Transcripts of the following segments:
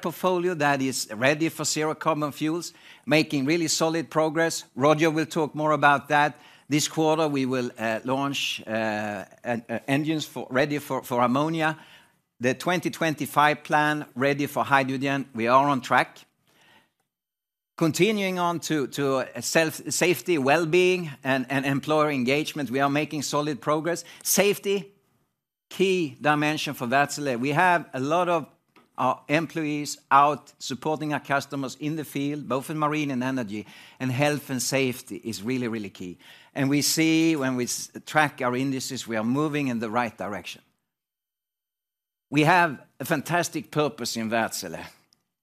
Portfolio that is ready for zero-carbon fuels, making really solid progress. Roger will talk more about that. This quarter, we will launch engines ready for ammonia. The 2025 plan, ready for hydrogen, we are on track. Continuing on to safety, well-being, and employer engagement, we are making solid progress. Safety, key dimension for Wärtsilä. We have a lot of our employees out supporting our customers in the field, both in Marine and Energy, and health and safety is really, really key. And we see when we track our indices, we are moving in the right direction. We have a fantastic purpose in Wärtsilä,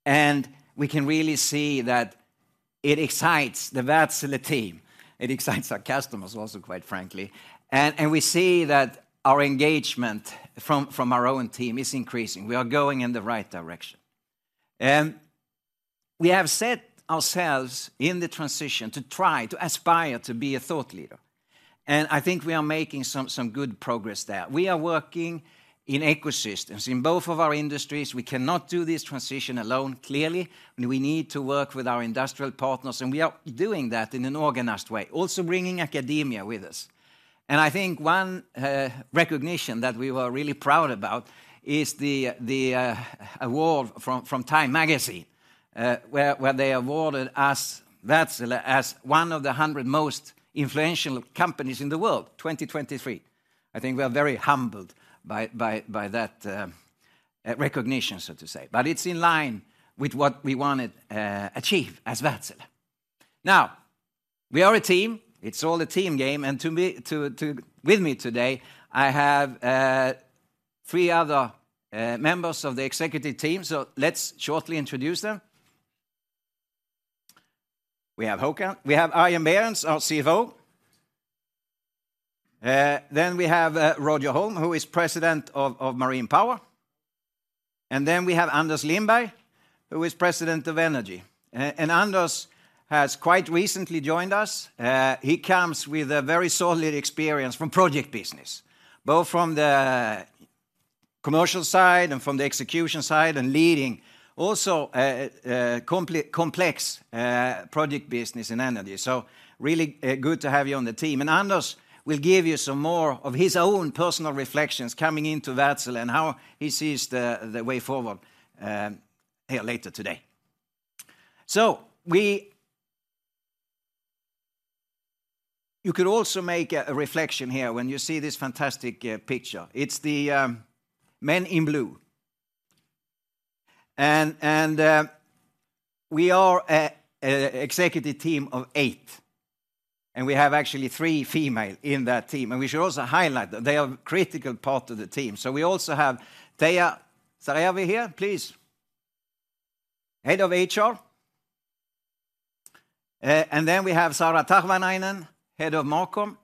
and we can really see that it excites the Wärtsilä team. It excites our customers also, quite frankly. And we see that our engagement from our own team is increasing. We are going in the right direction. We have set ourselves in the transition to try to aspire to be a thought leader, and I think we are making some good progress there. We are working in ecosystems. In both of our industries, we cannot do this transition alone, clearly, and we need to work with our industrial partners, and we are doing that in an organized way, also bringing academia with us. I think one recognition that we were really proud about is the award from Time magazine, where they awarded us, Wärtsilä, as one of the 100 most influential companies in the world, 2023. I think we are very humbled by that recognition, so to say. It's in line with what we wanted achieve as Wärtsilä. Now, we are a team. It's all a team game, and to me, with me today, I have three other members of the executive team, so let's shortly introduce them. We have Arjen Berends, our CFO. Then we have Roger Holm, who is President of Marine Power. And then we have Anders Lindberg, who is President of Energy. And Anders has quite recently joined us. He comes with a very solid experience from project business, both from the commercial side and from the execution side, and leading also complex project business in Energy. So really good to have you on the team. And Anders will give you some more of his own personal reflections coming into Wärtsilä, and how he sees the way forward here later today. So we... You could also make a reflection here when you see this fantastic picture. It's the men in blue. And we are an executive team of eight, and we have actually three female in that team, and we should also highlight that they are a critical part of the team. So we also have Teija. Teija, are you here, please? Head of HR. And then we have Saara Tahvanainen, Head of Marcom.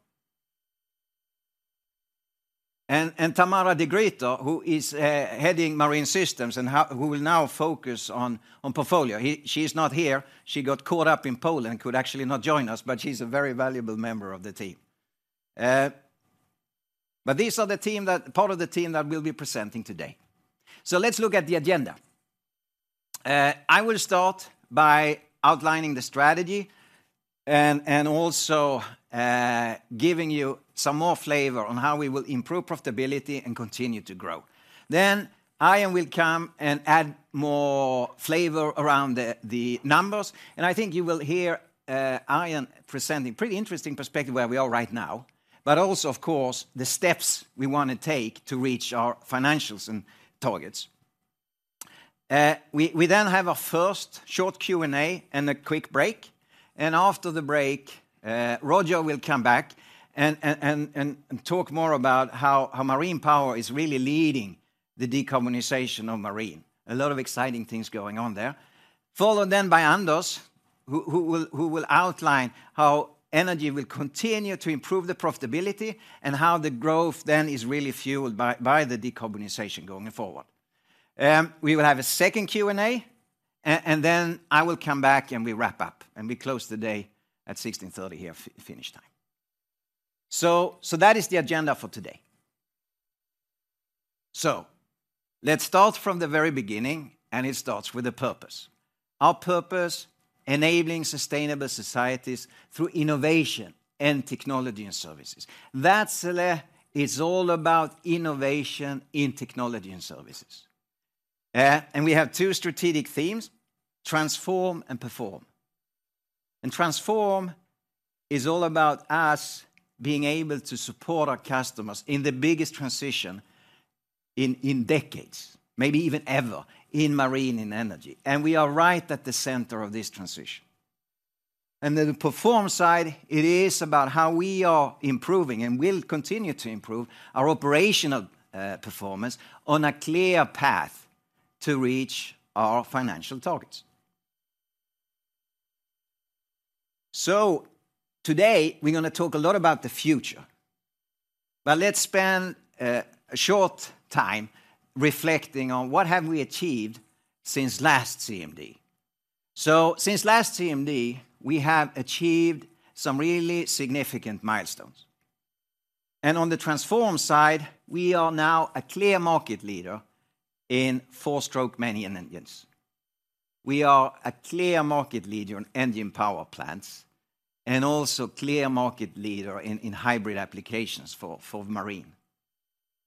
And Tamara de Gruyter, who is heading Marine Systems and who will now focus on portfolio. She's not here. She got caught up in Poland, could actually not join us, but she's a very valuable member of the team. But these are part of the team that we'll be presenting today. So let's look at the agenda. I will start by outlining the strategy and also giving you some more flavor on how we will improve profitability and continue to grow. Then Arjen will come and add more flavor around the numbers, and I think you will hear Arjen presenting pretty interesting perspective where we are right now, but also, of course, the steps we want to take to reach our financials and targets. We then have a first short Q&A and a quick break, and after the break, Roger will come back and talk more about how Marine Power is really leading the decarbonization of Marine. A lot of exciting things going on there. Followed then by Anders, who will outline how Energy will continue to improve the profitability and how the growth then is really fueled by the decarbonization going forward. We will have a second Q&A, and then I will come back, and we wrap up, and we close the day at 4:30 p.m. here, Finnish time. So that is the agenda for today. So let's start from the very beginning, and it starts with the purpose. Our purpose: enabling sustainable societies through innovation and technology and services. Wärtsilä is all about innovation in technology and services. And we have two strategic themes, Transform and Perform. And Transform is all about us being able to support our customers in the biggest transition in decades, maybe even ever, in Marine and Energy, and we are right at the center of this transition. Then the Perform side, it is about how we are improving and will continue to improve our operational performance on a clear path to reach our financial targets. So today, we're gonna talk a lot about the future, but let's spend a short time reflecting on what have we achieved since last CMD. So since last CMD, we have achieved some really significant milestones... And on the Transform side, we are now a clear market leader in four-stroke main engine. We are a clear market leader in engine power plants, and also clear market leader in hybrid applications for Marine.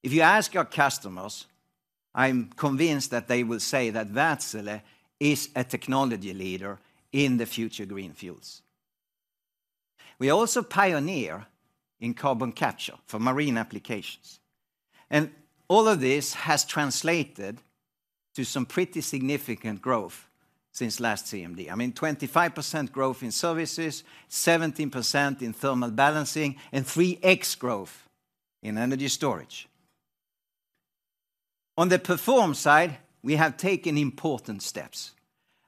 If you ask our customers, I'm convinced that they will say that Wärtsilä is a technology leader in the future green fuels. We are also pioneer in carbon capture for Marine applications, and all of this has translated to some pretty significant growth since last CMD. I mean, 25% growth in services, 17% in thermal balancing, and 3x growth Energy Storage. on the Perform side, we have taken important steps.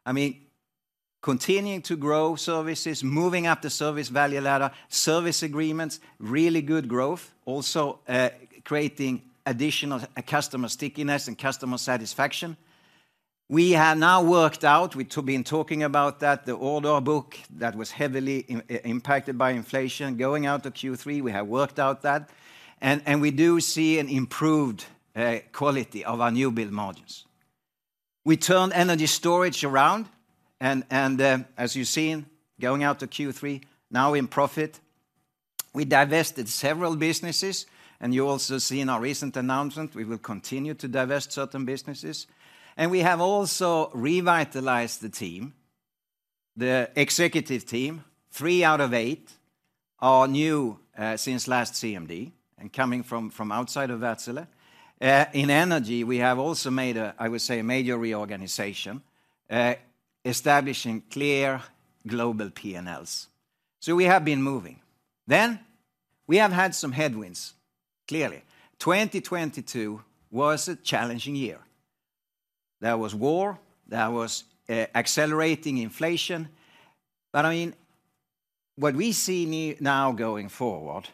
I mean, continuing to grow services, moving up the service value ladder, service agreements, really good growth. Also, creating additional customer stickiness and customer satisfaction. We have now worked out, we've been talking about that, the order book that was heavily impacted by inflation going out to Q3, we have worked out that, and we do see an improved quality of our new-build margins. We Energy Storage around, and as you've seen, going out to Q3, now in profit. We divested several businesses, and you also see in our recent announcement, we will continue to divest certain businesses, and we have also revitalized the team. The executive team, three out of eight, are new since last CMD, and coming from, from outside of Wärtsilä. In Energy, we have also made, I would say, a major reorganization, establishing clear global P&Ls. So we have been moving. Then, we have had some headwinds, clearly. 2022 was a challenging year. There was war, there was accelerating inflation. But I mean, what we see now going forward,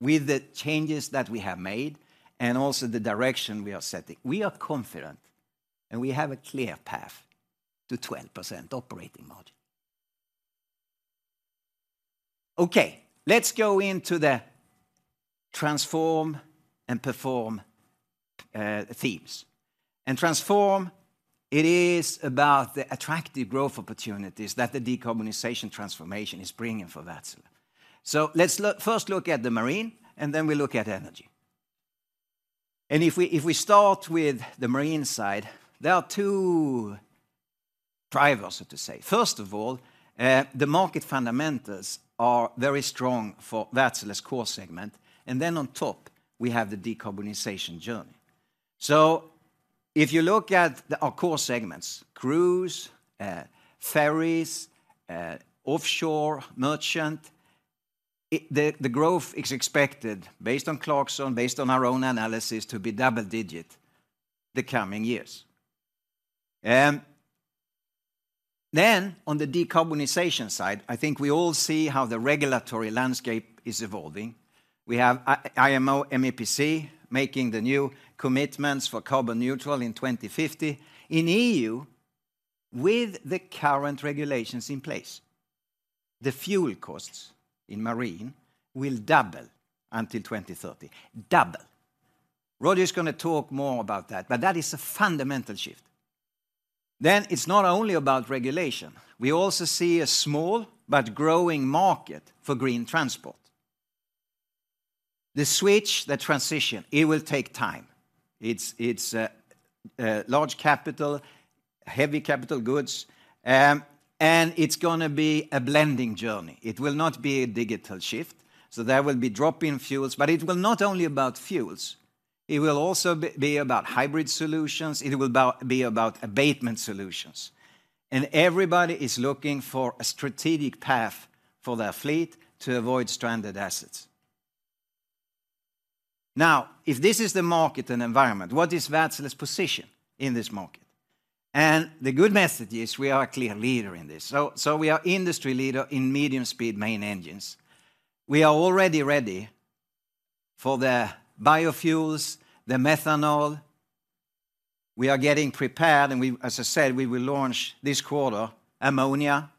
with the changes that we have made and also the direction we are setting, we are confident, and we have a clear path to 12% operating margin. Okay, let's go into the Transform and Perform themes. And Transform, it is about the attractive growth opportunities that the decarbonization transformation is bringing for Wärtsilä. So let's first look at the Marine, and then we look at Energy. And if we, if we start with the Marine side, there are two drivers, so to say. First of all, the market fundamentals are very strong for Wärtsilä's core segment, and then on top, we have the decarbonization journey. So if you look at the, our core segments, cruise, ferries, offshore, merchant, the growth is expected, based on Clarksons, based on our own analysis, to be double-digit the coming years. Then on the decarbonization side, I think we all see how the regulatory landscape is evolving. We have IMO, MEPC, making the new commitments for carbon neutral in 2050. In EU, with the current regulations in place, the fuel costs in Marine will double until 2030. Double. Roger is gonna talk more about that, but that is a fundamental shift. Then, it's not only about regulation, we also see a small but growing market for green transport. The switch, the transition, it will take time. It's large capital, heavy capital goods, and it's gonna be a blending journey. It will not be a digital shift, so there will be drop-in fuels, but it will not only about fuels. It will also be about hybrid solutions, it will be about abatement solutions. And everybody is looking for a strategic path for their fleet to avoid stranded assets. Now, if this is the market and environment, what is Wärtsilä's position in this market? And the good message is we are a clear leader in this. So we are industry leader in medium-speed main engines. We are already ready for the biofuels, the methanol. We are getting prepared, and we, as I said, we will launch this quarter, ammonia.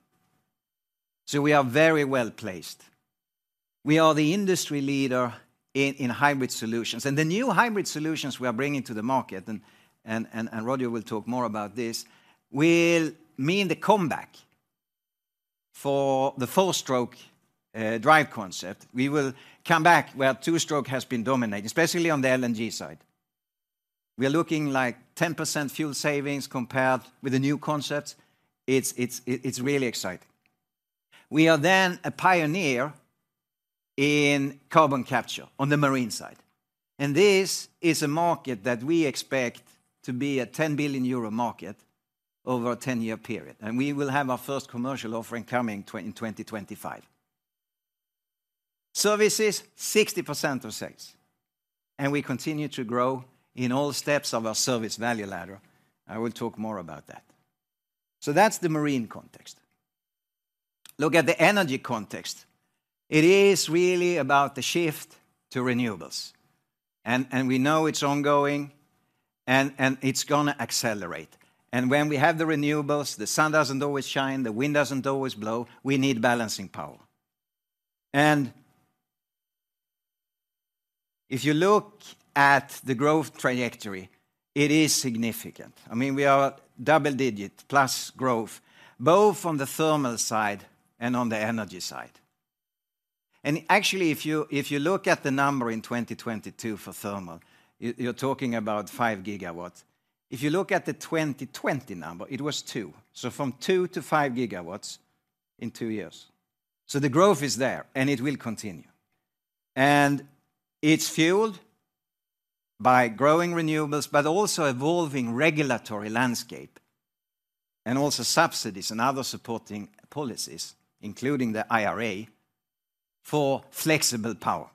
So we are very well-placed. We are the industry leader in hybrid solutions, and the new hybrid solutions we are bringing to the market, and Roger will talk more about this, will mean the comeback for the four-stroke drive concept. We will come back where two-stroke has been dominating, especially on the LNG side. We are looking like 10% fuel savings compared with the new concepts. It's really exciting. We are then a pioneer in carbon capture on the Marine side, and this is a market that we expect to be a 10 billion euro market over a 10-year period, and we will have our first commercial offering coming in 2025. Services, 60% of sales, and we continue to grow in all steps of our service value ladder. I will talk more about that. So that's the Marine context. Look at the Energy context. It is really about the shift to renewables, and we know it's ongoing. And it's gonna accelerate. And when we have the renewables, the sun doesn't always shine, the wind doesn't always blow, we need balancing power. And if you look at the growth trajectory, it is significant. I mean, we are double-digit + growth, both on the thermal side and on the Energy side. And actually, if you look at the number in 2022 for thermal, you're talking about five GW. If you look at the 2020 number, it was two. So from two to five GW in two years. So the growth is there, and it will continue. And it's fueled by growing renewables, but also evolving regulatory landscape, and also subsidies and other supporting policies, including the IRA, for flexible power.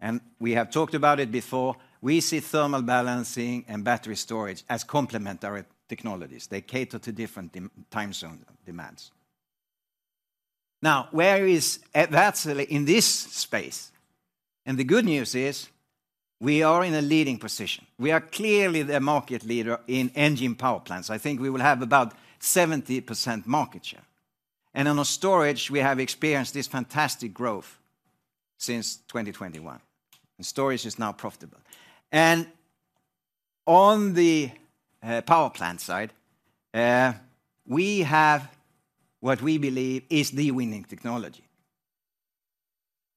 And we have talked about it before, we see thermal balancing and battery storage as complementary technologies. They cater to different time zone demands. Now, where is Wärtsilä in this space? And the good news is, we are in a leading position. We are clearly the market leader in engine power plants. I think we will have about 70% market share. And on our storage, we have experienced this fantastic growth since 2021, and storage is now profitable. And on the power plant side, we have what we believe is the winning technology.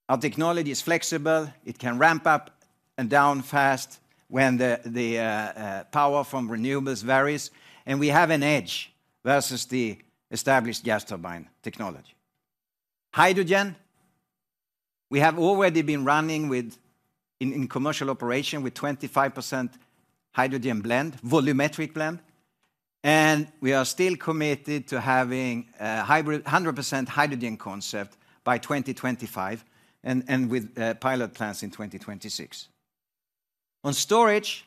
Our technology is flexible, it can ramp up and down fast when the power from renewables varies, and we have an edge versus the established gas turbine technology. Hydrogen, we have already been running with in commercial operation, with 25% hydrogen blend, volumetric blend, and we are still committed to having a hybrid 100% hydrogen concept by 2025, and with pilot plants in 2026. On storage,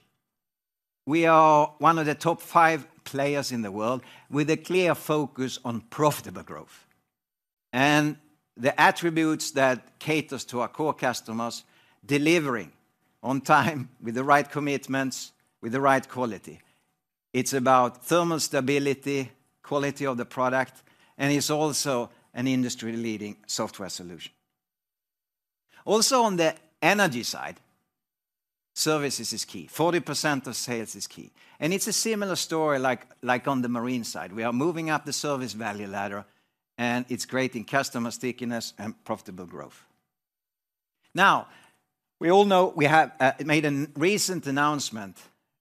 we are one of the top five players in the world, with a clear focus on profitable growth. And the attributes that caters to our core customers, delivering on time, with the right commitments, with the right quality. It's about thermal stability, quality of the product, and it's also an industry-leading software solution. Also, on the Energy side, services is key. 40% of sales is key, and it's a similar story like, like on the Marine side. We are moving up the service value ladder, and it's creating customer stickiness and profitable growth. Now, we all know we have made a recent announcement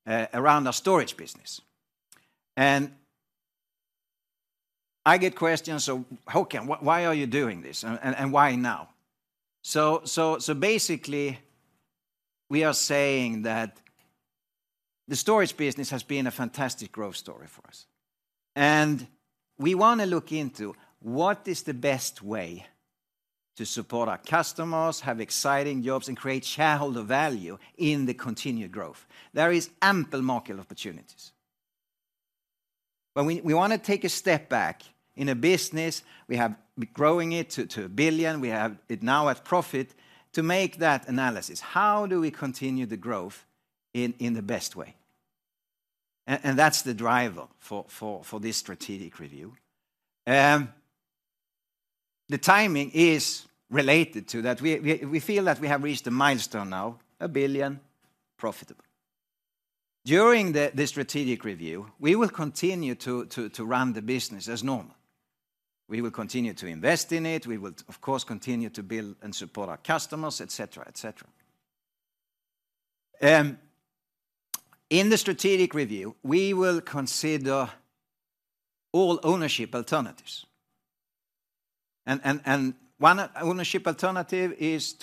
around our storage business, and I get questions, "So Håkan, why are you doing this, and, and, and why now?" So, so, so basically, we are saying that the storage business has been a fantastic growth story for us, and we wanna look into what is the best way to support our customers, have exciting jobs, and create shareholder value in the continued growth? There is ample market opportunities. But we want to take a step back in a business we have, we're growing it to 1 billion, we have it now at profit, to make that analysis, how do we continue the growth in the best way? And that's the driver for this strategic review. The timing is related to that. We feel that we have reached a milestone now, 1 billion, profitable. During the strategic review, we will continue to run the business as normal. We will continue to invest in it, we will, of course, continue to build and support our customers, et cetera, et cetera. In the strategic review, we will consider all ownership alternatives, and one ownership alternative is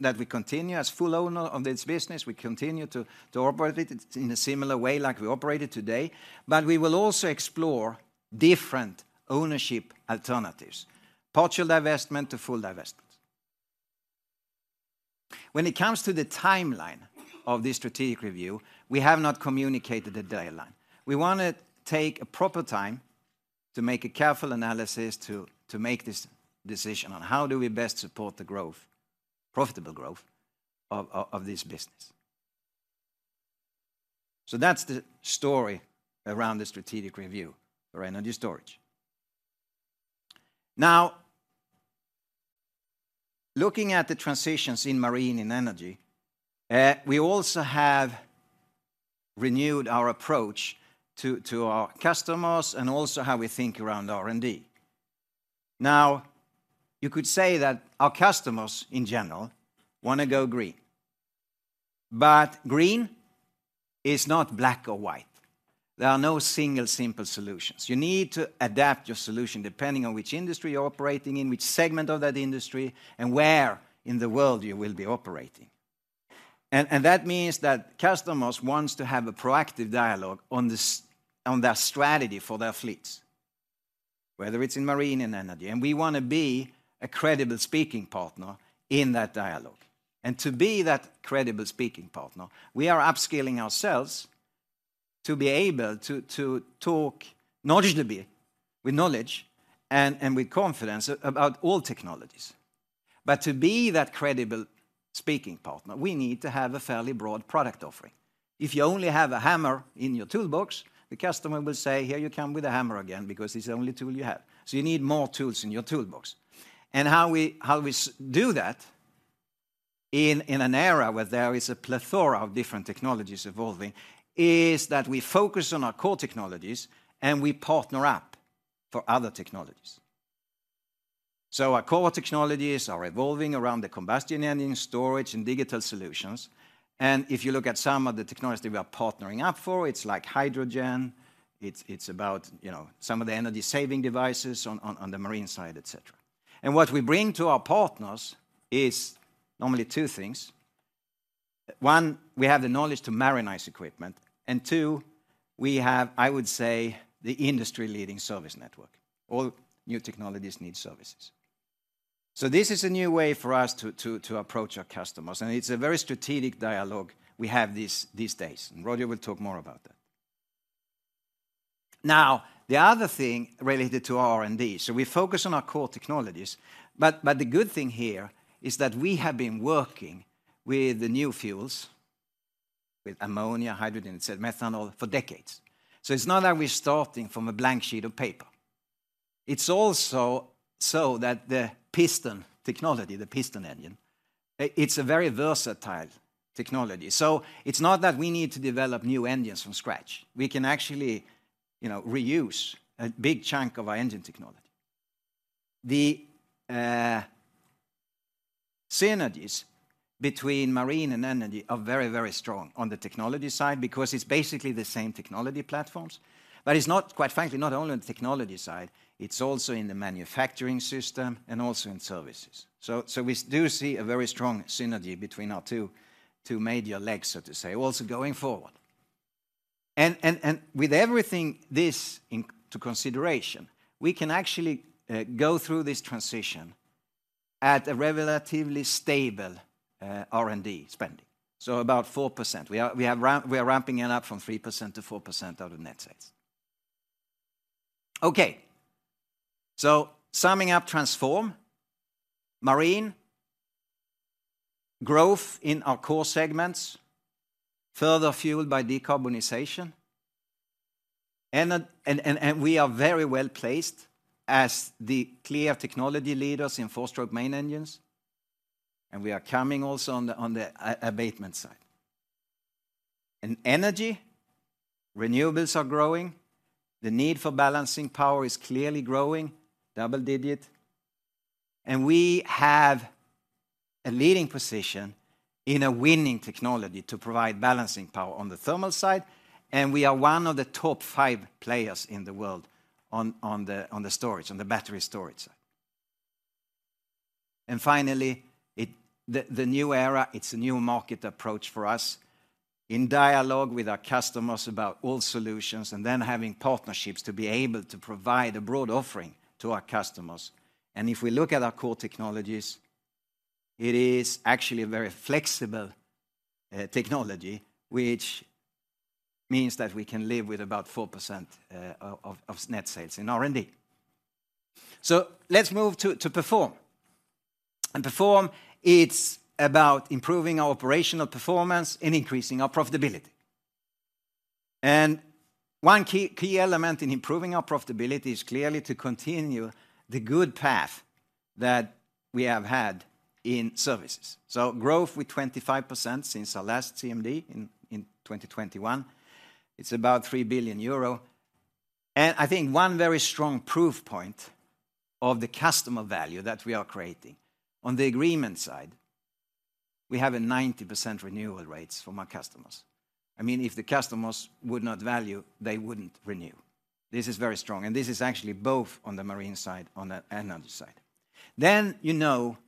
that we continue as full owner of this business, we continue to operate it in a similar way like we operate it today, but we will also explore different ownership alternatives, partial divestment to full divestment. When it comes to the timeline of this strategic review, we have not communicated a deadline. We wanna take a proper time to make a careful analysis to make this decision on how do we best support the growth, profitable growth, of this business. So that's the story around the strategic review Energy Storage. now, looking at the transitions in Marine and Energy, we also have renewed our approach to our customers and also how we think around R&D. Now, you could say that our customers, in general, wanna go green, but green is not black or white. There are no single simple solutions. You need to adapt your solution depending on which industry you're operating in, which segment of that industry, and where in the world you will be operating. And that means that customers wants to have a proactive dialogue on their strategy for their fleets, whether it's in Marine and Energy, and we wanna be a credible speaking partner in that dialogue. And to be that credible speaking partner, we are upskilling ourselves to be able to talk knowledgeably, with knowledge, and with confidence about all technologies. But to be that credible speaking partner, we need to have a fairly broad product offering. If you only have a hammer in your toolbox, the customer will say, "Here you come with a hammer again," because it's the only tool you have. So you need more tools in your toolbox. And how we do that, in an era where there is a plethora of different technologies evolving, is that we focus on our core technologies, and we partner up for other technologies. So our core technologies are revolving around the combustion engine, storage, and digital solutions. If you look at some of the technologies that we are partnering up for, it's like hydrogen, it's about, you know, some of the Energy-saving devices on the Marine side, et cetera. What we bring to our partners is normally two things: one, we have the knowledge to marinize equipment, and two, we have, I would say, the industry-leading service network. All new technologies need services. So this is a new way for us to approach our customers, and it's a very strategic dialogue we have these days, and Roger will talk more about that. Now, the other thing related to R&D, so we focus on our core technologies, but the good thing here is that we have been working with the new fuels, with ammonia, hydrogen, et cetera, methanol, for decades. So it's not that we're starting from a blank sheet of paper. It's also so that the piston technology, the piston engine, it's a very versatile technology. So it's not that we need to develop new engines from scratch. We can actually, you know, reuse a big chunk of our engine technology. The synergies between Marine and Energy are very, very strong on the technology side because it's basically the same technology platforms, but it's not, quite frankly, not only on the technology side, it's also in the manufacturing system and also in services. So we do see a very strong synergy between our two major legs, so to say, also going forward. And with everything this into consideration, we can actually go through this transition at a relatively stable R&D spending, so about 4%. We are ramping it up from 3% to 4% of the net sales. Okay. So summing up Transform: Marine, growth in our core segments, further fueled by decarbonization, and a... And we are very well-placed as the clear technology leaders in four-stroke main engines, and we are coming also on the abatement side. In Energy, renewables are growing, the need for balancing power is clearly growing, double-digit, and we have a leading position in a winning technology to provide balancing power on the thermal side, and we are one of the top five players in the world on the storage, on the battery storage side. And finally, the new era, it's a new market approach for us. In dialogue with our customers about all solutions, and then having partnerships to be able to provide a broad offering to our customers. If we look at our core technologies, it is actually a very flexible technology, which means that we can live with about 4% of net sales in R&D. So let's move to Perform. And Perform, it's about improving our operational performance and increasing our profitability. And one key element in improving our profitability is clearly to continue the good path that we have had in services. So growth with 25% since our last CMD in 2021. It's about 3 billion euro. And I think one very strong proof point of the customer value that we are creating, on the agreement side, we have a 90% renewal rates from our customers. I mean, if the customers would not value, they wouldn't renew. This is very strong, and this is actually both on the Marine side, on the and on the side. Then, you know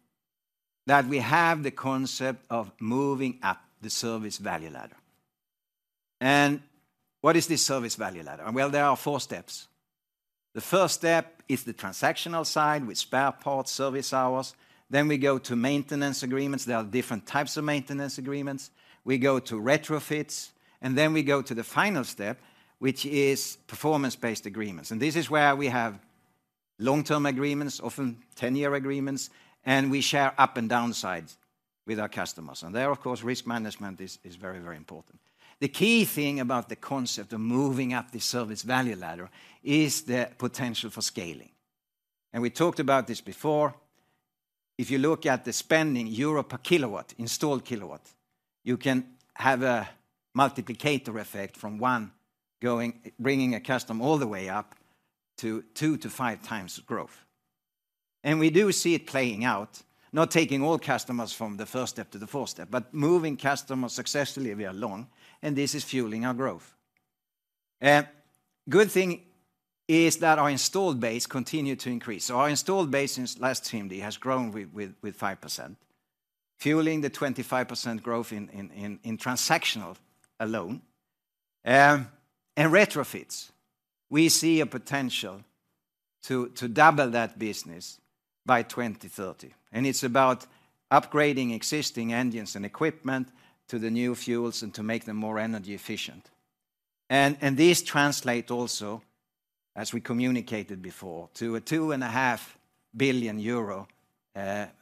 that we have the concept of moving up the service value ladder. And what is this service value ladder? Well, there are four steps. The first step is the transactional side with spare parts, service hours. Then we go to maintenance agreements. There are different types of maintenance agreements. We go to retrofits, and then we go to the final step, which is performance-based agreements, and this is where we have long-term agreements, often ten-year agreements, and we share up and down sides with our customers. And there, of course, risk management is very, very important. The key thing about the concept of moving up the service value ladder is the potential for scaling. And we talked about this before. If you look at the spending EUR per kilowatt, installed kilowatt, you can have a multiplier effect from one bringing a customer all the way up to two to five times growth. We do see it playing out, not taking all customers from the first step to the fourth step, but moving customers successfully we are along, and this is fueling our growth. Good thing is that our installed base continued to increase. So our installed base since last CMD has grown with 5%, fueling the 25% growth in transactional alone. And retrofits, we see a potential to double that business by 2030. It's about upgrading existing engines and equipment to the new fuels and to make them more Energy efficient. This translates also, as we communicated before, to a 2.5 billion euro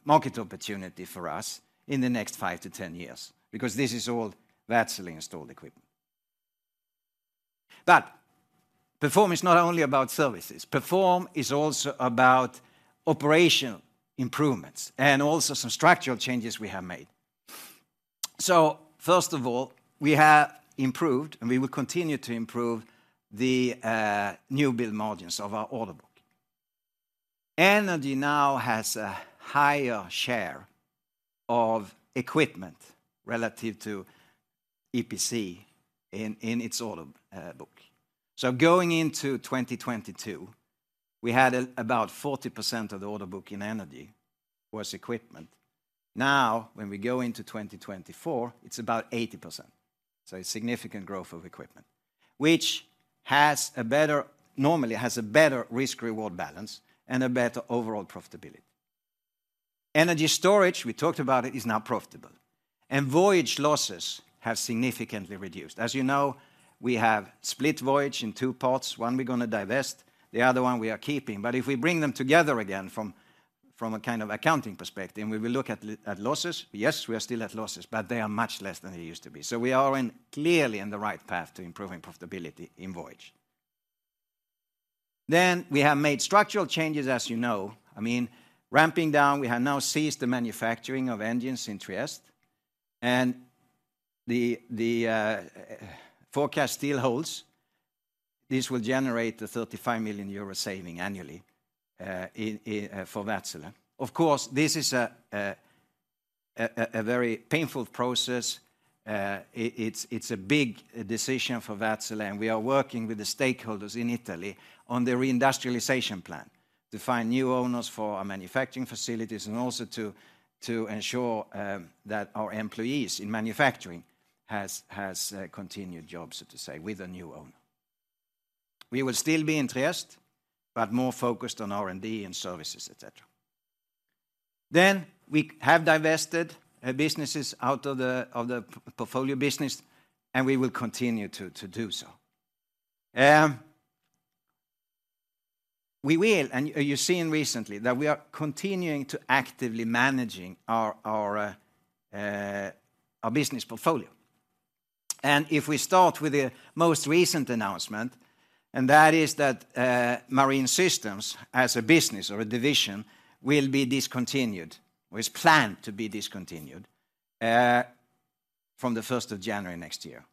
market opportunity for us in the next five to 10 years, because this is all Wärtsilä installed equipment. But Perform is not only about services, Perform is also about operational improvements and also some structural changes we have made. So first of all, we have improved, and we will continue to improve, the new build margins of our order book. Energy now has a higher share of equipment relative to EPC in its order book. So going into 2022, we had about 40% of the order book in Energy was equipment. Now, when we go into 2024, it's about 80%. So a significant growth of equipment, which has a better, normally has a better risk-reward balance and a better overall profitability. Energy Storage, we talked about it, is now profitable, and Voyage losses have significantly reduced. As you know, we have split Voyage in two parts. One, we're gonna divest, the other one we are keeping. But if we bring them together again from a kind of accounting perspective, and we will look at losses, yes, we are still at losses, but they are much less than they used to be. So we are in, clearly in the right path to improving profitability in Voyage. Then, we have made structural changes, as you know. I mean, ramping down, we have now ceased the manufacturing of engines in Trieste, and the forecast still holds. This will generate a 35 million euro saving annually for Wärtsilä. Of course, this is a very painful process. It's a big decision for Wärtsilä, and we are working with the stakeholders in Italy on the reindustrialization plan to find new owners for our manufacturing facilities and also to ensure that our employees in manufacturing has continued jobs, so to say, with a new owner. We will still be in Trieste, but more focused on R&D and services, et cetera. Then, we have divested businesses out of Portfolio Business, and we will continue to do so. We will, and you've seen recently, that we are continuing to actively managing our business portfolio. And if we start with the most recent announcement, and that is that, Marine Systems, as a business or a division, will be discontinued, or is planned to be discontinued, from the first of January next year.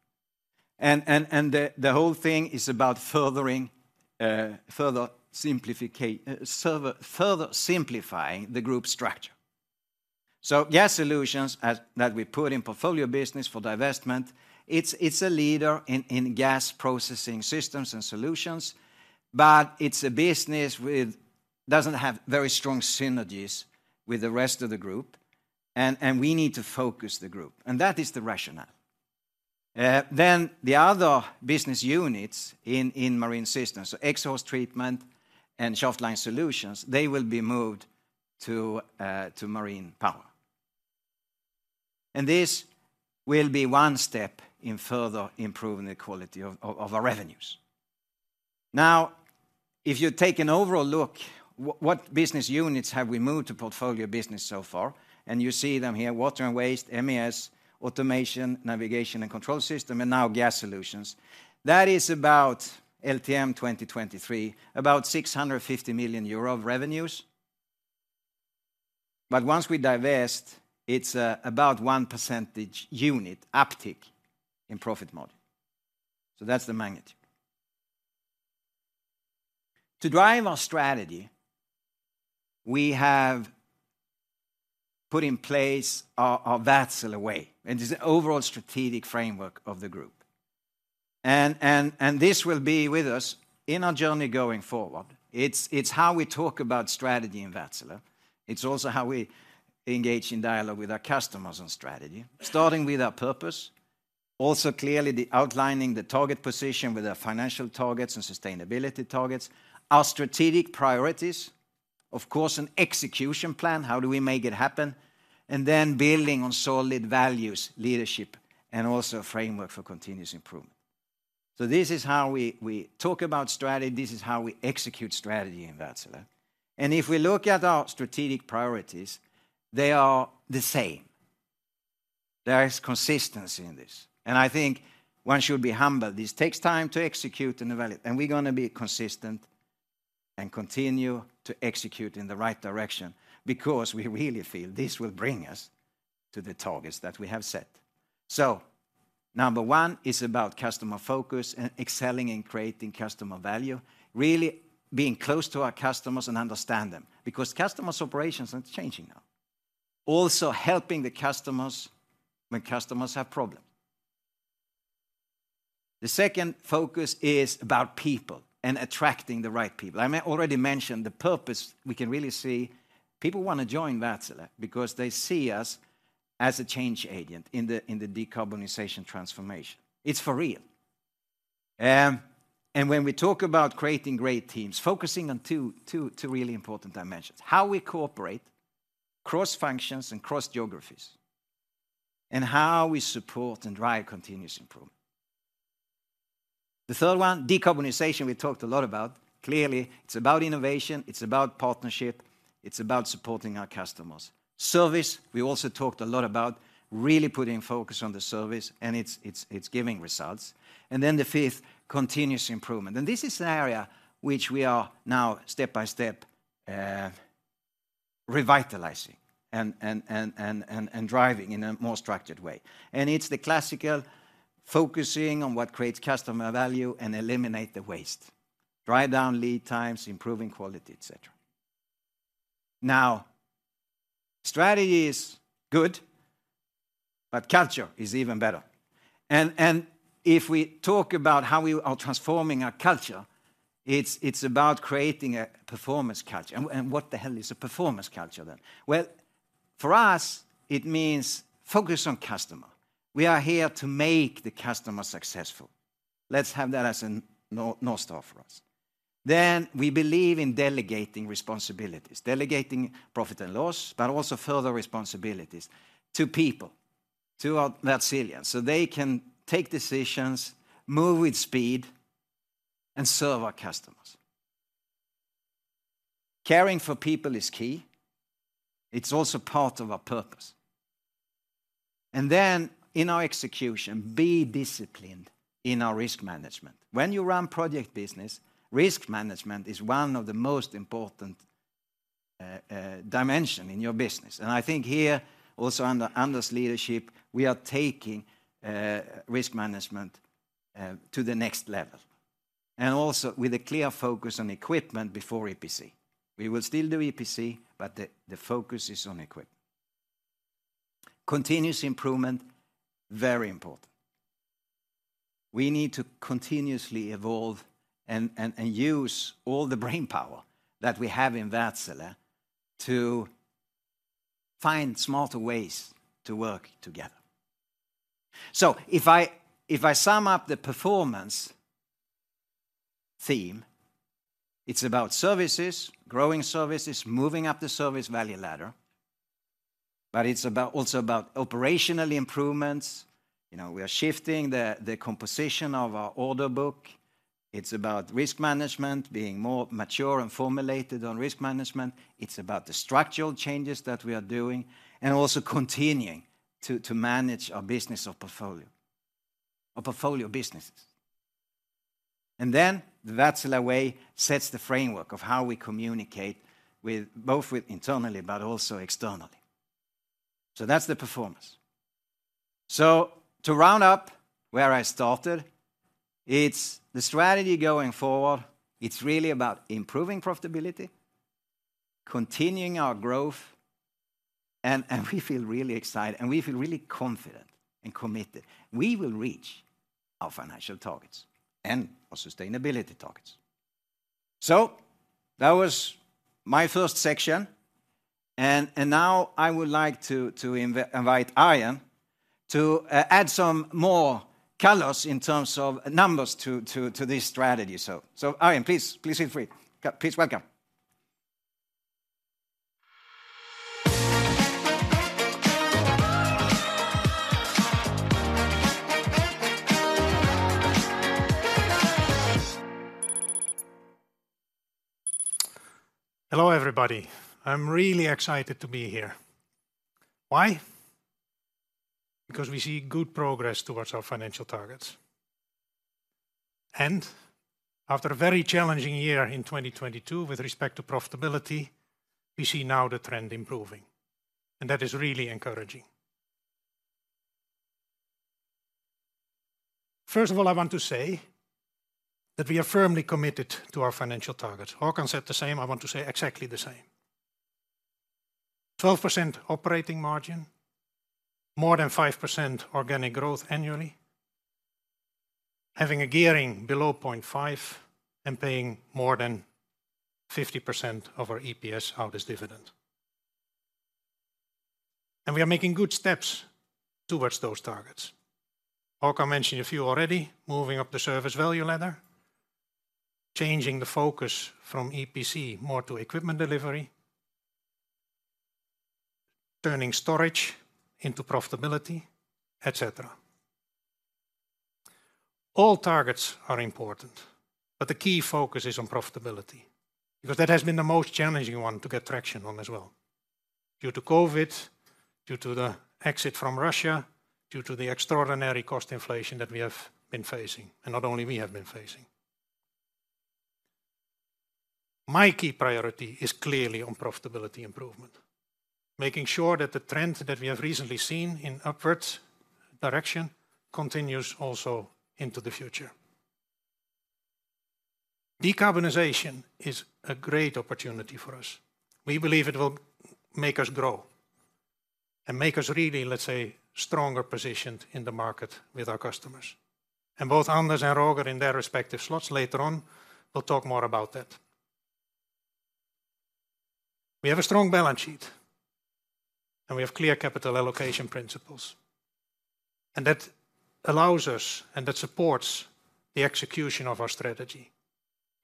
The whole thing is about further simplifying the group structure. So Gas Solutions, that we put Portfolio Business for divestment, it's a leader in gas processing systems and solutions, but it's a business that doesn't have very strong synergies with the rest of the group, and we need to focus the group, and that is the rationale. Then the other business units in Marine Systems, so Exhaust Treatment and Shaft Line Solutions, they will be moved to Marine Power. This will be one step in further improving the quality of our revenues. Now, if you take an overall look, what business units have we moved Portfolio Business so far? And you see them here, Water and Waste, MES, Automation, Navigation and Control Systems, and now Gas Solutions. That is about LTM 2023, about 650 million euro of revenues. But once we divest, it's about 1 percentage unit uptick in profit margin. So that's the magnitude. To drive our strategy, we have put in place our Wärtsilä Way, and it is the overall strategic framework of the group. And this will be with us in our journey going forward. It's how we talk about strategy in Wärtsilä. It's also how we engage in dialogue with our customers on strategy, starting with our purpose. Also, clearly, the outlining the target position with our financial targets and sustainability targets, our strategic priorities, of course, an execution plan, how do we make it happen? Building on solid values, leadership, and also a framework for continuous improvement. So this is how we talk about strategy. This is how we execute strategy in Wärtsilä. If we look at our strategic priorities, they are the same. There is consistency in this, and I think one should be humble. This takes time to execute and evaluate, and we're gonna be consistent and continue to execute in the right direction because we really feel this will bring us to the targets that we have set. So number one is about customer focus and excelling in creating customer value, really being close to our customers and understand them, because customers' operations are changing now. Also, helping the customers when customers have problems. The second focus is about people and attracting the right people. I may already mentioned the purpose. We can really see people wanna join Wärtsilä because they see us as a change agent in the decarbonization transformation. It's for real. And when we talk about creating great teams, focusing on two really important dimensions: how we cooperate cross-functions and cross-geographies, and how we support and drive continuous improvement. The third one, decarbonization, we talked a lot about. Clearly, it's about innovation, it's about partnership, it's about supporting our customers. Service, we also talked a lot about really putting focus on the service, and it's giving results. And then the fifth, continuous improvement. And this is an area which we are now step by step revitalizing and driving in a more structured way. And it's the classical focusing on what creates customer value and eliminate the waste, drive down lead times, improving quality, et cetera. Now, strategy is good, but culture is even better. And, and if we talk about how we are Transforming our culture, it's, it's about creating a performance culture. And, and what the hell is a performance culture, then? Well, for us, it means focus on customer. We are here to make the customer successful. Let's have that as a North Star for us. Then, we believe in delegating responsibilities, delegating profit and loss, but also further responsibilities to people, to our Wärtsilä, so they can take decisions, move with speed, and serve our customers. Caring for people is key. It's also part of our purpose. And then in our execution, be disciplined in our risk management. When you run project business, risk management is one of the most important dimension in your business, and I think here, also under Anders' leadership, we are taking risk management to the next level. And also with a clear focus on equipment before EPC. We will still do EPC, but the focus is on equipment. Continuous improvement, very important. We need to continuously evolve and use all the brainpower that we have in Wärtsilä to find smarter ways to work together. So if I sum up the performance theme, it's about services, growing services, moving up the service value ladder, but it's also about operational improvements. You know, we are shifting the composition of our order book. It's about risk management, being more mature and formulated on risk management. It's about the structural changes that we are doing, and also continuing to manage our business of portfolio, Portfolio Businesses. and then the Wärtsilä Way sets the framework of how we communicate with both internally but also externally. So that's the performance. So to round up where I started, it's the strategy going forward, it's really about improving profitability, continuing our growth, and we feel really excited, and we feel really confident and committed. We will reach our financial targets and our sustainability targets. So that was my first section, and now I would like to invite Arjen to add some more colors in terms of numbers to this strategy. So Arjen, please feel free. Please welcome. Hello, everybody. I'm really excited to be here. Why? Because we see good progress towards our financial targets. After a very challenging year in 2022, with respect to profitability, we see now the trend improving, and that is really encouraging. First of all, I want to say that we are firmly committed to our financial targets. Håkan said the same, I want to say exactly the same. 12% operating margin, more than 5% organic growth annually, having a gearing below 0.5, and paying more than 50% of our EPS out as dividend. We are making good steps towards those targets. Håkan mentioned a few already: moving up the service value ladder, changing the focus from EPC more to equipment delivery, turning storage into profitability, et cetera. All targets are important, but the key focus is on profitability, because that has been the most challenging one to get traction on as well, due to COVID, due to the exit from Russia, due to the extraordinary cost inflation that we have been facing, and not only we have been facing. My key priority is clearly on profitability improvement, making sure that the trend that we have recently seen in upwards direction continues also into the future. Decarbonization is a great opportunity for us. We believe it will make us grow and make us really, let's say, stronger positioned in the market with our customers. And both Anders and Roger, in their respective slots later on, will talk more about that. We have a strong balance sheet, and we have clear capital allocation principles. That allows us, and that supports the execution of our strategy,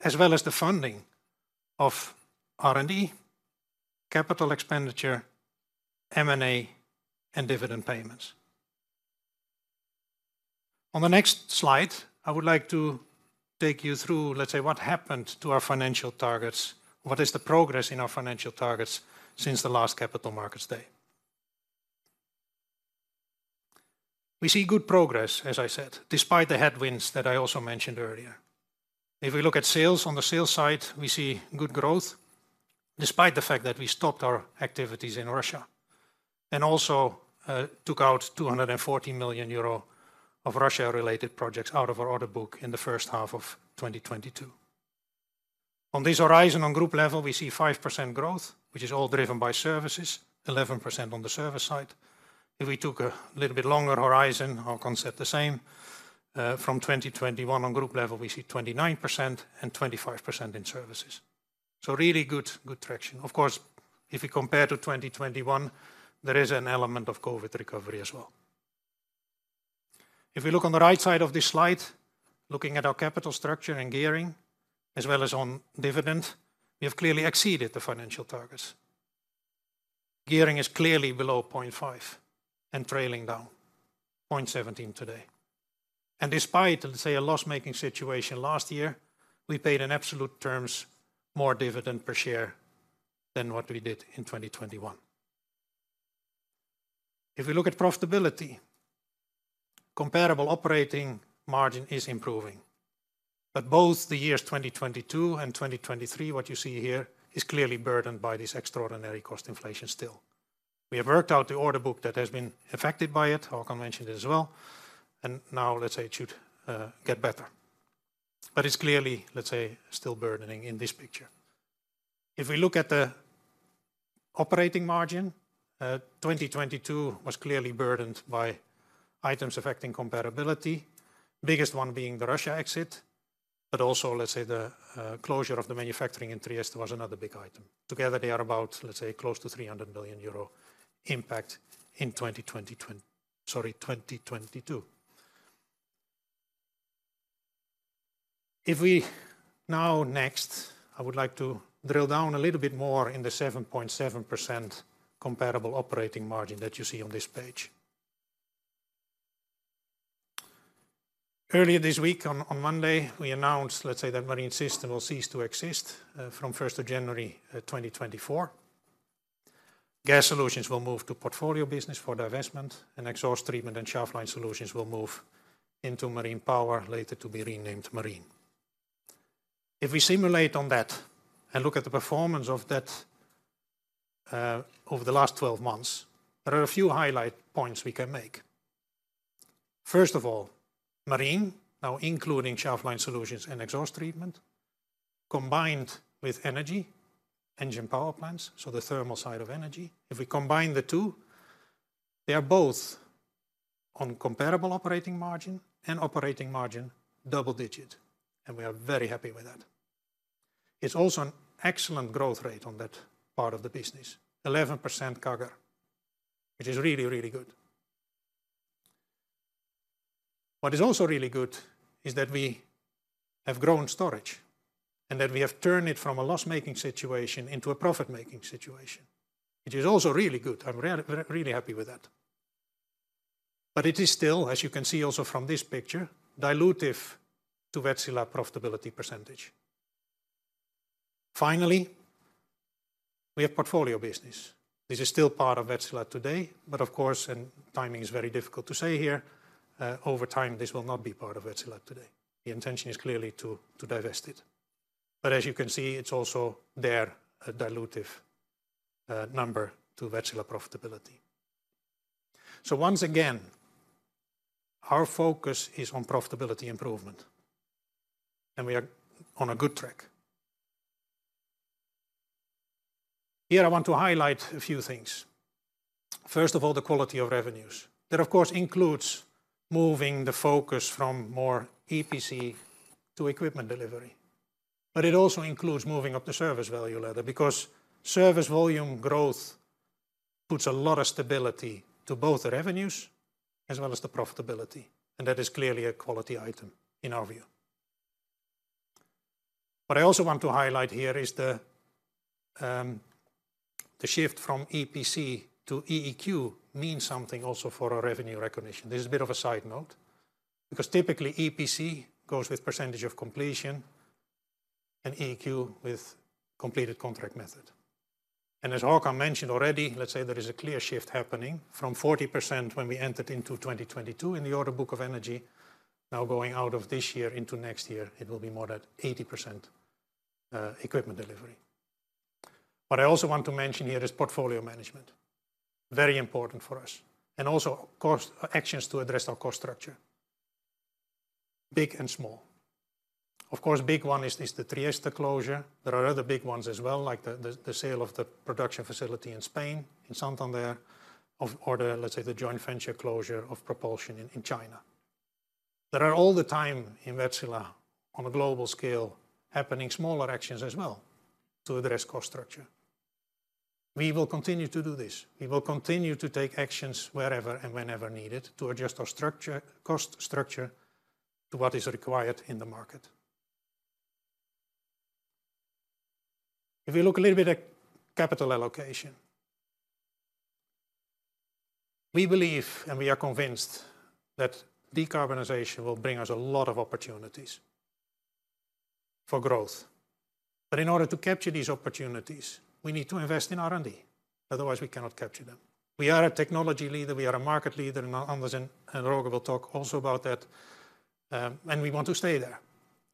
as well as the funding of R&D, capital expenditure, M&A, and dividend payments. On the next slide, I would like to take you through, let's say, what happened to our financial targets. What is the progress in our financial targets since the last Capital Markets Day? We see good progress, as I said, despite the headwinds that I also mentioned earlier. If we look at sales, on the sales side, we see good growth, despite the fact that we stopped our activities in Russia, and also took out 240 million euro of Russia-related projects out of our order book in the first half of 2022. On this horizon, on group level, we see 5% growth, which is all driven by services, 11% on the service side. If we took a little bit longer horizon, or concept the same, from 2021 on group level, we see 29% and 25% in services. So really good, good traction. Of course, if we compare to 2021, there is an element of COVID recovery as well. If we look on the right side of this slide, looking at our capital structure and gearing, as well as on dividend, we have clearly exceeded the financial targets. Gearing is clearly below 0.5 and trailing down, 0.17 today. And despite, let's say, a loss-making situation last year, we paid in absolute terms, more dividend per share than what we did in 2021. If we look at profitability, comparable operating margin is improving. But both the years 2022 and 2023, what you see here is clearly burdened by this extraordinary cost inflation still. We have worked out the order book that has been affected by it, Håkan mentioned it as well, and now let's say it should get better. But it's clearly, let's say, still burdening in this picture. If we look at the operating margin, 2022 was clearly burdened by items affecting comparability. Biggest one being the Russia exit, but also, let's say, the closure of the manufacturing in Trieste was another big item. Together, they are about, let's say, close to 300 million euro impact in 2022—sorry, 2022. If we now next, I would like to drill down a little bit more in the 7.7% comparable operating margin that you see on this page. Earlier this week, on Monday, we announced, let's say, that Marine Systems will cease to exist from January 1, 2024. Gas Solutions will move Portfolio Business for divestment, and Exhaust Treatment and Shaft Line Solutions will move into Marine Power, later to be renamed Marine. If we simulate on that and look at the performance of that, over the last 12 months, there are a few highlight points we can make. First of all, Marine, now including Shaft Line Solutions and Exhaust Treatment, combined with Energy, engine power plants, so the thermal side of Energy. If we combine the two, they are both on comparable operating margin and operating margin, double digit, and we are very happy with that. It's also an excellent growth rate on that part of the business, 11% CAGR, which is really, really good. What is also really good is that we have grown storage, and that we have turned it from a loss-making situation into a profit-making situation, which is also really good. I'm really happy with that. But it is still, as you can see also from this picture, dilutive to Wärtsilä profitability percentage. Finally, we Portfolio Business. this is still part of Wärtsilä today, but of course, and timing is very difficult to say here, over time, this will not be part of Wärtsilä today. The intention is clearly to divest it. But as you can see, it's also there, a dilutive number to Wärtsilä profitability. So once again, our focus is on profitability improvement, and we are on a good track. Here I want to highlight a few things. First of all, the quality of revenues. That, of course, includes moving the focus from more EPC to equipment delivery, but it also includes moving up the service value ladder, because service volume growth puts a lot of stability to both the revenues as well as the profitability, and that is clearly a quality item in our view. What I also want to highlight here is the shift from EPC to EEQ means something also for our revenue recognition. This is a bit of a side note, because typically, EPC goes with percentage of completion and EEQ with completed contract method. As Håkan mentioned already, let's say there is a clear shift happening from 40% when we entered into 2022 in the order book of Energy. Now, going out of this year into next year, it will be more than 80% equipment delivery. What I also want to mention here is portfolio management, very important for us, and also, of course, actions to address our cost structure, big and small. Of course, the big one is the Trieste closure. There are other big ones as well, like the sale of the production facility in Spain, in Santander, or other, let's say, the joint venture closure of propulsion in China. There are all the time in Wärtsilä, on a global scale, happening smaller actions as well to address cost structure. We will continue to do this. We will continue to take actions wherever and whenever needed to adjust our structure, cost structure, to what is required in the market. If you look a little bit at capital allocation, we believe, and we are convinced, that decarbonization will bring us a lot of opportunities for growth. But in order to capture these opportunities, we need to invest in R&D, otherwise we cannot capture them. We are a technology leader, we are a market leader, and Anders and Roger will talk also about that, and we want to stay there.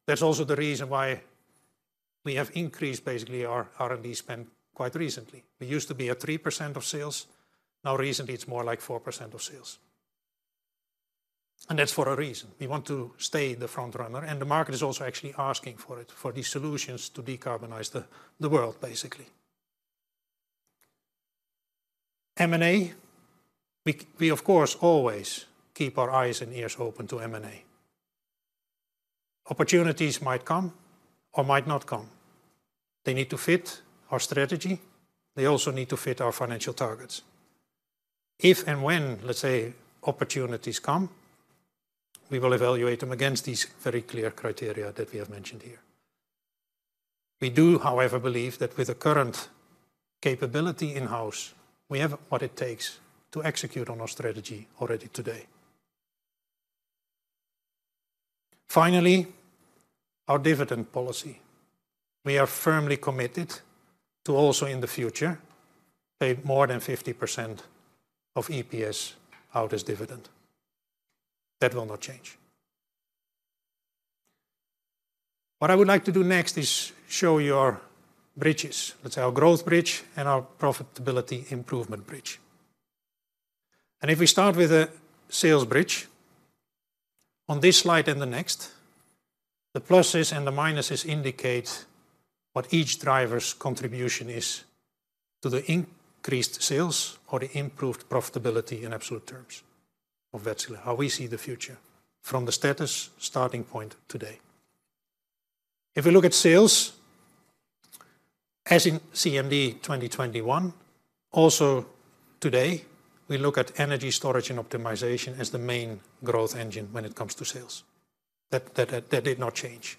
That's also the reason why we have increased basically our R&D spend quite recently. We used to be at 3% of sales. Now, recently, it's more like 4% of sales. And that's for a reason. We want to stay the front runner, and the market is also actually asking for it, for these solutions to decarbonize the world, basically. M&A, we of course always keep our eyes and ears open to M&A. Opportunities might come or might not come. They need to fit our strategy. They also need to fit our financial targets. If and when, let's say, opportunities come, we will evaluate them against these very clear criteria that we have mentioned here. We do, however, believe that with the current capability in-house, we have what it takes to execute on our strategy already today. Finally, our dividend policy. We are firmly committed to also, in the future, pay more than 50% of EPS out as dividend. That will not change. What I would like to do next is show you our bridges. That's our growth bridge and our profitability improvement bridge. If we start with the sales bridge, on this slide and the next, the pluses and the minuses indicate what each driver's contribution is to the increased sales or the improved profitability in absolute terms of Wärtsilä, how we see the future from the status starting point today. If we look at sales, as in CMD 2021, also today, we Energy Storage and Optimization as the main growth engine when it comes to sales. That did not change.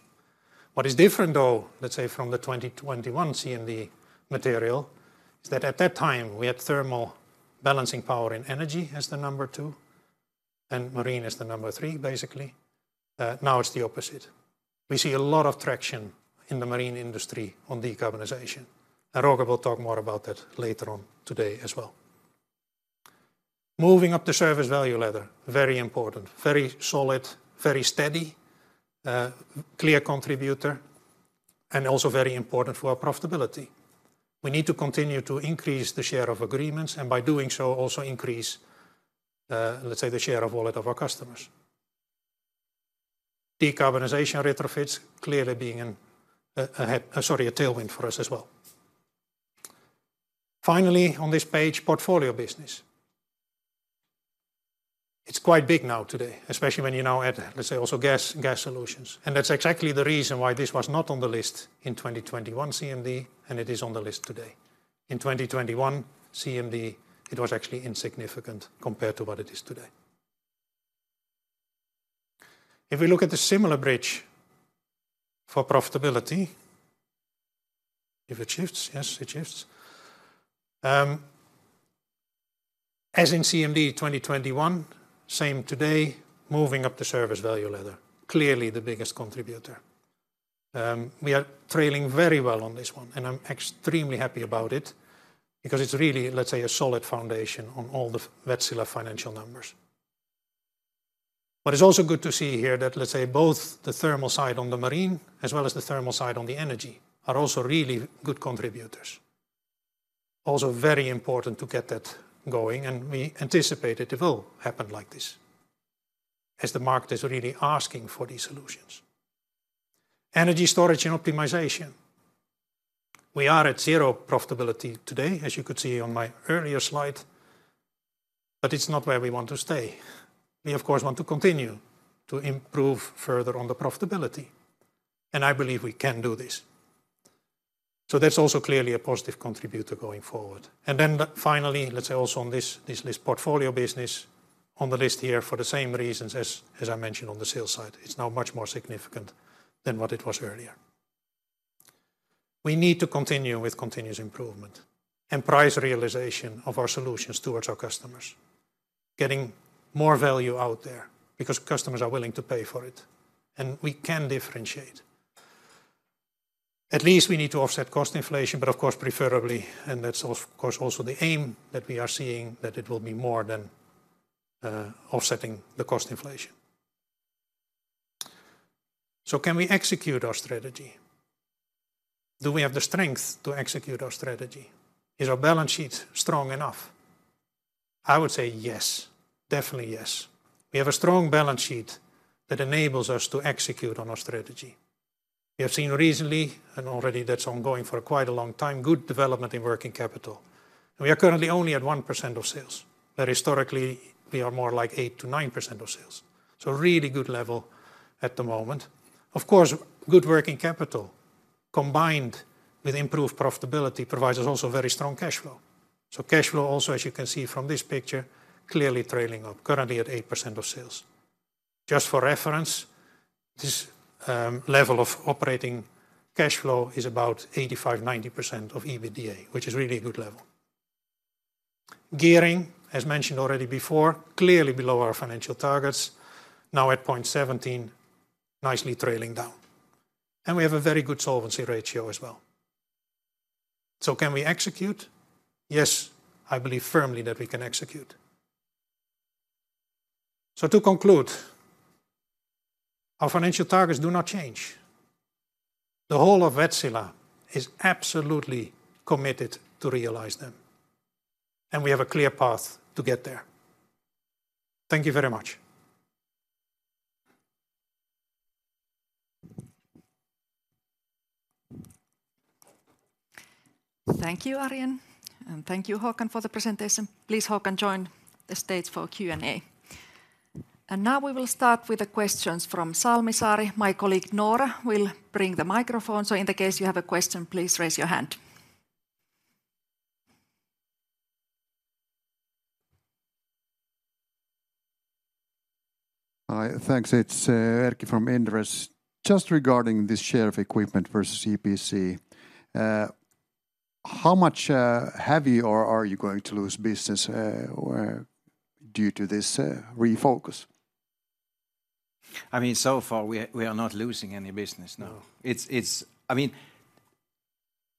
What is different, though, let's say from the 2021 CMD material, is that at that time, we had thermal balancing power and Energy as the number two, and Marine as the number three, basically. Now it's the opposite. We see a lot of traction in the Marine industry on decarbonization, and Roger will talk more about that later on today as well. Moving up the service value ladder, very important, very solid, very steady, clear contributor, and also very important for our profitability. We need to continue to increase the share of agreements, and by doing so, also increase, let's say, the share-of-wallet of our customers. Decarbonization retrofits clearly being a tailwind for us as well. Finally, on this Portfolio Business. it's quite big now today, especially when you now add, let's say, also gas, gas solutions, and that's exactly the reason why this was not on the list in 2021 CMD, and it is on the list today. In 2021 CMD, it was actually insignificant compared to what it is today. If we look at the similar bridge for profitability... If it shifts, yes, it shifts. As in CMD 2021, same today, moving up the service value ladder, clearly the biggest contributor. We are trailing very well on this one, and I'm extremely happy about it because it's really, let's say, a solid foundation on all the Wärtsilä financial numbers. But it's also good to see here that, let's say, both the thermal side on the Marine side, as well as the thermal side on the Energy side, are also really good contributors. Also very important to get that going, and we anticipate it will happen like this, as the market is really asking for Energy Storage and Optimization. we are at zero profitability today, as you could see on my earlier slide, but it's not where we want to stay. We, of course, want to continue to improve further on the profitability, and I believe we can do this. So that's also clearly a positive contributor going forward. And then finally, let's say also on this Portfolio Business on the list here for the same reasons as I mentioned on the sales side. It's now much more significant than what it was earlier. We need to continue with continuous improvement and price realization of our solutions towards our customers. Getting more value out there because customers are willing to pay for it, and we can differentiate. At least we need to offset cost inflation, but of course, preferably, and that's of course, also the aim, that we are seeing that it will be more than offsetting the cost inflation. So can we execute our strategy? Do we have the strength to execute our strategy? Is our balance sheet strong enough? I would say yes, definitely yes. We have a strong balance sheet that enables us to execute on our strategy.... We have seen recently, and already that's ongoing for quite a long time, good development in working capital. And we are currently only at 1% of sales, but historically, we are more like 8% to 9% of sales, so really good level at the moment. Of course, good working capital, combined with improved profitability, provides us also very strong cash flow. So cash flow also, as you can see from this picture, clearly trailing up, currently at 8% of sales. Just for reference, this level of operating cash flow is about 85% to 90% of EBITDA, which is really a good level. Gearing, as mentioned already before, clearly below our financial targets, now at 0.17, nicely trailing down. And we have a very good solvency ratio as well. So can we execute? Yes, I believe firmly that we can execute. So to conclude, our financial targets do not change. The whole of Wärtsilä is absolutely committed to realize them, and we have a clear path to get there. Thank you very much. Thank you, Arjen, and thank you, Håkan, for the presentation. Please, Håkan, join the stage for Q&A. Now we will start with the questions from Salmisaari. My colleague, Nora, will bring the microphone, so in the case you have a question, please raise your hand. Hi. Thanks. It's Erkki from Inderes. Just regarding this share of equipment versus EPC, how much have you or are you going to lose business or due to this refocus? I mean, so far, we are, we are not losing any business, no. No. It's... I mean,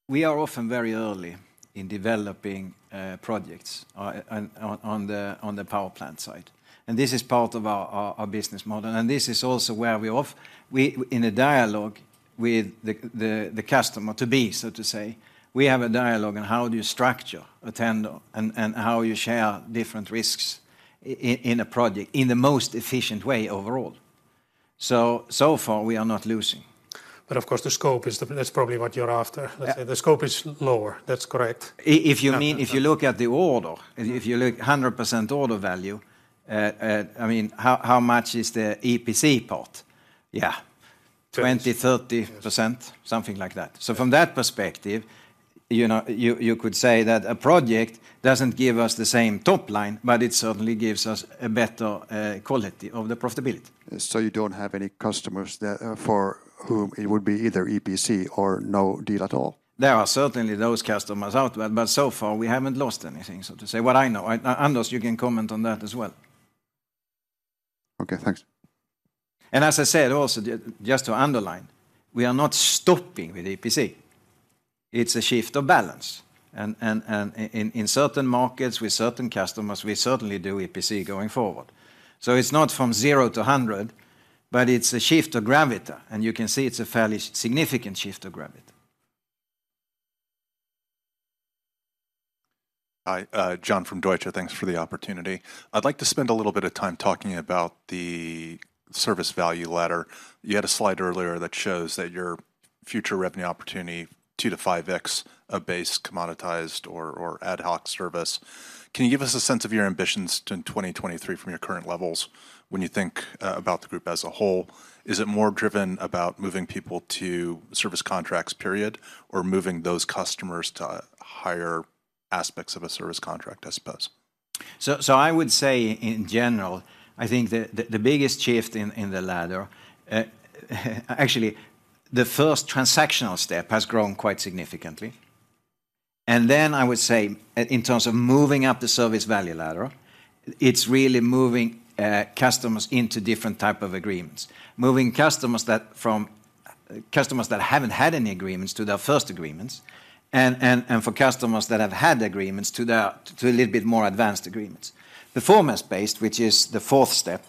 we are often very early in developing projects on the power plant side, and this is part of our business model, and this is also where we, in a dialogue with the customer to be, so to say, we have a dialogue on how do you structure a tender and how you share different risks in a project in the most efficient way overall. So far, we are not losing. But of course, the scope is. That's probably what you're after. Yeah. Let's say, the scope is lower. That's correct. If you mean, if you look at the order, if you look at 100% order value, I mean, how much is the EPC part? Yeah. Ten. 20% to 30% Yes... something like that. So from that perspective, you know, you could say that a project doesn't give us the same top line, but it certainly gives us a better quality of the profitability. You don't have any customers there for whom it would be either EPC or no deal at all? There are certainly those customers out there, but so far, we haven't lost anything, so to say. What I know, and, and Anders, you can comment on that as well. Okay, thanks. As I said, also, just to underline, we are not stopping with EPC. It's a shift of balance. And in certain markets, with certain customers, we certainly do EPC going forward. So it's not from 0 to 100, but it's a shift of gravity, and you can see it's a fairly significant shift of gravity. Hi, John from Deutsche. Thanks for the opportunity. I'd like to spend a little bit of time talking about the service value ladder. You had a slide earlier that shows that your future revenue opportunity, 2-5x, a base commoditized or ad hoc service. Can you give us a sense of your ambitions to in 2023 from your current levels when you think about the group as a whole? Is it more driven about moving people to service contracts, period, or moving those customers to higher aspects of a service contract, I suppose? So, I would say, in general, I think the biggest shift in the ladder, actually, the first transactional step has grown quite significantly. Then I would say, in terms of moving up the service value ladder, it's really moving customers into different type of agreements. Moving customers from customers that haven't had any agreements to their first agreements, and for customers that have had agreements to a little bit more advanced agreements. Performance-based, which is the fourth step,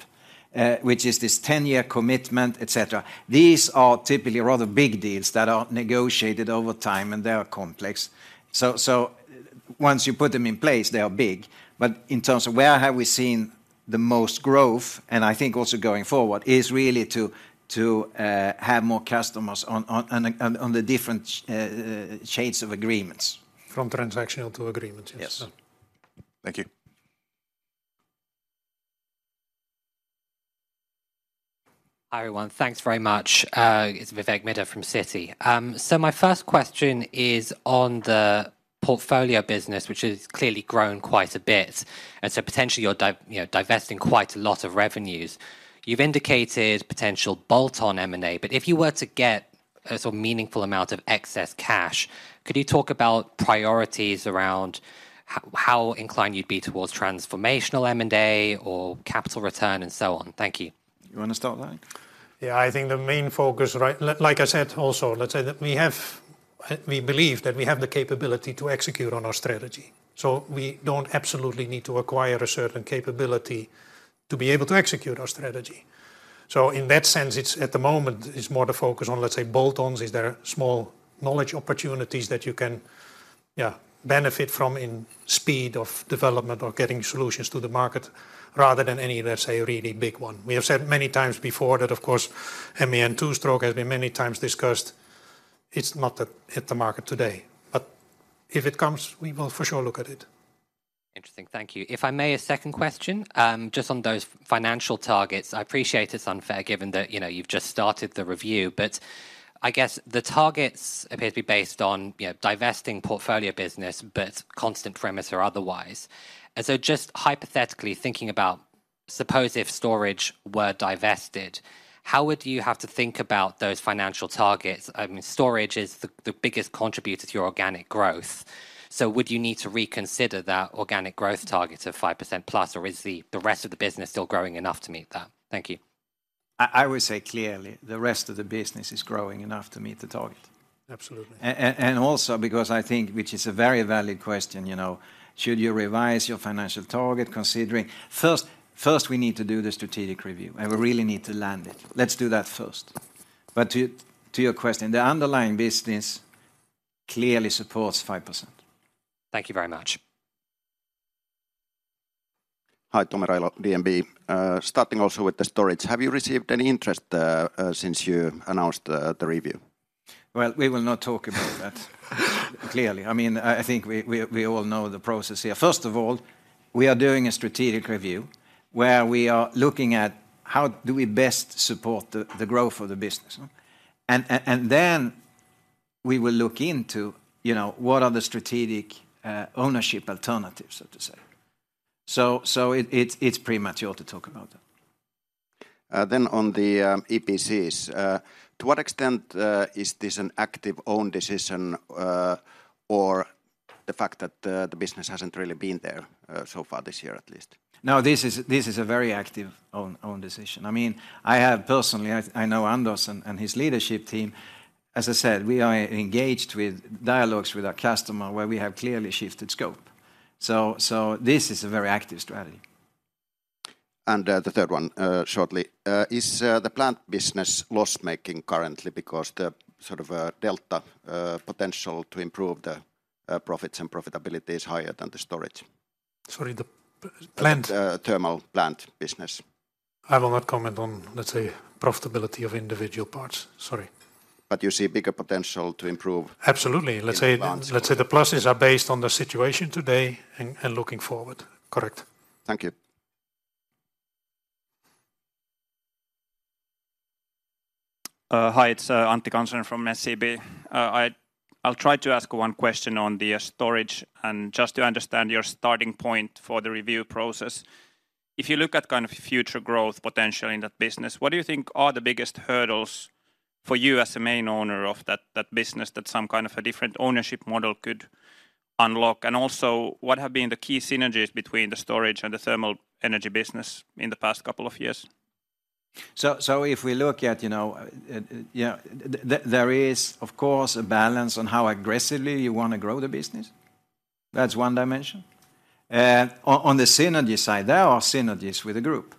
which is this 10-year commitment, et cetera, these are typically rather big deals that are negotiated over time, and they are complex. So once you put them in place, they are big, but in terms of where have we seen the most growth, and I think also going forward, is really to have more customers on the different shades of agreements. From transactional to agreements, yes. Yes. Thank you. Hi, everyone. Thanks very much. It's Vivek Midha from Citi. So my first question is on Portfolio Business, which has clearly grown quite a bit, and so potentially you're you know, divesting quite a lot of revenues. You've indicated potential bolt-on M&A, but if you were to get a sort of meaningful amount of excess cash, could you talk about priorities around how inclined you'd be towards transformational M&A or capital return, and so on? Thank you. You wanna start, Anders? Yeah, I think the main focus, right—like I said, also, let's say that we have, we believe that we have the capability to execute on our strategy. So we don't absolutely need to acquire a certain capability to be able to execute our strategy. So in that sense, it's, at the moment, it's more the focus on, let's say, bolt-ons. Is there small knowledge opportunities that yeah benefit from in speed of development or getting solutions to the market, rather than any, let's say, really big one. We have said many times before that, of course, MAN two-stroke has been many times discussed. It's not that hit the market today, but if it comes, we will for sure look at it. Interesting. Thank you. If I may, a second question, just on those financial targets. I appreciate it's unfair, given that, you know, you've just started the review, but I guess the targets appear to be based on, you know, Portfolio Business, but constant perimeter or otherwise. And so just hypothetically thinking about, suppose if storage were divested, how would you have to think about those financial targets? I mean, storage is the biggest contributor to your organic growth. So would you need to reconsider that organic growth target of 5%+, or is the rest of the business still growing enough to meet that? Thank you. I would say clearly, the rest of the business is growing enough to meet the target. Absolutely. And also because I think, which is a very valid question, you know, should you revise your financial target, considering... First, first, we need to do the strategic review, and we really need to land it. Let's do that first. But to, to your question, the underlying business clearly supports 5%. Thank you very much. Hi, Tomi Railo DNB. Starting also with the storage, have you received any interest since you announced the review? Well, we will not talk about that. Clearly, I mean, I think we all know the process here. First of all, we are doing a strategic review, where we are looking at how do we best support the growth of the business, huh? And then we will look into, you know, what are the strategic ownership alternatives, so to say. So, it's premature to talk about that. Then on the EPCs, to what extent is this an active own decision, or the fact that the business hasn't really been there so far this year, at least? No, this is a very active own decision. I mean, I have personally, I know Anders and his leadership team. As I said, we are engaged with dialogues with our customer, where we have clearly shifted scope. So, this is a very active strategy. And, the third one, is, the plant business loss-making currently because the sort of, delta, potential to improve the, profits and profitability is higher than the storage? Sorry, the power plant? Thermal plant business. I will not comment on, let's say, profitability of individual parts. Sorry. But you see bigger potential to improve- Absolutely. In plants- Let's say the pluses are based on the situation today and looking forward. Correct. Thank you. Hi, it's Antti Kansanen from SEB. I'll try to ask one question on the storage, and just to understand your starting point for the review process. If you look at kind of future growth potential in that business, what do you think are the biggest hurdles for you as a main owner of that business, that some kind of a different ownership model could unlock? And also, what have been the key synergies between the storage and the thermal energy business in the past two years? So if we look at, you know, there is, of course, a balance on how aggressively you wanna grow the business. That's one dimension. On the synergy side, there are synergies with the group,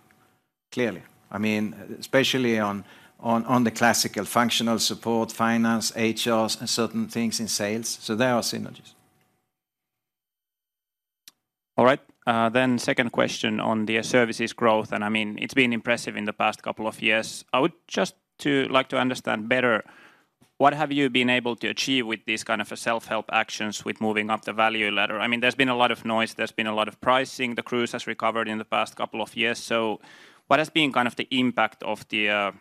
clearly. I mean, especially on the classical functional support, finance, HR, and certain things in sales, so there are synergies. All right. Then second question on the services growth, and I mean, it's been impressive in the past couple of years. I would just like to understand better, what have you been able to achieve with these kind of a self-help actions with moving up the value ladder? I mean, there's been a lot of noise, there's been a lot of pricing. The cruise has recovered in the past couple of years. So what has been kind of the impact of the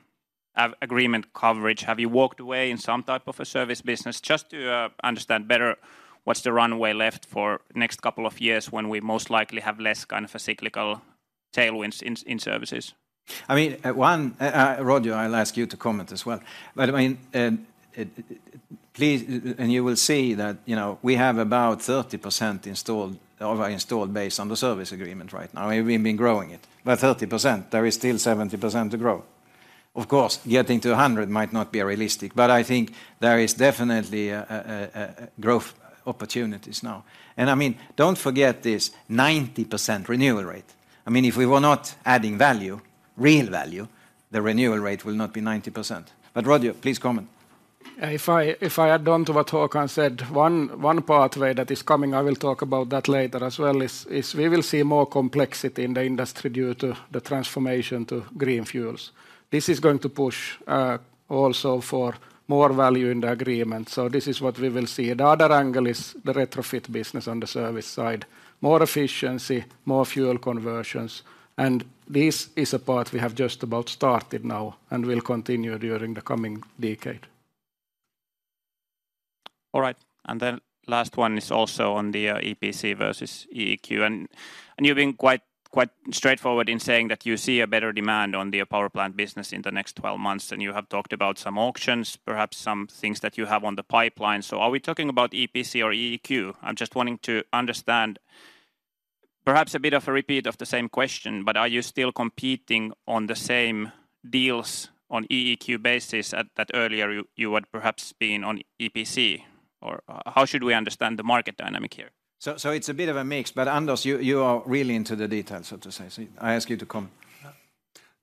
agreement coverage? Have you walked away in some type of a service business? Just to understand better, what's the runway left for next couple of years when we most likely have less kind of a cyclical tailwinds in services. I mean, Roger, I'll ask you to comment as well. But I mean, please, and you will see that, you know, we have about 30% installed, of our installed base on the service agreement right now. We've been growing it. But 30%, there is still 70% to grow. Of course, getting to 100 might not be realistic, but I think there is definitely a growth opportunities now. And I mean, don't forget this 90% renewal rate. I mean, if we were not adding value, real value, the renewal rate will not be 90%. But Roger, please comment. If I add on to what Håkan said, one pathway that is coming, I will talk about that later as well, is we will see more complexity in the industry due to the transformation to green fuels. This is going to push also for more value in the agreement, so this is what we will see. The other angle is the retrofit business on the service side. More efficiency, more fuel conversions, and this is a part we have just about started now and will continue during the coming decade. All right, and then last one is also on the EPC versus EEQ. And, and you've been quite, quite straightforward in saying that you see a better demand on the power plant business in the next 12 months, and you have talked about some auctions, perhaps some things that you have on the pipeline. So are we talking about EPC or EEQ? I'm just wanting to understand. Perhaps a bit of a repeat of the same question, but are you still competing on the same deals on EEQ basis at that earlier you, you had perhaps been on EPC? Or, how should we understand the market dynamic here? So, it's a bit of a mix, but Anders, you are really into the details, so to say. So I ask you to comment....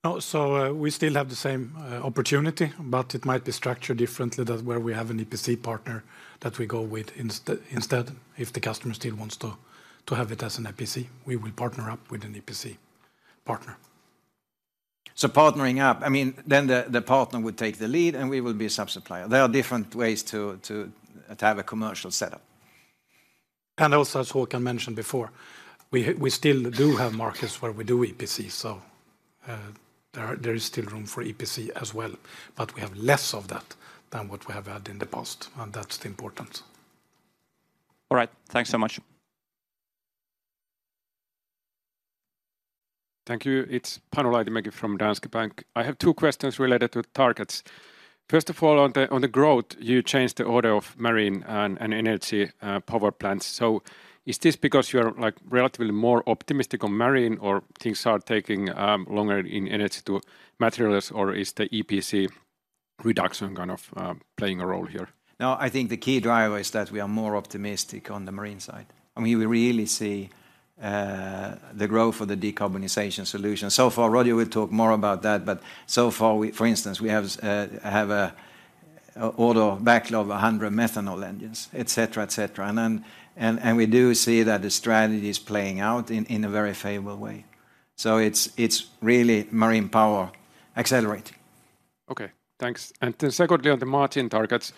Oh, so, we still have the same opportunity, but it might be structured differently than where we have an EPC partner that we go with instead. If the customer still wants to have it as an EPC, we will partner up with an EPC partner. Partnering up, I mean, then the partner would take the lead, and we will be a sub-supplier. There are different ways to have a commercial setup. Also, as Håkan mentioned before, we still do have markets where we do EPC, so there is still room for EPC as well, but we have less of that than what we have had in the past, and that's the important. All right. Thanks so much. Thank you. It's Panu Laitinmäki from Danske Bank. I have two questions related to targets. First of all, on the growth, you changed the order of Marine and Energy power plants. So is this because you are, like, relatively more optimistic on Marine, or things are taking longer in Energy to materials, or is the EPC reduction kind of playing a role here? No, I think the key driver is that we are more optimistic on the Marine side, and we really see the growth for the decarbonization solution. So far, Roger will talk more about that, but so far, we for instance have a order backlog of 100 methanol engines, et cetera, et cetera. And then, and we do see that the strategy is playing out in a very favorable way. So it's really Marine Power accelerating. Okay, thanks. And then secondly, on the margin targets,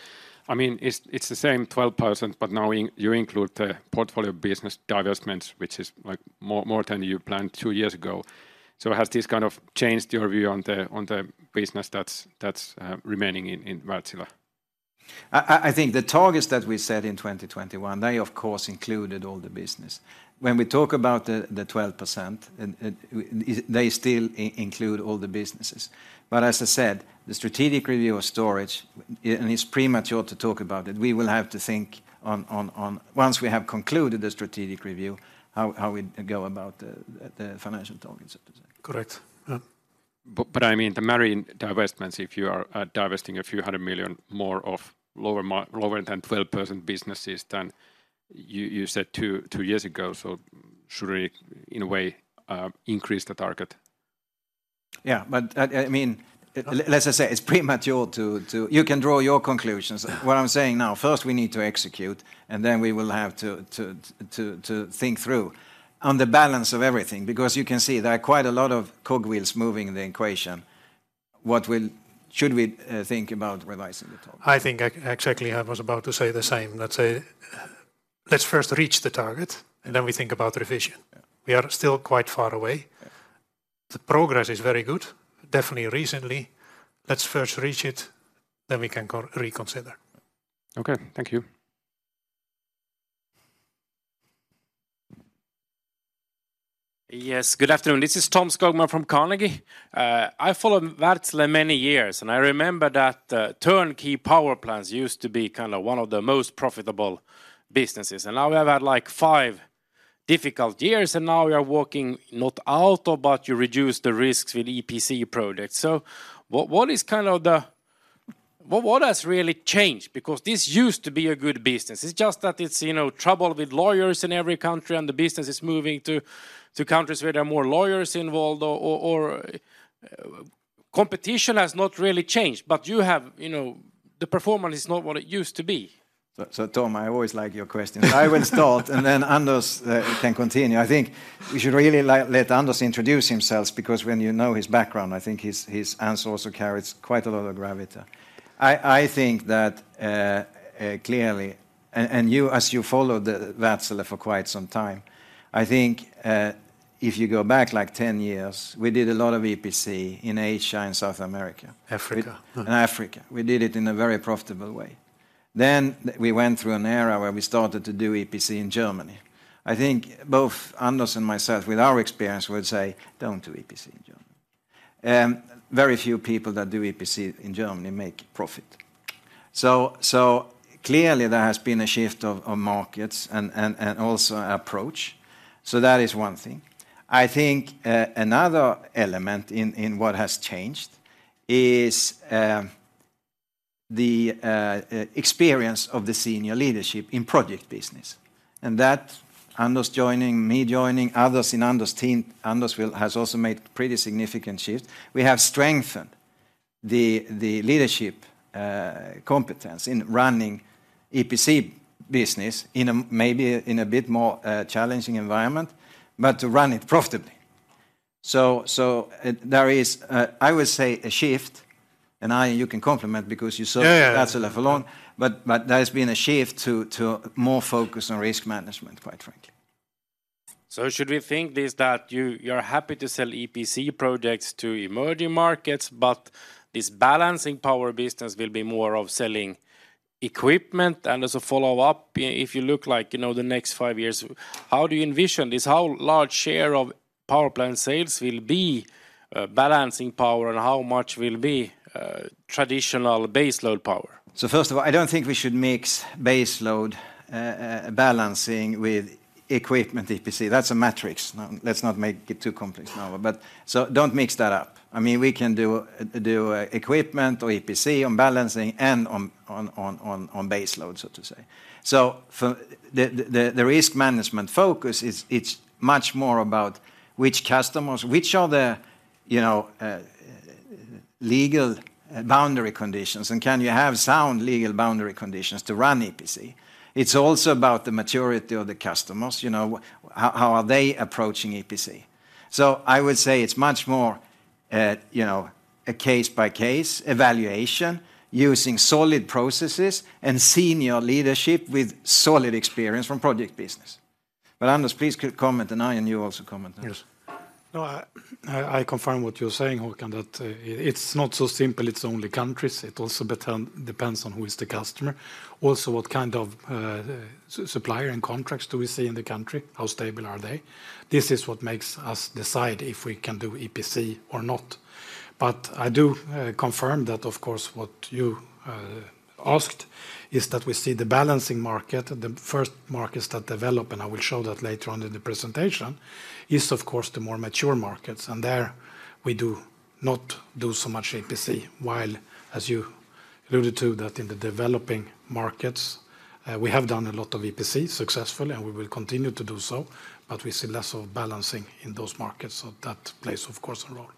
I mean, it's, it's the same 12%, but now in- you include Portfolio Business divestments, which is, like, more, more than you planned two years ago. So has this kind of changed your view on the, on the business that's, that's, remaining in, in Wärtsilä? I think the targets that we set in 2021, they, of course, included all the business. When we talk about the 12%, and they still include all the businesses. But as I said, the strategic review of storage, and it's premature to talk about it, we will have to think on. Once we have concluded the strategic review, how we go about the financial targets, so to say. Correct. Yeah. But I mean, the Marine divestments, if you are divesting a few hundred million EUR more of lower than 12% businesses than you said two years ago, so should we, in a way, increase the target? Yeah, but I mean, as I say, it's premature to... You can draw your conclusions. What I'm saying now, first, we need to execute, and then we will have to think through on the balance of everything, because you can see there are quite a lot of cogwheels moving in the equation. Should we think about revising the target? I think exactly, I was about to say the same. Let's, let's first reach the target, and then we think about revision. Yeah. We are still quite far away. Yeah. The progress is very good, definitely recently. Let's first reach it, then we can reconsider. Okay. Thank you. Yes, good afternoon. This is Tom Skogman from Carnegie. I followed Wärtsilä many years, and I remember that, turnkey power plants used to be kind of one of the most profitable businesses, and now we have had, like, five difficult years, and now we are working not out, but you reduce the risks with EPC projects. So what, what is kind of the... What, what has really changed? Because this used to be a good business. It's just that it's, you know, trouble with lawyers in every country, and the business is moving to, to countries where there are more lawyers involved or, or, or, competition has not really changed, but you have, you know, the performance is not what it used to be. So, Tom, I always like your questions. I will start, and then Anders can continue. I think we should really let Anders introduce himself, because when you know his background, I think his answer also carries quite a lot of gravitas. I think that clearly, and you, as you followed Wärtsilä for quite some time, I think if you go back, like, 10 years, we did a lot of EPC in Asia and South America. Africa. Africa. We did it in a very profitable way. Then we went through an era where we started to do EPC in Germany. I think both Anders and myself, with our experience, would say, "Don't do EPC in Germany." Very few people that do EPC in Germany make profit. So clearly, there has been a shift of markets and also approach, so that is one thing. I think another element in what has changed is the experience of the senior leadership in project business, and that, Anders joining, me joining, others in Anders' team, has also made pretty significant shifts. We have strengthened the leadership competence in running EPC business in a bit more challenging environment, but to run it profitably. There is, I would say, a shift, and I... You can complement because you saw- Yeah, yeah... Wärtsilä for long, but there's been a shift to more focus on risk management, quite frankly. So should we think this, that you, you're happy to sell EPC projects to emerging markets, but this balancing power business will be more of selling equipment? And as a follow-up, if you look like, you know, the next five years, how do you envision this? How large share of power plant sales will be balancing power, and how much will be traditional baseload power? So first of all, I don't think we should mix baseload, balancing with equipment EPC. That's a matrix. Now, let's not make it too complex now, but so don't mix that up. I mean, we can do, do, equipment or EPC on balancing and on, on, on, on, on baseload, so to say. So for the, the, the risk management focus, it's, it's much more about which customers, which are the, you know, legal, boundary conditions, and can you have sound legal boundary conditions to run EPC? It's also about the maturity of the customers, you know, how, how are they approaching EPC? So I would say it's much more, you know, a case-by-case evaluation using solid processes and senior leadership with solid experience from project business. But Anders, please comment, and Arjen, you also comment on this. Yes. No, I confirm what you're saying, Håkan, that it’s not so simple, it’s only countries, it also depends on who is the customer. Also, what kind of supplier and contracts do we see in the country? How stable are they? This is what makes us decide if we can do EPC or not. But I do confirm that, of course, what you asked, is that we see the balancing market, the first markets that develop, and I will show that later on in the presentation, is, of course, the more mature markets, and there we do not do so much EPC. While, as you alluded to, that in the developing markets, we have done a lot of EPC successfully, and we will continue to do so, but we see less of balancing in those markets, so that plays, of course, a role.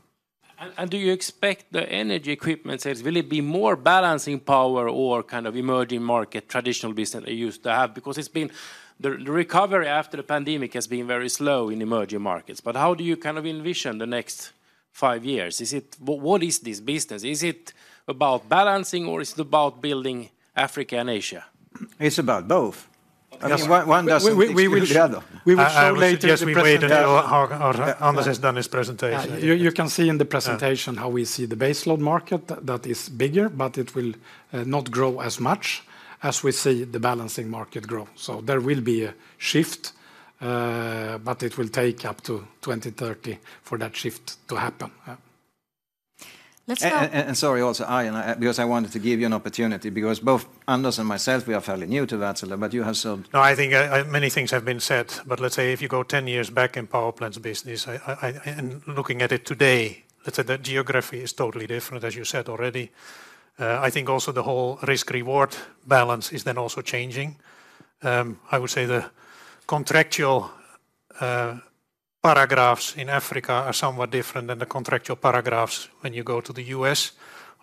Do you expect the Energy equipment sales will be more balancing power or kind of emerging market traditional business used to have? Because it's been... The recovery after the pandemic has been very slow in emerging markets, but how do you kind of envision the next five years? What is this business? Is it about balancing, or is it about building Africa and Asia? It's about both. Yes. I mean, one, one doesn't exclude the other. We will show later in the presentation. I suggest we wait until Håkan or Anders has done his presentation. Yeah, you can see in the presentation- Yeah... how we see the baseload market. That, that is bigger, but it will, not grow as much as we see the balancing market grow. So there will be a shift, but it will take up to 2030 for that shift to happen, yeah. Let's go- Sorry, also, Arjen, because I wanted to give you an opportunity, because both Anders and myself, we are fairly new to Wärtsilä, but you have some- No, I think many things have been said, but let's say if you go 10 years back in power plants business, I. And looking at it today, let's say the geography is totally different, as you said already. I think also the whole risk-reward balance is then also changing. I would say the contractual paragraphs in Africa are somewhat different than the contractual paragraphs when you go to the U.S.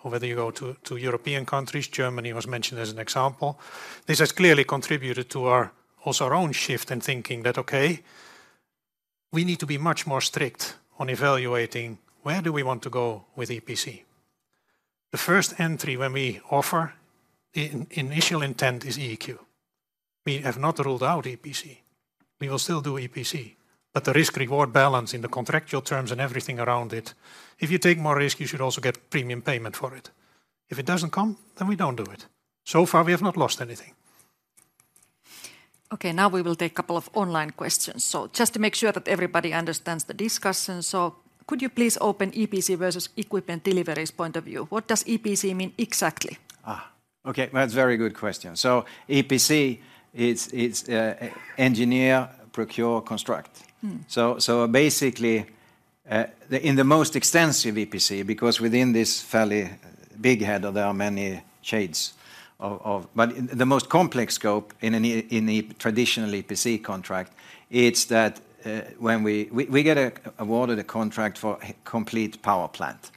or whether you go to European countries, Germany was mentioned as an example. This has clearly contributed to our, also our own shift in thinking that, okay, we need to be much more strict on evaluating, where do we want to go with EPC? The first entry when we offer, the initial intent is EEQ. We have not ruled out EPC. We will still do EPC, but the risk-reward balance in the contractual terms and everything around it, if you take more risk, you should also get premium payment for it. If it doesn't come, then we don't do it. So far, we have not lost anything. Okay, now we will take a couple of online questions. So just to make sure that everybody understands the discussion, so could you please open EPC versus equipment deliveries point of view? What does EPC mean exactly? Ah, okay, that's a very good question. So EPC, it's engineer, procure, construct. Mm. So basically, in the most extensive EPC, because within this fairly big header, there are many shades of. But the most complex scope in an EPC in the traditional EPC contract, it's that when we get awarded a contract for a complete power plant.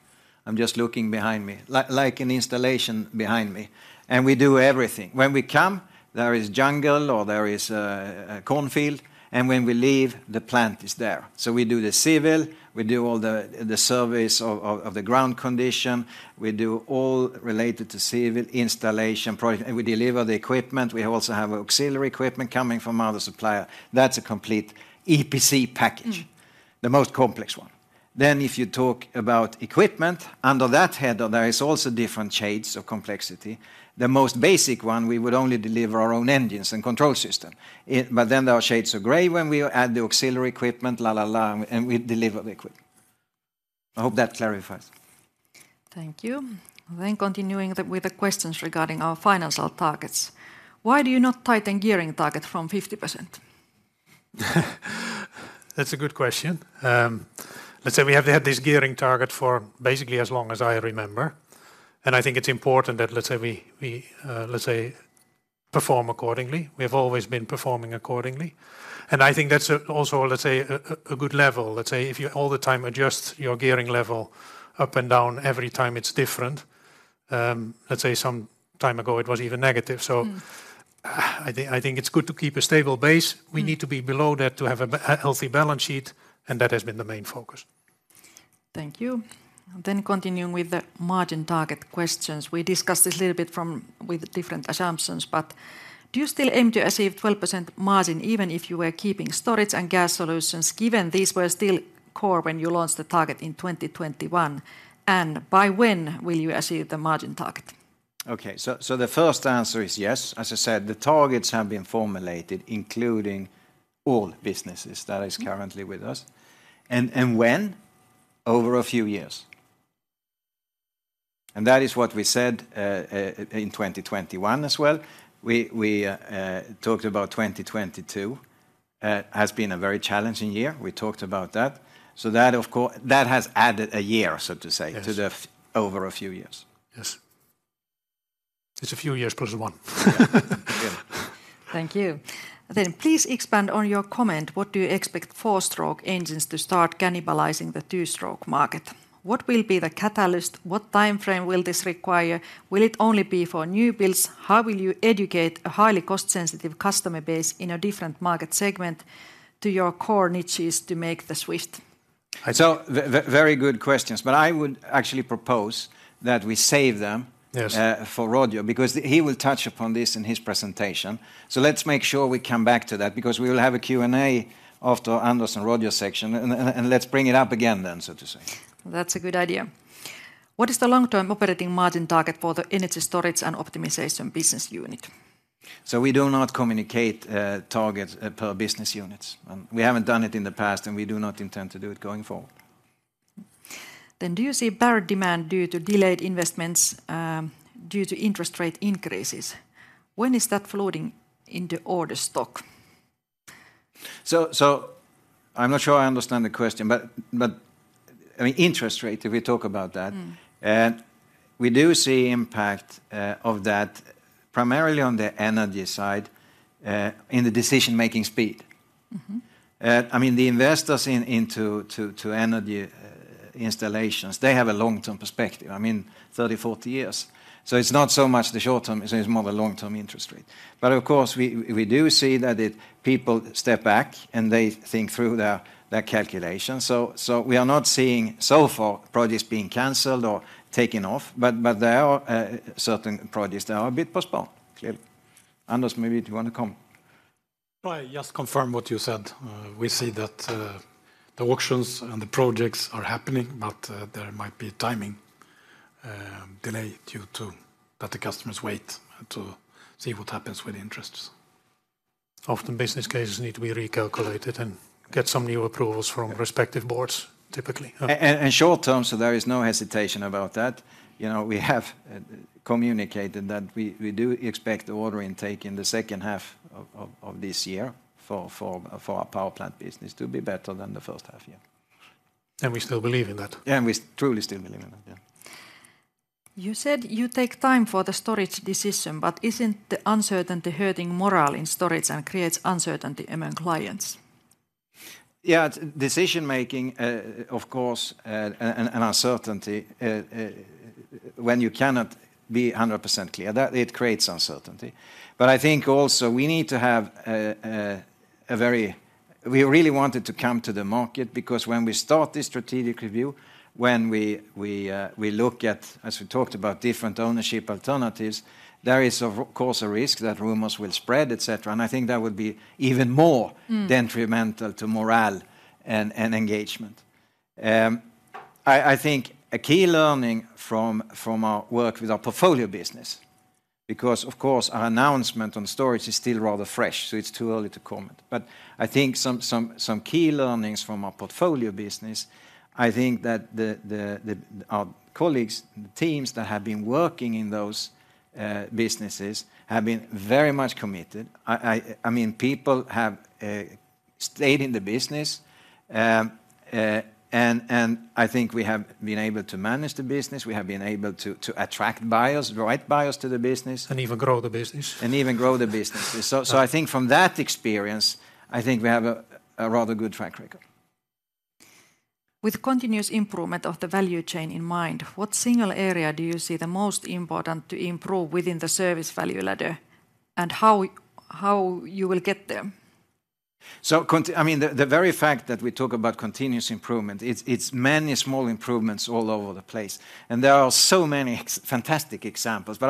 I'm just looking behind me, like an installation behind me, and we do everything. When we come, there is jungle or there is a cornfield, and when we leave, the plant is there. So we do the civil, we do all the surveys of the ground condition, we do all related to civil installation project, and we deliver the equipment. We also have auxiliary equipment coming from other supplier. That's a complete EPC package- Mm... the most complex one. Then if you talk about equipment, under that header, there is also different shades of complexity. The most basic one, we would only deliver our own engines and control system. But then there are shades of gray when we add the auxiliary equipment, and we deliver the equipment. I hope that clarifies. Thank you. Then continuing with the questions regarding our financial targets. Why do you not tighten gearing target from 50%? That's a good question. Let's say we have had this gearing target for basically as long as I remember, and I think it's important that, let's say, we Perform accordingly. We have always been performing accordingly. And I think that's also, let's say, a good level. Let's say, if you all the time adjust your gearing level up and down every time, it's different. Let's say some time ago, it was even negative. Mm. So, I think, I think it's good to keep a stable base. Mm. We need to be below that to have a healthy balance sheet, and that has been the main focus. Thank you. Then continuing with the margin target questions. We discussed this a little bit from, with different assumptions, but do you still aim to achieve 12% margin, even if you were keeping storage and gas solutions, given these were still core when you launched the target in 2021? And by when will you achieve the margin target? Okay, so the first answer is yes. As I said, the targets have been formulated, including all businesses that is currently with us. Mm. And when? Over a few years. And that is what we said in 2021 as well. We talked about 2022 has been a very challenging year. We talked about that. So that, of course, that has added a year, so to say- Yes... to the over a few years. Yes.... It's a few years plus one. Thank you. Then please expand on your comment, what do you expect four-stroke engines to start cannibalizing the two-stroke market? What will be the catalyst? What timeframe will this require? Will it only be for new builds? How will you educate a highly cost-sensitive customer base in a different market segment to your core niches to make the switch? So very good questions, but I would actually propose that we save them- Yes... for Roger, because he will touch upon this in his presentation. So let's make sure we come back to that, because we will have a Q&A after Anders and Roger's section, and let's bring it up again then, so to say. That's a good idea. What is the long-term operating margin target Energy Storage and Optimization business unit? We do not communicate targets per business units, and we haven't done it in the past, and we do not intend to do it going forward. Then do you see better demand due to delayed investments, due to interest rate increases? When is that floating in the order stock? I'm not sure I understand the question, but I mean, interest rate, if we talk about that. Mm... we do see impact of that primarily on the Energy side in the decision-making speed. Mm-hmm. I mean, the investors into Energy installations, they have a long-term perspective, I mean, 30, 40 years. So it's not so much the short term, it's more the long-term interest rate. But of course, we do see that it... people step back, and they think through their calculations. So we are not seeing so far projects being canceled or taken off, but there are certain projects that are a bit postponed, clearly. Anders, maybe do you want to come? I just confirm what you said. We see that the auctions and the projects are happening, but there might be timing delay due to that the customers wait to see what happens with interests. Often business cases need to be recalculated and get some new approvals from respective boards, typically. Short term, so there is no hesitation about that. You know, we have communicated that we do expect the order intake in the second half of this year for our power plant business to be better than the first half, yeah. We still believe in that. We truly still believe in that, yeah. You said you take time for the storage decision, but isn't the uncertainty hurting morale in storage and creates uncertainty among clients? Yeah, decision-making, of course, and uncertainty, when you cannot be 100% clear, that it creates uncertainty. But I think also we need to have a very... We really want it to come to the market, because when we start this strategic review, when we look at, as we talked about, different ownership alternatives, there is of course a risk that rumors will spread, et cetera, and I think that would be even more- Mm ...detrimental to morale and engagement. I think a key learning from our work with Portfolio Business, because, of course, our announcement on storage is still rather fresh, so it's too early to comment. But I think some key learnings from Portfolio Business, i think that our colleagues, the teams that have been working in those businesses, have been very much committed. I mean, people have stayed in the business. And I think we have been able to manage the business, we have been able to attract buyers, the right buyers to the business- Even grow the business. Even grow the business. Yeah. So, I think from that experience, I think we have a rather good track record. With continuous improvement of the value chain in mind, what single area do you see the most important to improve within the service value ladder, and how, how you will get there? I mean, the very fact that we talk about continuous improvement, it's many small improvements all over the place, and there are so many fantastic examples. But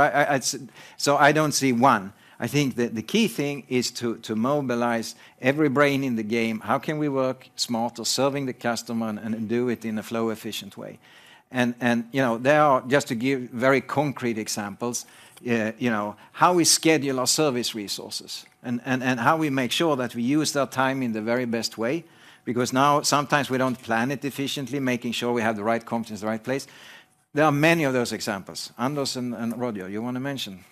I don't see one. I think the key thing is to mobilize every brain in the game. How can we work smarter, serving the customer and do it in a flow-efficient way? And you know, there are, just to give very concrete examples, you know, how we schedule our service resources and how we make sure that we use their time in the very best way, because now sometimes we don't plan it efficiently, making sure we have the right competence in the right place. There are many of those examples. Anders and Roger, you want to mention?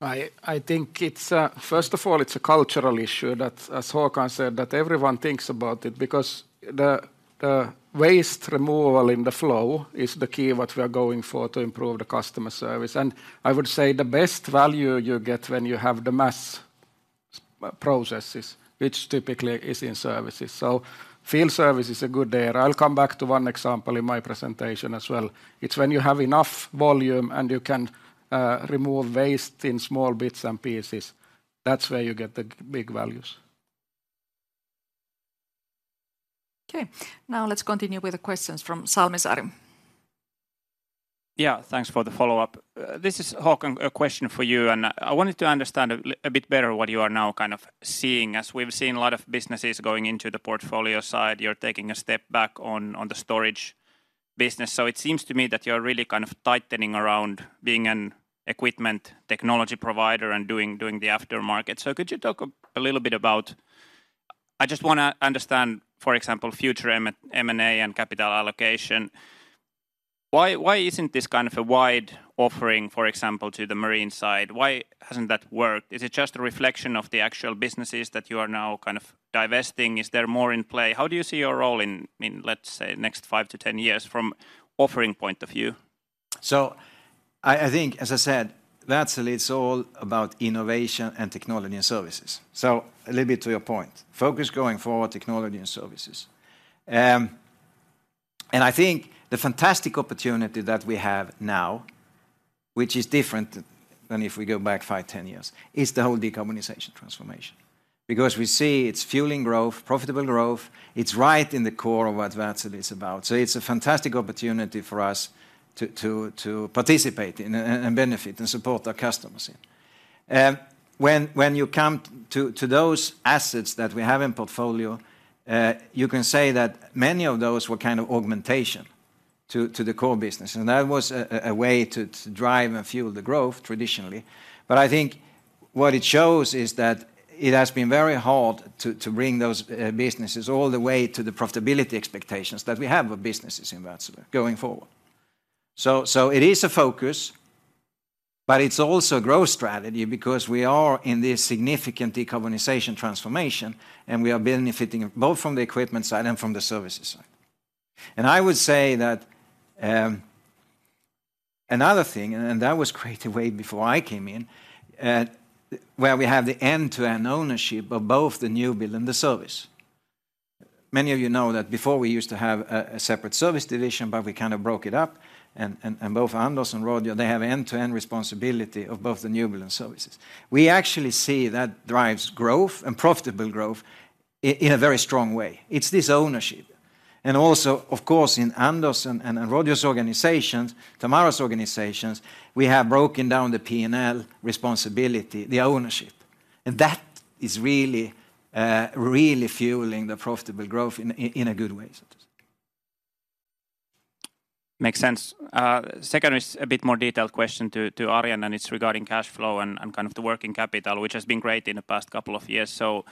I think it's first of all, it's a cultural issue, that, as Håkan said, that everyone thinks about it, because the waste removal in the flow is the key, what we are going for to improve the customer service. And I would say the best value you get when you have the mass processes, which typically is in services. So field service is a good area. I'll come back to one example in my presentation as well. It's when you have enough volume and you can remove waste in small bits and pieces, that's where you get the big values. Okay, now let's continue with the questions from Salmisaari. Yeah, thanks for the follow-up. This is, Håkan, a question for you, and I wanted to understand a bit better what you are now kind of seeing. As we've seen a lot of businesses going into the portfolio side, you're taking a step back on the storage business. So it seems to me that you're really kind of tightening around being an equipment technology provider and doing the aftermarket. So could you talk a little bit about... I just wanna understand, for example, future M&A and capital allocation. Why isn't this kind of a wide offering, for example, to the Marine side? Why hasn't that worked? Is it just a reflection of the actual businesses that you are now kind of divesting? Is there more in play? How do you see your role in, let's say, next five to 10 years from offering point of view?... So I think, as I said, Wärtsilä is all about innovation and technology and services. So a little bit to your point, focus going forward, technology and services. And I think the fantastic opportunity that we have now, which is different than if we go back five, 10 years, is the whole decarbonization transformation, because we see it's fueling growth, profitable growth. It's right in the core of what Wärtsilä is about. So it's a fantastic opportunity for us to participate in and benefit and support our customers in. When you come to those assets that we have in portfolio, you can say that many of those were kind of augmentation to the core business, and that was a way to drive and fuel the growth traditionally. But I think what it shows is that it has been very hard to bring those businesses all the way to the profitability expectations that we have of businesses in Wärtsilä going forward. So it is a focus, but it's also a growth strategy because we are in this significant decarbonization transformation, and we are benefiting both from the equipment side and from the services side. And I would say that another thing, and that was created way before I came in, where we have the end-to-end ownership of both the new build and the service. Many of you know that before we used to have a separate service division, but we kind of broke it up, and both Anders and Roger, they have end-to-end responsibility of both the new build and services. We actually see that drives growth and profitable growth in a very strong way. It's this ownership, and also, of course, in Anders and Roger's organizations, Tamara's organizations, we have broken down the P&L responsibility, the ownership, and that is really really fueling the profitable growth in a good way, so to speak. Makes sense. Second is a bit more detailed question to Arjen, and it's regarding cash flow and kind of the working capital, which has been great in the past couple of years. So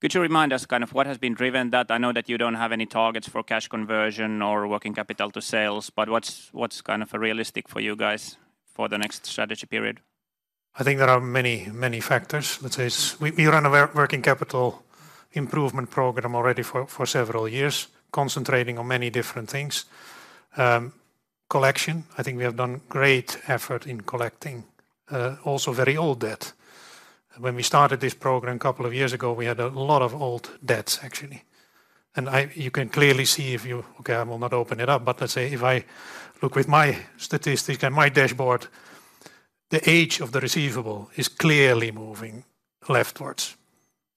could you remind us kind of what has been driven that? I know that you don't have any targets for cash conversion or working capital to sales, but what's kind of realistic for you guys for the next strategy period? I think there are many, many factors. Let's say we, we run a working capital improvement program already for, for several years, concentrating on many different things. Collection, I think we have done great effort in collecting, also very old debt. When we started this program a couple of years ago, we had a lot of old debts, actually, and you can clearly see if you... Okay, I will not open it up, but let's say if I look with my statistic and my dashboard, the age of the receivable is clearly moving leftwards,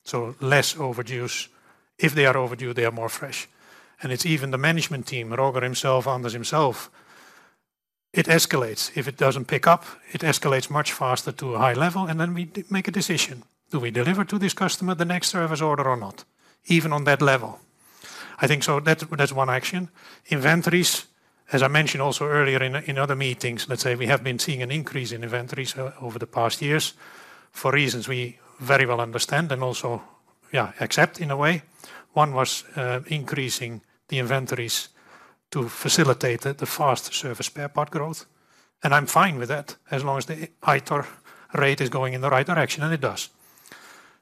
so less overdues. If they are overdue, they are more fresh, and it's even the management team, Roger himself, Anders himself, it escalates. If it doesn't pick up, it escalates much faster to a high level, and then we make a decision. Do we deliver to this customer the next service order or not? Even on that level. I think so that's, that's one action. Inventories, as I mentioned also earlier in other meetings, let's say we have been seeing an increase in inventories over the past years for reasons we very well understand and also, yeah, accept in a way. One was increasing the inventories to facilitate the fast service spare part growth, and I'm fine with that as long as the ITOR rate is going in the right direction, and it does.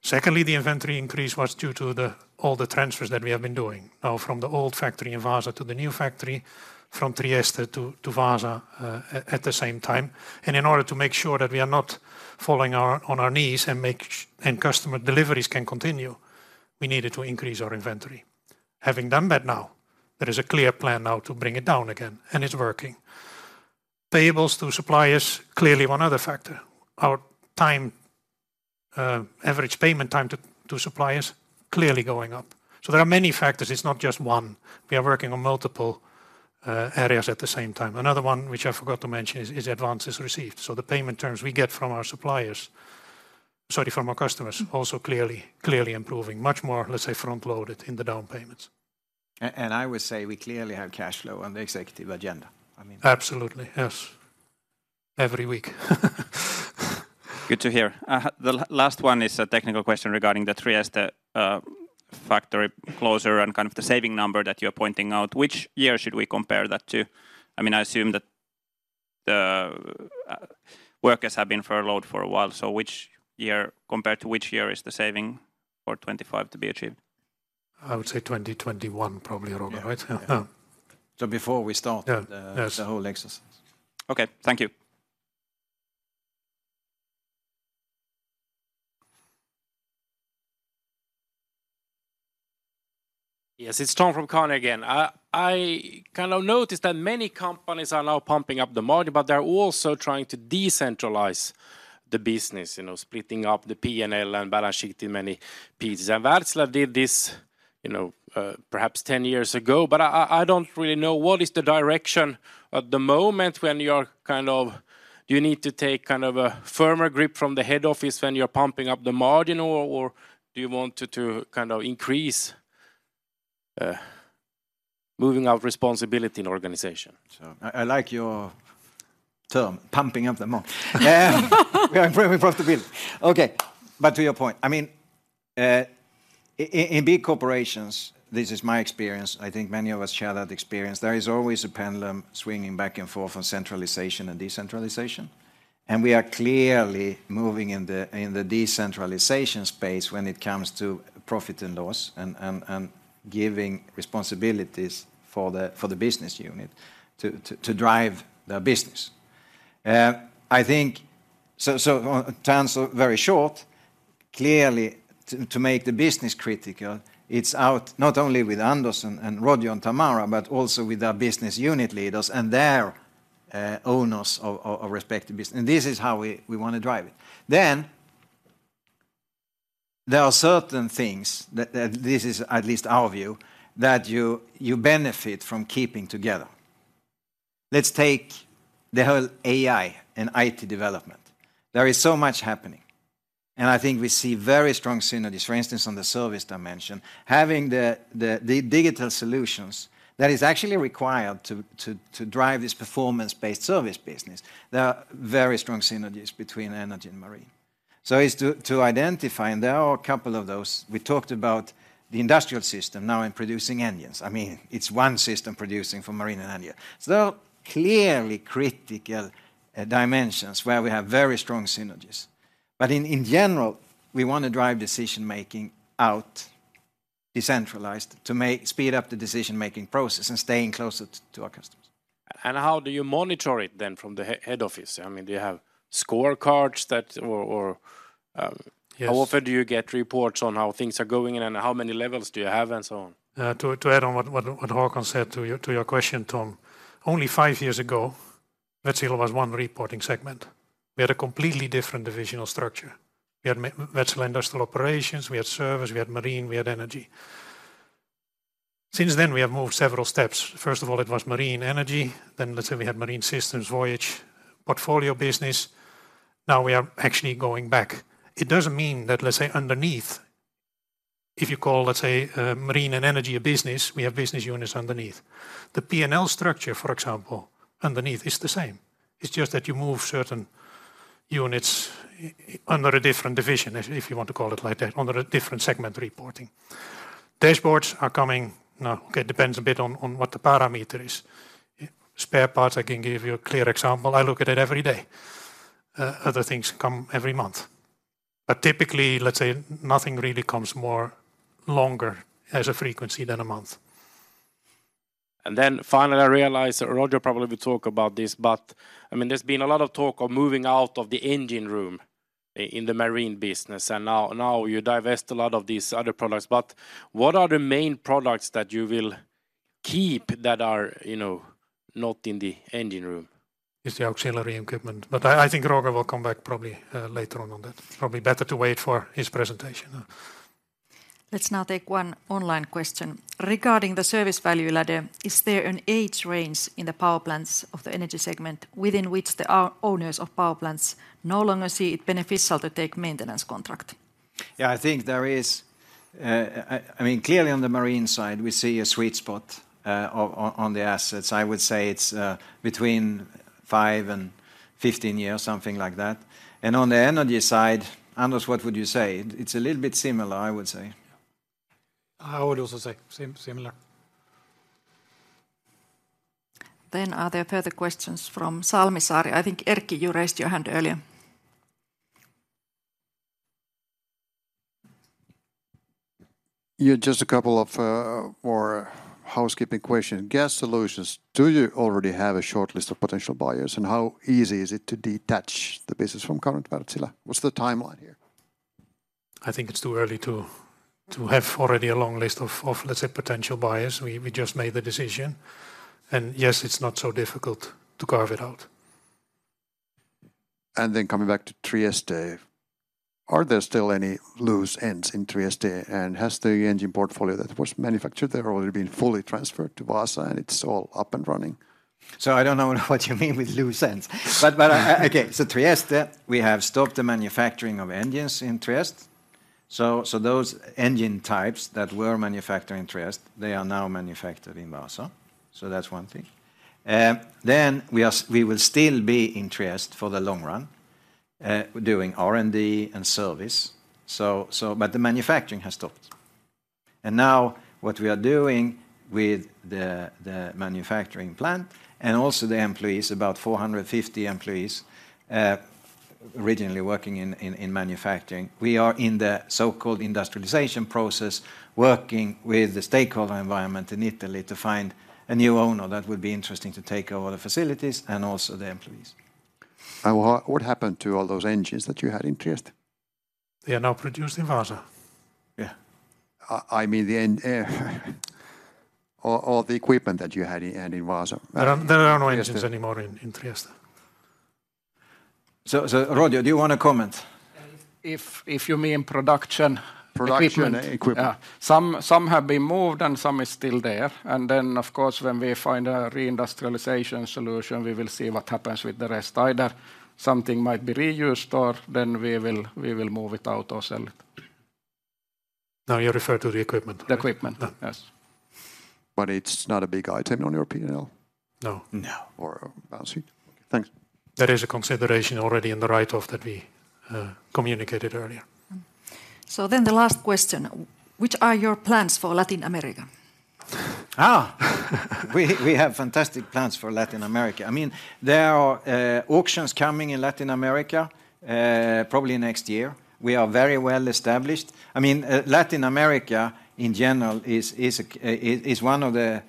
Secondly, the inventory increase was due to all the transfers that we have been doing now from the old factory in Vaasa to the new factory, from Trieste to Vaasa at the same time. In order to make sure that we are not falling on our knees and customer deliveries can continue, we needed to increase our inventory. Having done that now, there is a clear plan now to bring it down again, and it's working. Payables to suppliers, clearly one other factor. Our average payment time to suppliers clearly going up. So there are many factors. It's not just one. We are working on multiple areas at the same time. Another one, which I forgot to mention, is advances received. So the payment terms we get from our suppliers, sorry, from our customers, also clearly, clearly improving. Much more, let's say, front-loaded in the down payments. I would say we clearly have cash flow on the executive agenda. I mean- Absolutely, yes. Every week. Good to hear. The last one is a technical question regarding the Trieste factory closure and kind of the saving number that you're pointing out. Which year should we compare that to? I mean, I assume that the workers have been furloughed for a while, so which year compared to which year is the saving for 25 to be achieved? I would say 2021, probably, Roger, right? Yeah. Yeah. Before we started- Yeah. Yes the whole exercise. Okay. Thank you. Yes, it's Tom from Carnegie again. I kind of noticed that many companies are now pumping up the margin, but they're also trying to decentralize the business, you know, splitting up the P&L and balance sheet in many pieces. Wärtsilä did this, you know, perhaps 10 years ago, but I don't really know what is the direction at the moment when you are kind of... Do you need to take kind of a firmer grip from the head office when you're pumping up the margin, or do you want to kind of increase moving of responsibility in organization? So I like your term, "pumping up the margin." Yeah, we are improving profitability. Okay, but to your point, I mean, in big corporations, this is my experience, I think many of us share that experience, there is always a pendulum swinging back and forth on centralization and decentralization. And we are clearly moving in the decentralization space when it comes to profit and loss, and giving responsibilities for the business unit to drive their business. I think, to answer very short, clearly, to make the business critical, it's out not only with Anders, and Roger, and Tamara, but also with our business unit leaders and their owners of respective business, and this is how we wanna drive it. Then, there are certain things that this is at least our view, that you benefit from keeping together. Let's take the whole AI and IT development. There is so much happening, and I think we see very strong synergies. For instance, on the service dimension, having the digital solutions that is actually required to drive this performance-based service business, there are very strong synergies between Energy and Marine. So, to identify, and there are a couple of those. We talked about the industrial system now in producing engines. I mean, it's one system producing for Marine and engine. So clearly critical dimensions where we have very strong synergies, but in general, we want to drive decision-making out decentralized to speed up the decision-making process and staying closer to our customers. How do you monitor it then from the head office? I mean, do you have scorecards that or? Yes. How often do you get reports on how things are going, and how many levels do you have, and so on? To add on what Håkan said to your question, Tom, only five years ago, Wärtsilä was one reporting segment. We had a completely different divisional structure. We had Wärtsilä Industrial Operations, we had Service, we had Marine, we had Energy. Since then, we have moved several steps. First of all, it was Marine Energy, then let's say we had Marine Systems, Portfolio Business. now, we are actually going back. It doesn't mean that, let's say, underneath, if you call, let's say, Marine and Energy a business, we have business units underneath. The P&L structure, for example, underneath is the same. It's just that you move certain units under a different division, if you want to call it like that, under a different segment reporting. Dashboards are coming. Now, it depends a bit on what the parameter is. Spare parts, I can give you a clear example, I look at it every day. Other things come every month, but typically, let's say, nothing really comes more longer as a frequency than a month. And then finally, I realize that Roger probably will talk about this, but, I mean, there's been a lot of talk of moving out of the engine room in the Marine business, and now you divest a lot of these other products. But what are the main products that you will keep that are, you know, not in the engine room? It's the auxiliary equipment, but I think Roger will come back probably later on that. It's probably better to wait for his presentation. Let's now take one online question: Regarding the service value ladder, is there an age range in the power plants of the Energy segment within which the owners of power plants no longer see it beneficial to take maintenance contract? Yeah, I think there is. I mean, clearly, on the Marine side, we see a sweet spot on the assets. I would say it's between five to 15 years, something like that, and on the Energy side, Anders, what would you say? It's a little bit similar, I would say. I would also say similar. Are there further questions from Salmisaari? I think, Erkki, you raised your hand earlier. Yeah, just a couple of more housekeeping question. Gas solutions, do you already have a shortlist of potential buyers, and how easy is it to detach the business from current Wärtsilä? What's the timeline here? I think it's too early to have already a long list of, let's say, potential buyers. We just made the decision, and yes, it's not so difficult to carve it out. And then coming back to Trieste, are there still any loose ends in Trieste, and has the engine portfolio that was manufactured there already been fully transferred to Vaasa, and it's all up and running? So I don't know what you mean with loose ends, but okay. So Trieste, we have stopped the manufacturing of engines in Trieste, so those engine types that were manufactured in Trieste, they are now manufactured in Vaasa, so that's one thing. Then we will still be in Trieste for the long run, doing R&D and service, but the manufacturing has stopped. And now what we are doing with the manufacturing plant and also the employees, about 450 employees, originally working in manufacturing, we are in the so-called industrialization process, working with the stakeholder environment in Italy to find a new owner that would be interesting to take over the facilities and also the employees. What, what happened to all those engines that you had in Trieste? They are now produced in Vaasa. Yeah, I mean, all the equipment that you had in Vaasa. There are no engines anymore in Trieste. So, Roger, do you want to comment? If you mean production- Production equipment... Yeah. Some have been moved, and some is still there. Then, of course, when we find a reindustrialization solution, we will see what happens with the rest. Either something might be reused, or then we will move it out or sell it. Now, you refer to the equipment? The equipment. Yeah. Yes. But it's not a big item on your P&L? No. No. Or balance sheet. Thanks. That is a consideration already in the write-off that we communicated earlier. The last question: Which are your plans for Latin America?... Ah! We have fantastic plans for Latin America. I mean, there are auctions coming in Latin America, probably next year. We are very well established. I mean, Latin America, in general, is one of the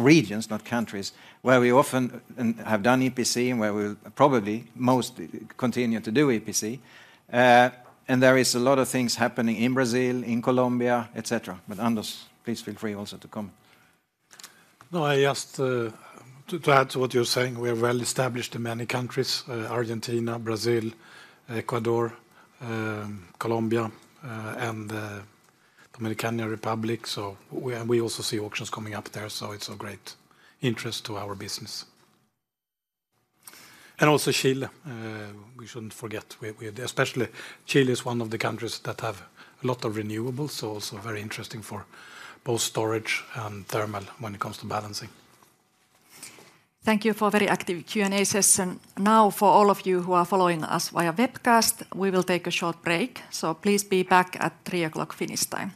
regions, not countries, where we often have done EPC, and where we'll probably most continue to do EPC. And there is a lot of things happening in Brazil, in Colombia, et cetera. But Anders, please feel free also to comment. No, I just, to add to what you're saying, we are well established in many countries, Argentina, Brazil, Ecuador, Colombia, and Dominican Republic. So we also see auctions coming up there, so it's of great interest to our business. And also Chile, we shouldn't forget. Especially Chile is one of the countries that have a lot of renewables, so also very interesting for both storage and thermal when it comes to balancing. Thank you for a very active Q&A session. Now, for all of you who are following us via webcast, we will take a short break, so please be back at 3:00 p.m. Finnish time.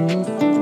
Have you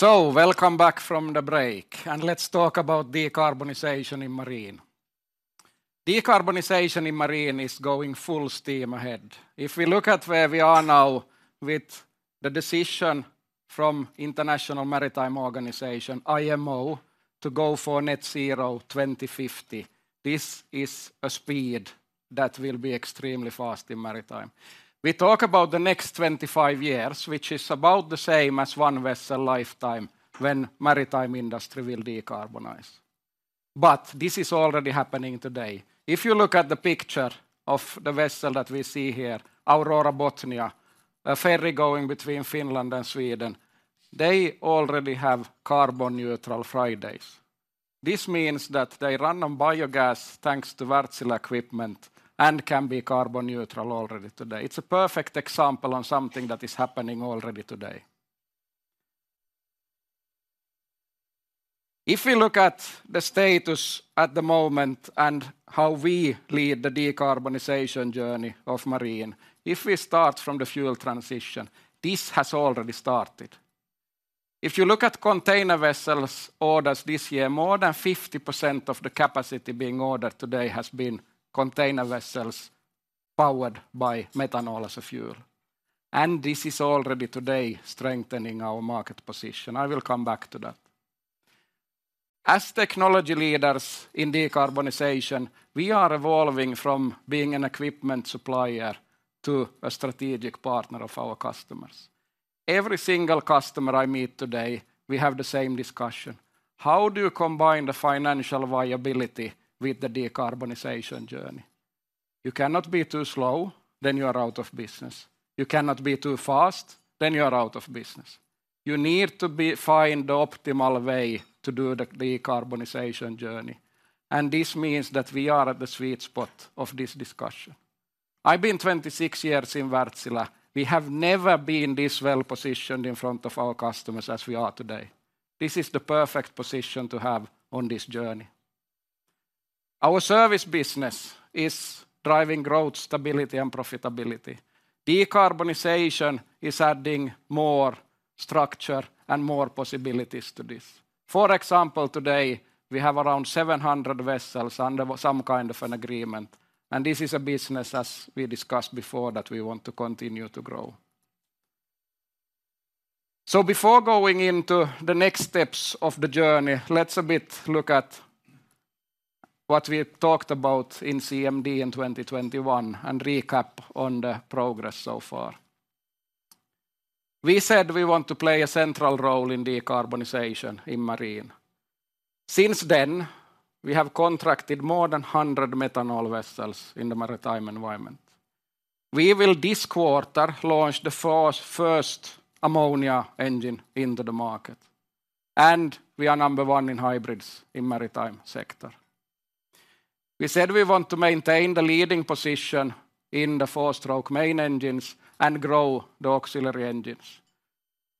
seen the rain is gone today? Hey, yeah. Oh, and the sun is shining so bright. Yeah, yeah. Hey, yeah. Oh, you know what I mean? Have you seen the rain is gone today? Hey, yeah. And the sun is shining so bright. Yeah, yeah. Oh, you know what I mean? So welcome back from the break, and let's talk about decarbonization in Marine. Decarbonization in Marine is going full steam ahead. If we look at where we are now with the decision from International Maritime Organization, IMO, to go for net zero 2050, this is a speed that will be extremely fast in maritime. We talk about the next 25 years, which is about the same as one vessel lifetime, when maritime industry will decarbonize. But this is already happening today. If you look at the picture of the vessel that we see here, Aurora Botnia, a ferry going between Finland and Sweden, they already have carbon-neutral Fridays. This means that they run on biogas, thanks to Wärtsilä equipment, and can be carbon neutral already today. It's a perfect example on something that is happening already today. If we look at the status at the moment and how we lead the decarbonization journey of Marine, if we start from the fuel transition, this has already started. If you look at container vessels orders this year, more than 50% of the capacity being ordered today has been container vessels powered by methanol as a fuel, and this is already today strengthening our market position. I will come back to that. As technology leaders in decarbonization, we are evolving from being an equipment supplier to a strategic partner of our customers. Every single customer I meet today, we have the same discussion: How do you combine the financial viability with the decarbonization journey? You cannot be too slow, then you are out of business. You cannot be too fast, then you are out of business. You need to find the optimal way to do the decarbonization journey, and this means that we are at the sweet spot of this discussion. I've been 26 years in Wärtsilä. We have never been this well-positioned in front of our customers as we are today. This is the perfect position to have on this journey. Our service business is driving growth, stability, and profitability.... Decarbonization is adding more structure and more possibilities to this. For example, today, we have around 700 vessels under some kind of an agreement, and this is a business, as we discussed before, that we want to continue to grow. So before going into the next steps of the journey, let's a bit look at what we talked about in CMD in 2021, and recap on the progress so far. We said we want to play a central role in decarbonization in Marine. Since then, we have contracted more than 100 methanol vessels in the maritime environment. We will, this quarter, launch the first, first ammonia engine into the market, and we are number one in hybrids in maritime sector. We said we want to maintain the leading position in the four-stroke main engines and grow the auxiliary engines.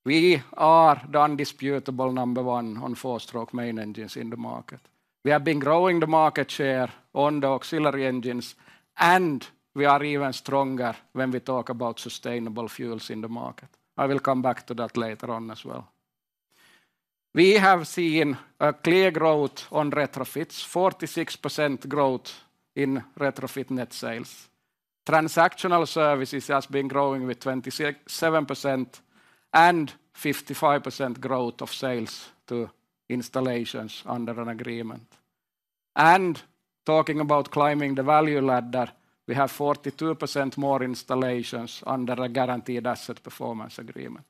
We are the indisputable number one on four-stroke main engines in the market. We have been growing the market share on the auxiliary engines, and we are even stronger when we talk about sustainable fuels in the market. I will come back to that later on as well. We have seen a clear growth on retrofits, 46% growth in retrofit net sales. Transactional services has been growing with 27%, and 55% growth of sales to installations under an agreement. Talking about climbing the value ladder, we have 42% more installations under a Guaranteed Asset Performance agreement.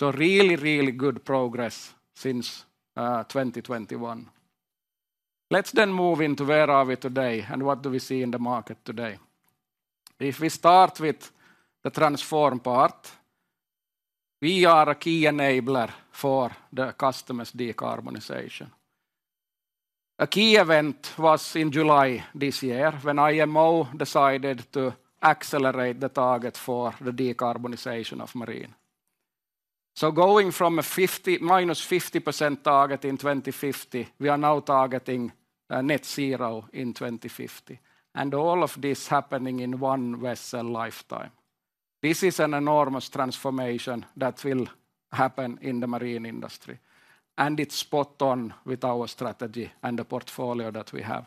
Really, really good progress since 2021. Let's then move into where are we today, and what do we see in the market today? If we start with the Transform part, we are a key enabler for the customer's decarbonization. A key event was in July this year, when IMO decided to accelerate the target for the decarbonization of Marine. Going from a 50 minus 50% target in 2050, we are now targeting net zero in 2050, and all of this happening in one vessel lifetime. This is an enormous transformation that will happen in the Marine industry, and it's spot on with our strategy and the portfolio that we have.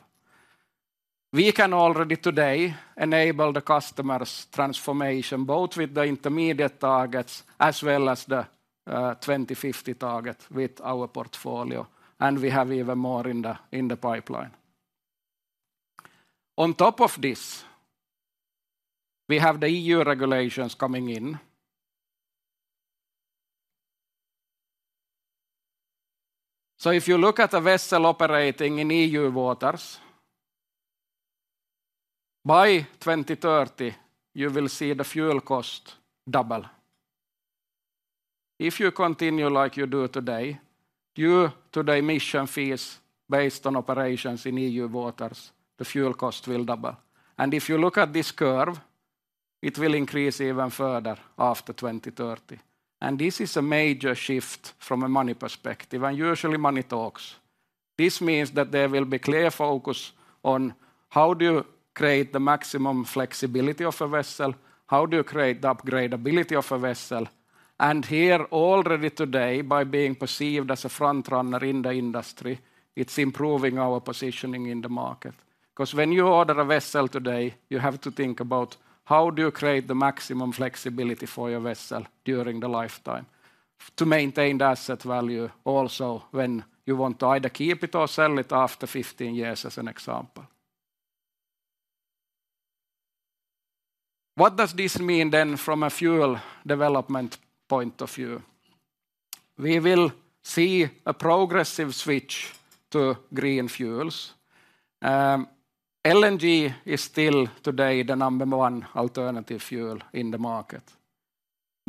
We can already today enable the customer's transformation, both with the intermediate targets as well as the 2050 target with our portfolio, and we have even more in the, in the pipeline. On top of this, we have the EU regulations coming in. So if you look at the vessel operating in EU waters, by 2030, you will see the fuel cost double. If you continue like you do today, due to the emission fees based on operations in EU waters, the fuel cost will double. And if you look at this curve, it will increase even further after 2030. And this is a major shift from a money perspective, and usually, money talks. This means that there will be clear focus on how do you create the maximum flexibility of a vessel? How do you create the upgradeability of a vessel? Here, already today, by being perceived as a frontrunner in the industry, it's improving our positioning in the market. 'Cause when you order a vessel today, you have to think about, how do you create the maximum flexibility for your vessel during the lifetime, to maintain the asset value, also when you want to either keep it or sell it after 15 years, as an example. What does this mean then, from a fuel development point of view? We will see a progressive switch to green fuels. LNG is still today the number one alternative fuel in the market.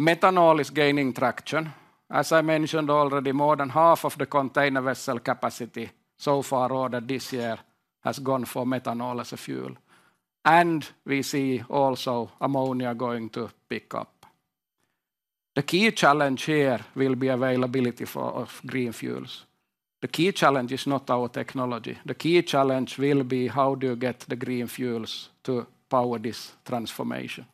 Methanol is gaining traction. As I mentioned already, more than half of the container vessel capacity so far ordered this year has gone for methanol as a fuel, and we see also ammonia going to pick up. The key challenge here will be availability for, of green fuels. The key challenge is not our technology. The key challenge will be, how do you get the green fuels to power this transformation?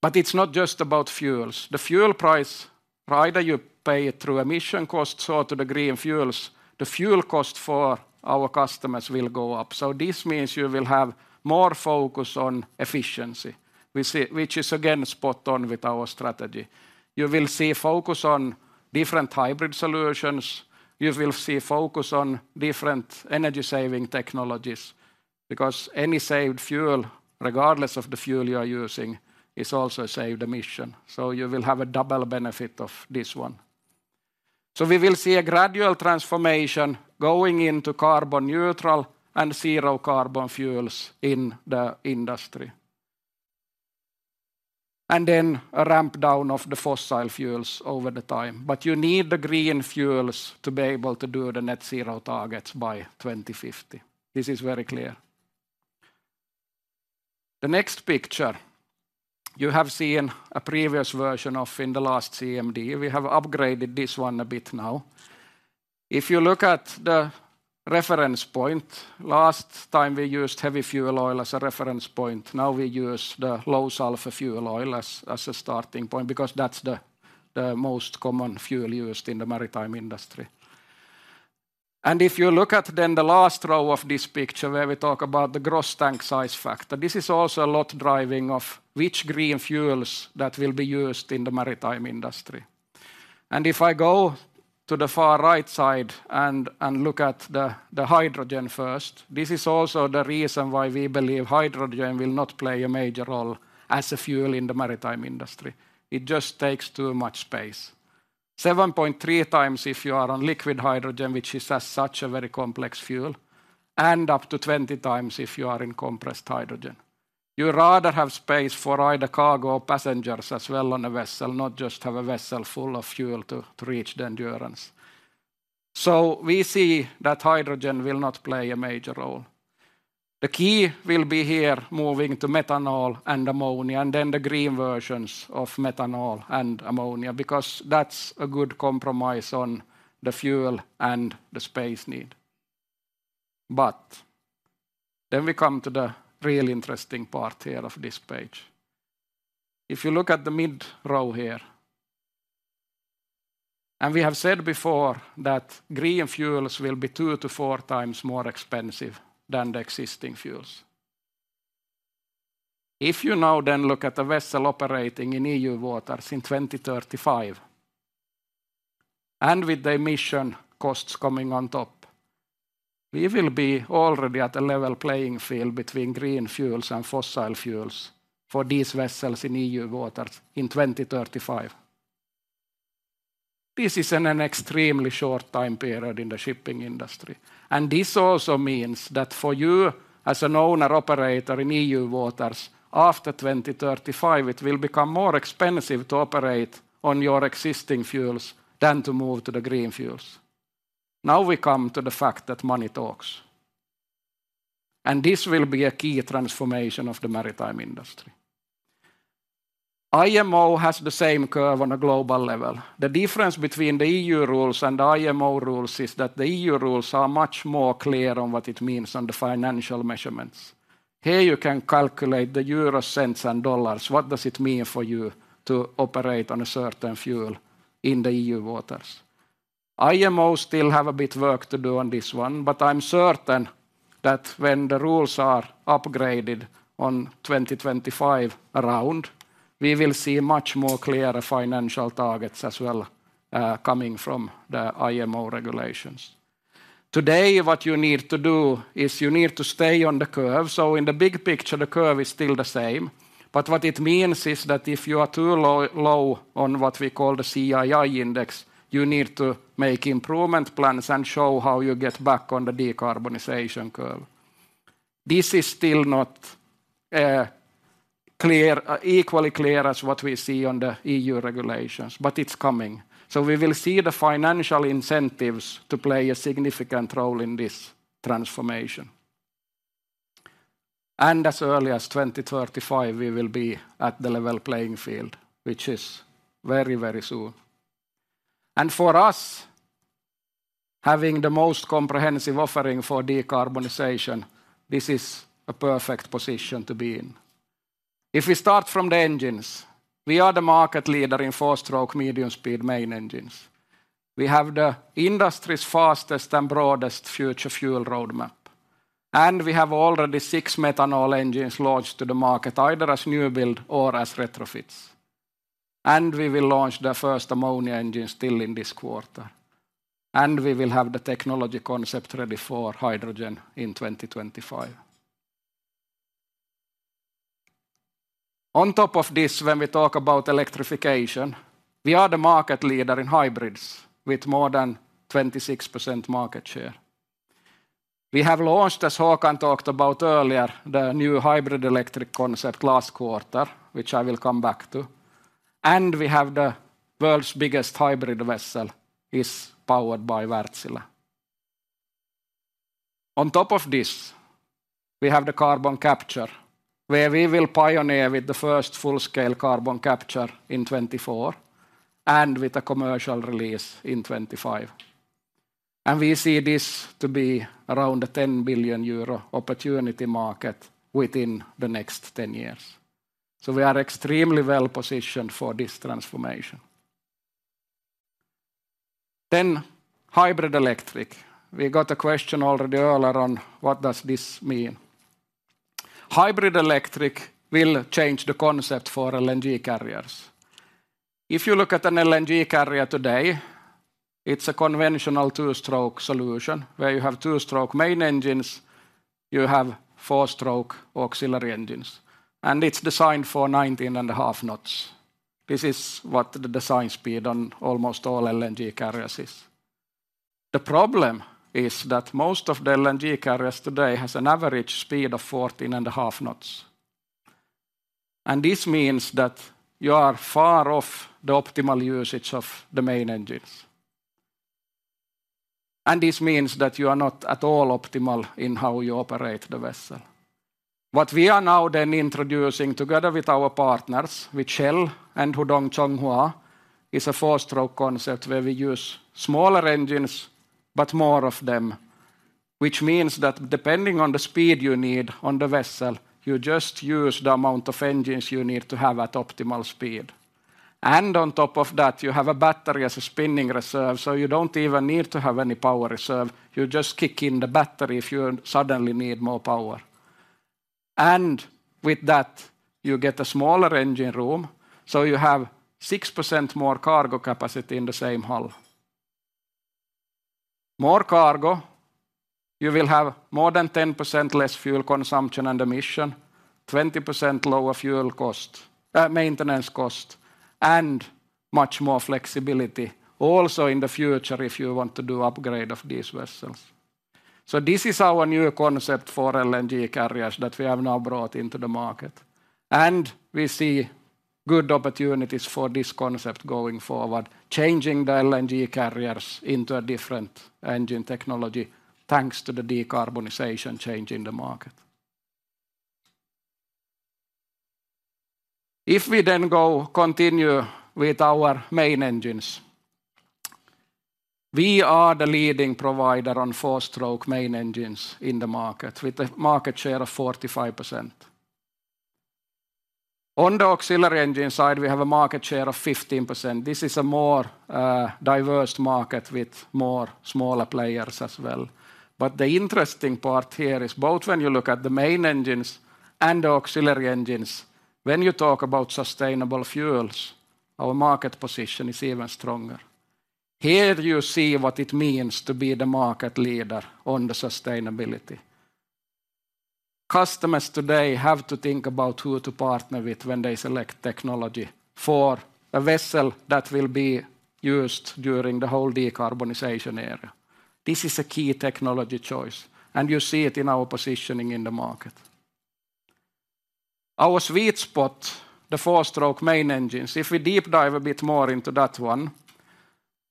But it's not just about fuels. The fuel price, either you pay it through emission costs or to the green fuels, the fuel cost for our customers will go up. So this means you will have more focus on efficiency, we see—which is, again, spot on with our strategy. You will see focus on different hybrid solutions. You will see focus on different energy-saving technologies, because any saved fuel, regardless of the fuel you are using, is also a saved emission, so you will have a double benefit of this one. So we will see a gradual transformation going into carbon-neutral and zero-carbon fuels in the industry, and then a ramp down of the fossil fuels over the time. But you need the green fuels to be able to do the net zero targets by 2050. This is very clear. The next picture, you have seen a previous version of in the last CMD. We have upgraded this one a bit now... If you look at the reference point, last time we used heavy fuel oil as a reference point. Now we use the low-sulfur fuel oil as a starting point, because that's the most common fuel used in the maritime industry. And if you look at then the last row of this picture, where we talk about the gross tank size factor, this is also a lot driving of which green fuels that will be used in the maritime industry. And if I go to the far right side and look at the hydrogen first, this is also the reason why we believe hydrogen will not play a major role as a fuel in the maritime industry. It just takes too much space. 7.3 times if you are on liquid hydrogen, which is as such, a very complex fuel, and up to 20 times if you are in compressed hydrogen. You rather have space for either cargo or passengers as well on a vessel, not just have a vessel full of fuel to reach the endurance. So we see that hydrogen will not play a major role. The key will be here, moving to methanol and ammonia, and then the green versions of methanol and ammonia, because that's a good compromise on the fuel and the space need. But then we come to the real interesting part here of this page. If you look at the mid row here, and we have said before that green fuels will be two to four times more expensive than the existing fuels. If you now then look at the vessel operating in EU waters in 2035, and with the emission costs coming on top, we will be already at a level playing field between green fuels and fossil fuels for these vessels in EU waters in 2035. This is an extremely short time period in the shipping industry, and this also means that for you, as an owner-operator in EU waters, after 2035, it will become more expensive to operate on your existing fuels than to move to the green fuels. Now, we come to the fact that money talks, and this will be a key transformation of the maritime industry. IMO has the same curve on a global level. The difference between the EU rules and the IMO rules is that the EU rules are much more clear on what it means on the financial measurements. Here, you can calculate the euro, cents, and dollars. What does it mean for you to operate on a certain fuel in the EU waters? IMO still has a bit of work to do on this one, but I'm certain that when the rules are upgraded around 2025, we will see much more clearer financial targets as well, coming from the IMO regulations. Today, what you need to do is you need to stay on the curve. So in the big picture, the curve is still the same, but what it means is that if you are too low, low on what we call the CII index, you need to make improvement plans and show how you get back on the decarbonization curve. This is still not clear, equally clear as what we see on the EU regulations, but it's coming. So we will see the financial incentives to play a significant role in this transformation. As early as 2035, we will be at the level playing field, which is very, very soon. For us, having the most comprehensive offering for decarbonization, this is a perfect position to be in. If we start from the engines, we are the market leader in four-stroke, medium-speed main engines. We have the industry's fastest and broadest future fuel roadmap, and we have already six methanol engines launched to the market, either as new build or as retrofits. We will launch the first ammonia engine still in this quarter, and we will have the technology concept ready for hydrogen in 2025. On top of this, when we talk about electrification, we are the market leader in hybrids, with more than 26% market share. We have launched, as Håkan talked about earlier, the new hybrid electric concept last quarter, which I will come back to, and we have the world's biggest hybrid vessel is powered by Wärtsilä. On top of this, we have the carbon capture, where we will pioneer with the first full-scale carbon capture in 2024, and with a commercial release in 2025. And we see this to be around a 10 billion euro opportunity market within the next 10 years. So we are extremely well-positioned for this transformation. Then hybrid electric. We got a question already earlier on: What does this mean? Hybrid electric will change the concept for LNG carriers. If you look at an LNG carrier today, it's a conventional two-stroke solution, where you have two-stroke main engines, you have four-stroke auxiliary engines, and it's designed for 19.5 knots. This is what the design speed on almost all LNG carriers is. The problem is that most of the LNG carriers today has an average speed of 14.5 knots, and this means that you are far off the optimal usage of the main engines. This means that you are not at all optimal in how you operate the vessel. What we are now then introducing together with our partners, with Shell and Hudong-Zhonghua, is a four-stroke concept where we use smaller engines, but more of them, which means that depending on the speed you need on the vessel, you just use the amount of engines you need to have at optimal speed. And on top of that, you have a battery as a spinning reserve, so you don't even need to have any power reserve. You just kick in the battery if you suddenly need more power. And with that, you get a smaller engine room, so you have 6% more cargo capacity in the same hull. More cargo, you will have more than 10% less fuel consumption and emission, 20% lower fuel cost, maintenance cost, and much more flexibility also in the future if you want to do upgrade of these vessels. So this is our new concept for LNG carriers that we have now brought into the market, and we see good opportunities for this concept going forward, changing the LNG carriers into a different engine technology, thanks to the decarbonization change in the market. If we then go continue with our main engines, we are the leading provider on four-stroke main engines in the market, with a market share of 45%. On the auxiliary engine side, we have a market share of 15%. This is a more, diverse market with more smaller players as well. But the interesting part here is, both when you look at the main engines and the auxiliary engines, when you talk about sustainable fuels, our market position is even stronger. Here you see what it means to be the market leader on the sustainability. Customers today have to think about who to partner with when they select technology for a vessel that will be used during the whole decarbonization era. This is a key technology choice, and you see it in our positioning in the market. Our sweet spot, the four-stroke main engines, if we deep dive a bit more into that one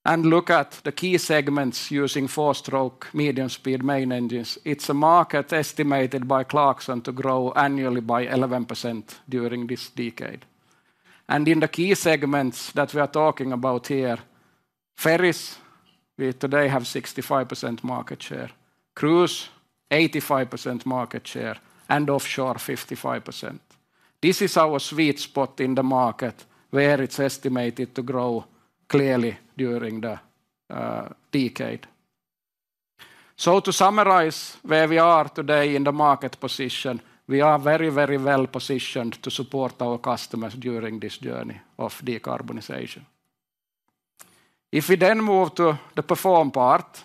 and look at the key segments using four-stroke medium-speed main engines, it's a market estimated by Clarksons to grow annually by 11% during this decade. And in the key segments that we are talking about here, ferries, we today have 65% market share; cruise, 85% market share; and offshore, 55%. This is our sweet spot in the market, where it's estimated to grow clearly during the decade. So to summarize where we are today in the market position, we are very, very well positioned to support our customers during this journey of decarbonization. If we then move to the Perform part,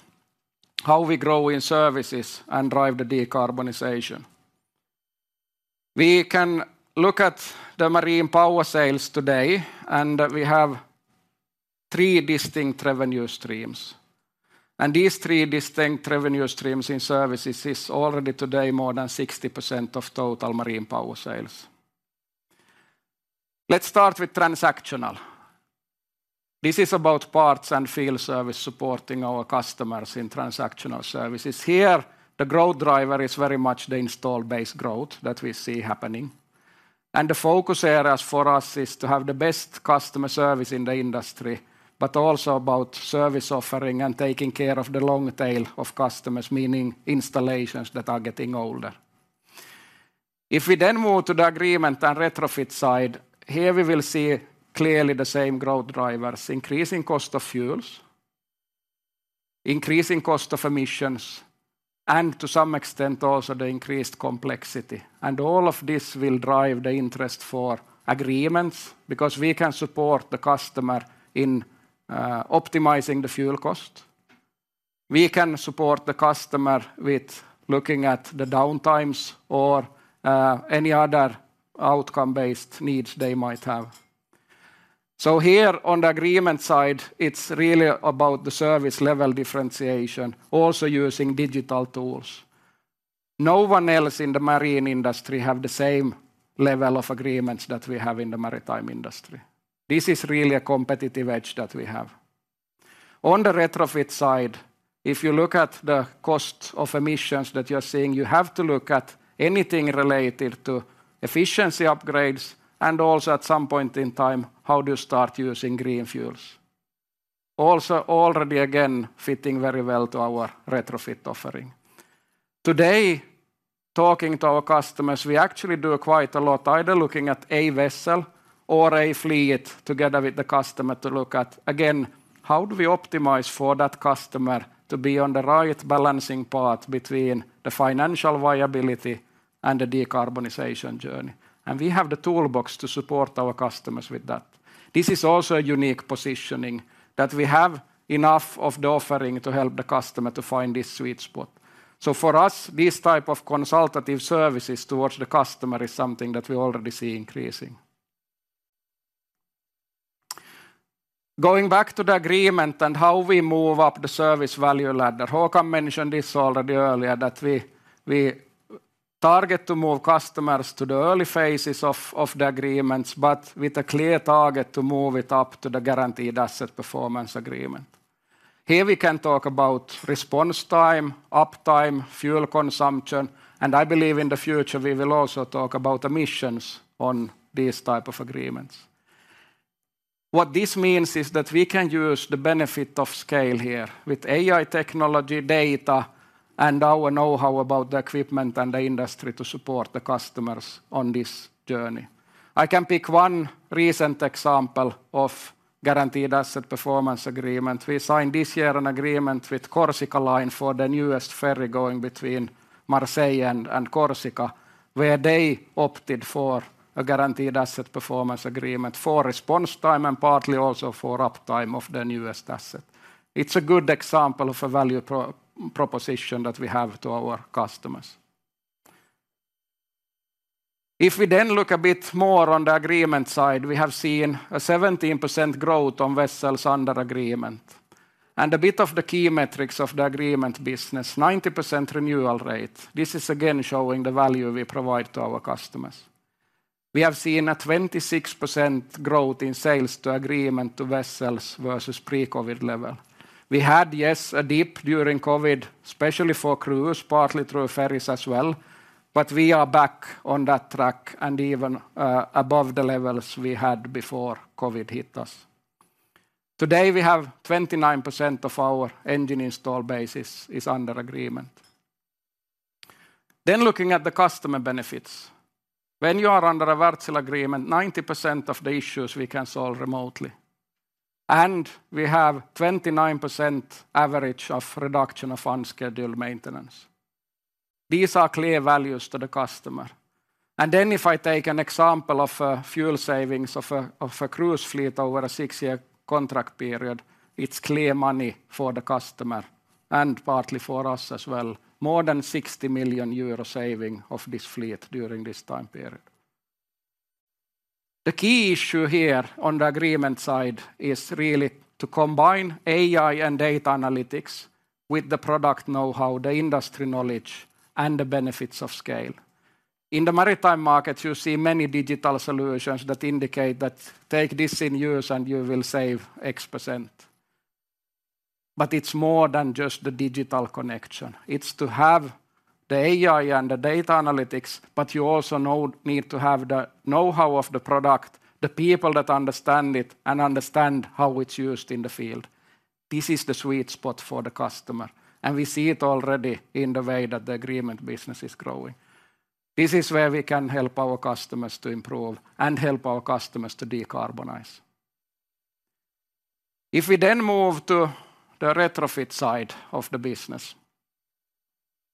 how we grow in services and drive the decarbonization. We can look at the Marine Power sales today, and we have three distinct revenue streams, and these three distinct revenue streams in services is already today more than 60% of total Marine Power sales. Let's start with transactional. This is about parts and field service supporting our customers in transactional services. Here, the growth driver is very much the installed base growth that we see happening, and the focus areas for us is to have the best customer service in the industry, but also about service offering and taking care of the long tail of customers, meaning installations that are getting older. If we then move to the agreement and retrofit side, here we will see clearly the same growth drivers: increasing cost of fuels, increasing cost of emissions, and to some extent, also the increased complexity. All of this will drive the interest for agreements, because we can support the customer in optimizing the fuel cost. We can support the customer with looking at the downtimes or any other outcome-based needs they might have. So here on the agreement side, it's really about the service-level differentiation, also using digital tools. No one else in the Marine industry have the same level of agreements that we have in the maritime industry. This is really a competitive edge that we have. On the retrofit side, if you look at the cost of emissions that you're seeing, you have to look at anything related to efficiency upgrades and also, at some point in time, how do you start using green fuels. Also, already, again, fitting very well to our retrofit offering. Today, talking to our customers, we actually do quite a lot, either looking at a vessel or a fleet together with the customer to look at, again, how do we optimize for that customer to be on the right balancing path between the financial viability and the decarbonization journey? We have the toolbox to support our customers with that. This is also a unique positioning, that we have enough of the offering to help the customer to find this sweet spot. For us, this type of consultative services towards the customer is something that we already see increasing. Going back to the agreement and how we move up the service value ladder, Håkan mentioned this already earlier, that we target to move customers to the early phases of the agreements, but with a clear target to move it up to the Guaranteed Asset Performance agreement. Here we can talk about response time, uptime, fuel consumption, and I believe in the future, we will also talk about emissions on these type of agreements. What this means is that we can use the benefit of scale here with AI technology data and our know-how about the equipment and the industry to support the customers on this journey. I can pick one recent example of Guaranteed Asset Performance agreement. We signed this year an agreement with Corsica Linea for the newest ferry going between Marseille and Corsica, where they opted for a Guaranteed Asset Performance agreement for response time, and partly also for uptime of the newest asset. It's a good example of a value proposition that we have to our customers. If we then look a bit more on the agreement side, we have seen a 17% growth on vessels under agreement. A bit of the key metrics of the agreement business, 90% renewal rate. This is again showing the value we provide to our customers. We have seen a 26% growth in sales to agreement to vessels versus pre-COVID level. We had, yes, a dip during COVID, especially for cruise, partly through ferries as well, but we are back on that track and even above the levels we had before COVID hit us. Today, we have 29% of our engine installed base is under agreement. Then looking at the customer benefits. When you are under a Wärtsilä agreement, 90% of the issues we can solve remotely, and we have 29% average of reduction of unscheduled maintenance. These are clear values to the customer. If I take an example of a fuel savings of a cruise fleet over a six-year contract period, it's clear money for the customer and partly for us as well. More than 60 million euro saving of this fleet during this time period. The key issue here on the agreement side is really to combine AI and data analytics with the product know-how, the industry knowledge, and the benefits of scale. In the maritime markets, you see many digital solutions that indicate that, "Take this in use, and you will save X%." But it's more than just the digital connection. It's to have the AI and the data analytics, but you also need to have the know-how of the product, the people that understand it, and understand how it's used in the field. This is the sweet spot for the customer, and we see it already in the way that the agreement business is growing. This is where we can help our customers to improve and help our customers to decarbonize. If we then move to the retrofit side of the business,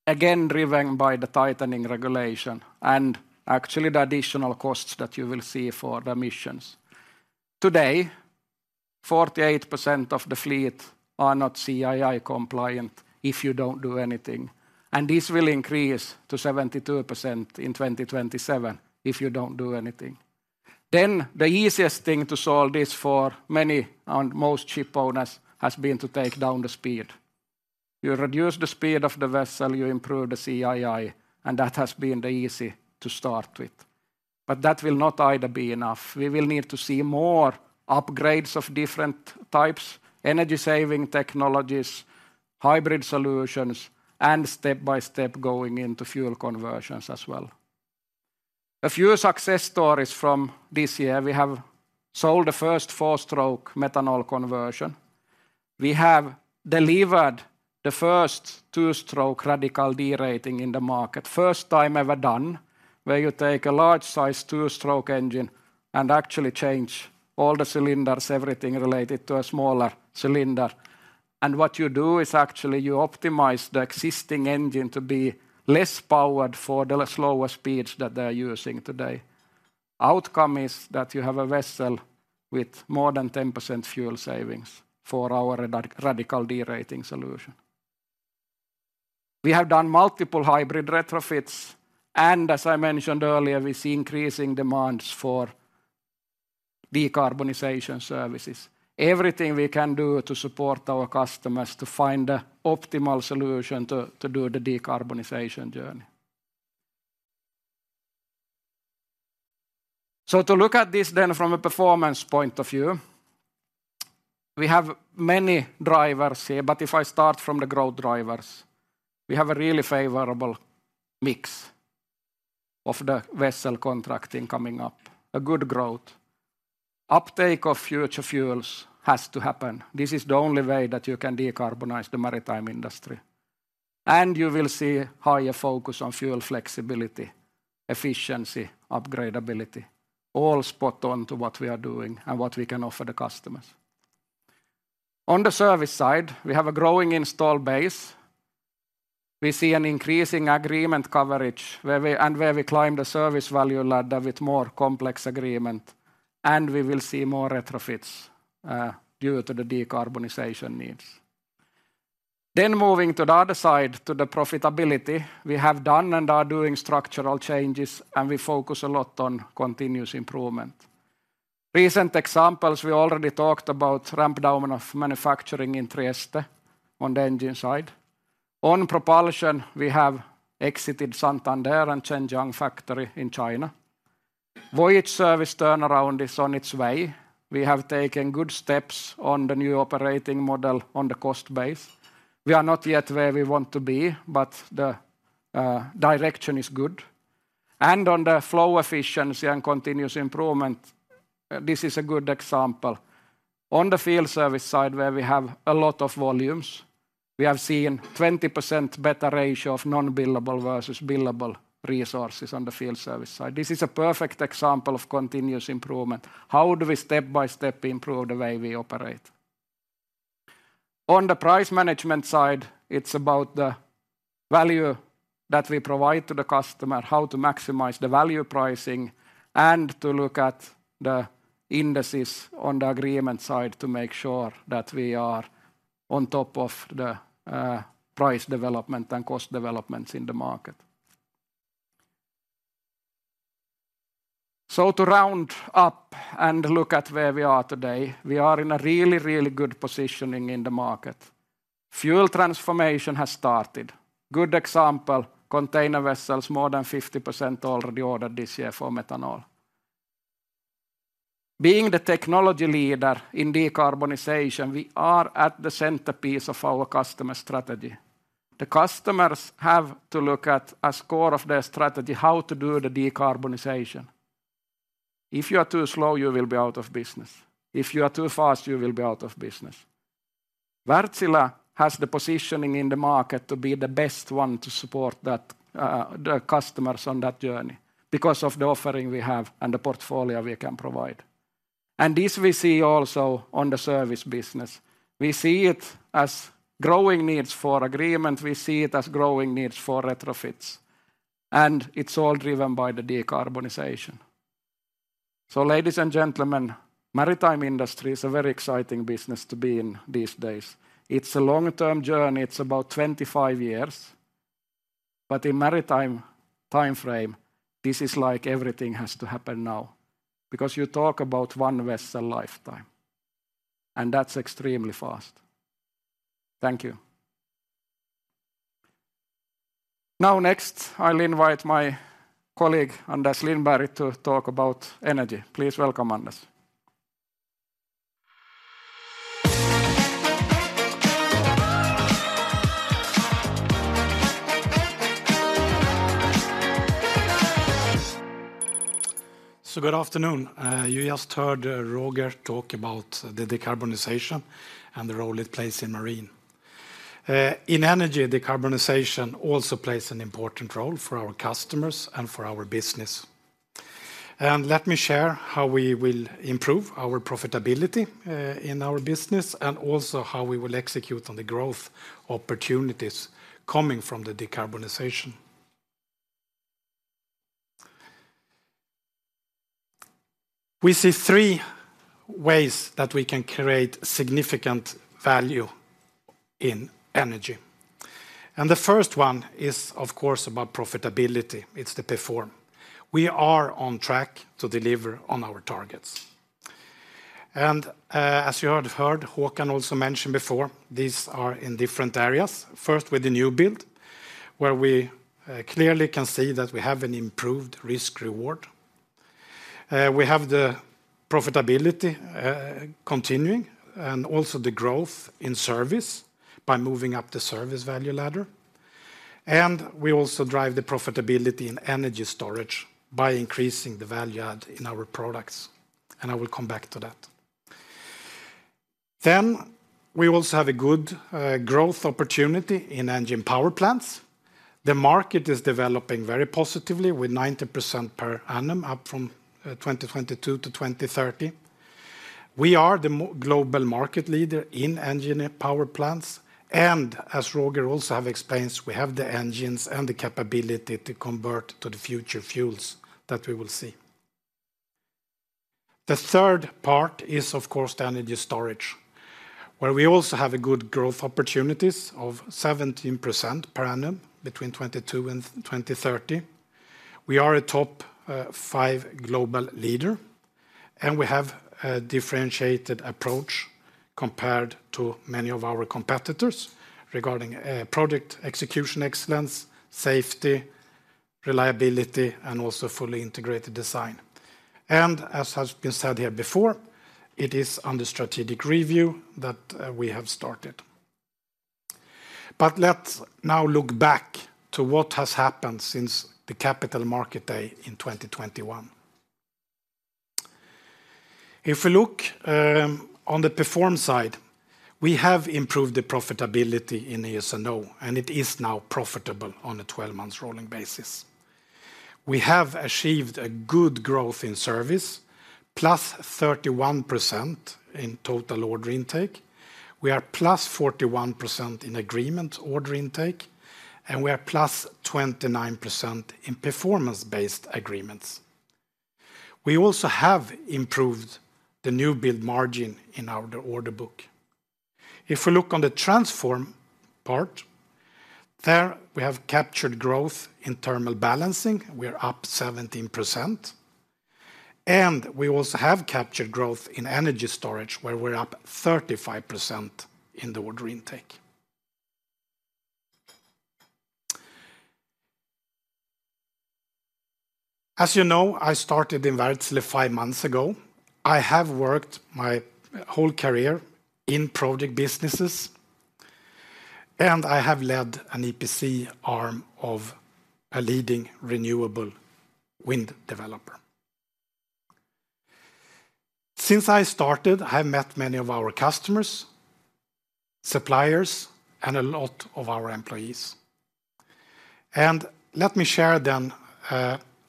again, driven by the tightening regulation and actually the additional costs that you will see for the emissions. Today, 48% of the fleet are not CII compliant if you don't do anything, and this will increase to 72% in 2027, if you don't do anything. Then the easiest thing to solve this for many and most ship owners has been to take down the speed. You reduce the speed of the vessel, you improve the CII, and that has been the easy to start with, but that will not either be enough. We will need to see more upgrades of different types, energy-saving technologies, hybrid solutions, and step by step, going into fuel conversions as well. A few success stories from this year. We have sold the first four-stroke methanol conversion. We have delivered the first two-stroke radical derating in the market. First time ever done, where you take a large size two-stroke engine and actually change all the cylinders, everything related to a smaller cylinder. And what you do is actually you optimize the existing engine to be less powered for the slower speeds that they are using today. Outcome is that you have a vessel with more than 10% fuel savings for our radical derating solution. We have done multiple hybrid retrofits, and as I mentioned earlier, we see increasing demands for decarbonization services. Everything we can do to support our customers to find an optimal solution to do the decarbonization journey. So to look at this then from a performance point of view, we have many drivers here, but if I start from the growth drivers, we have a really favorable mix of the vessel contracting coming up, a good growth. Uptake of future fuels has to happen. This is the only way that you can decarbonize the maritime industry, and you will see higher focus on fuel flexibility, efficiency, upgradeability, all spot on to what we are doing and what we can offer the customers. On the service side, we have a growing installed base. We see an increasing agreement coverage, where we and where we climb the service value ladder with more complex agreement, and we will see more retrofits due to the decarbonization needs. Then moving to the other side, to the profitability, we have done and are doing structural changes, and we focus a lot on continuous improvement. Recent examples, we already talked about ramp down of manufacturing in Trieste on the engine side. On propulsion, we have exited Santander and Zhenjiang factory in China. The Voyage service turnaround is on its way. We have taken good steps on the new operating model on the cost base. We are not yet where we want to be, but the direction is good. And on the flow efficiency and continuous improvement, this is a good example. On the field service side, where we have a lot of volumes, we have seen 20% better ratio of non-billable versus billable resources on the field service side. This is a perfect example of continuous improvement. How do we step by step improve the way we operate? On the price management side, it's about the value that we provide to the customer, how to maximize the value-based pricing, and to look at the indices on the agreement side to make sure that we are on top of the price development and cost developments in the market. So to round up and look at where we are today, we are in a really, really good positioning in the market. Fuel transformation has started. Good example, container vessels—more than 50% already ordered this year for methanol. Being the technology leader in decarbonization, we are at the centerpiece of our customer strategy. The customers have to look at a score of their strategy, how to do the decarbonization. If you are too slow, you will be out of business. If you are too fast, you will be out of business. Wärtsilä has the positioning in the market to be the best one to support that, the customers on that journey because of the offering we have and the portfolio we can provide. And this we see also in the Service business. We see it as growing needs for agreement. We see it as growing needs for retrofits, and it's all driven by the decarbonization. So ladies and gentlemen, maritime industry is a very exciting business to be in these days. It's a long-term journey. It's about 25 years. But in maritime timeframe, this is like everything has to happen now, because you talk about one vessel lifetime, and that's extremely fast. Thank you. Now, next, I'll invite my colleague, Anders Lindberg, to talk about Energy. Please welcome Anders. Good afternoon. You just heard Roger talk about the decarbonization and the role it plays in Marine. In Energy, decarbonization also plays an important role for our customers and for our business. Let me share how we will improve our profitability in our business and also how we will execute on the growth opportunities coming from the decarbonization. We see three ways that we can create significant value in Energy, and the first one is, of course, about profitability. It's the Perform. We are on track to deliver on our targets. As you have heard, Håkan also mentioned before, these are in different areas. First, with the new-build, where we clearly can see that we have an improved risk-reward. We have the profitability continuing and also the growth in Service by moving up the service value ladder. We also drive the profitability Energy Storage by increasing the value-add in our products, and I will come back to that. We also have a good growth opportunity in engine power plants. The market is developing very positively, wth 90% per annum, up from 2022 to 2030. We are the most global market leader in engine power plants, and as Roger also have explained, we have the engines and the capability to convert to the future fuels that we will see. The third part is, of course, Energy Storage, where we also have a good growth opportunities of 17% per annum between 2022 and 2030. We are a top five global leader, and we have a differentiated approach compared to many of our competitors regarding project execution excellence, safety, reliability, and also fully integrated design. As has been said here before, it is under strategic review that we have started. Let's now look back to what has happened since the Capital Markets Day in 2021. If we look on the Perform side, we have improved the profitability in the ES&O, and it is now profitable on a 12-month rolling basis. We have achieved a good growth in service, +31% in total order intake. We are +41% in agreement order intake, and we are +29% in performance-based agreements. We also have improved the new build margin in our order book. If we look on the Transform part, there, we have captured growth in thermal balancing. We are up 17%, and we also have captured growth Energy Storage, where we're up 35% in the order intake. As you know, I started in Wärtsilä five months ago. I have worked my whole career in project businesses, and I have led an EPC arm of a leading renewable wind developer. Since I started, I have met many of our customers, suppliers, and a lot of our employees. And let me share then,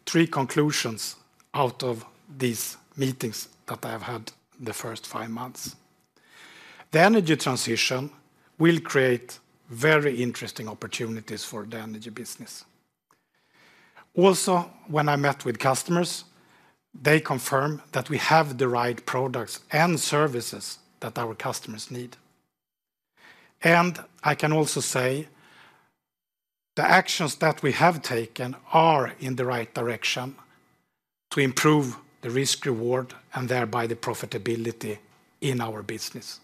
three conclusions out of these meetings that I have had the first five months. The energy transition will create very interesting opportunities for the Energy business. Also, when I met with customers, they confirm that we have the right products and services that our customers need. And I can also say the actions that we have taken are in the right direction to improve the risk-reward, and thereby the profitability in our business.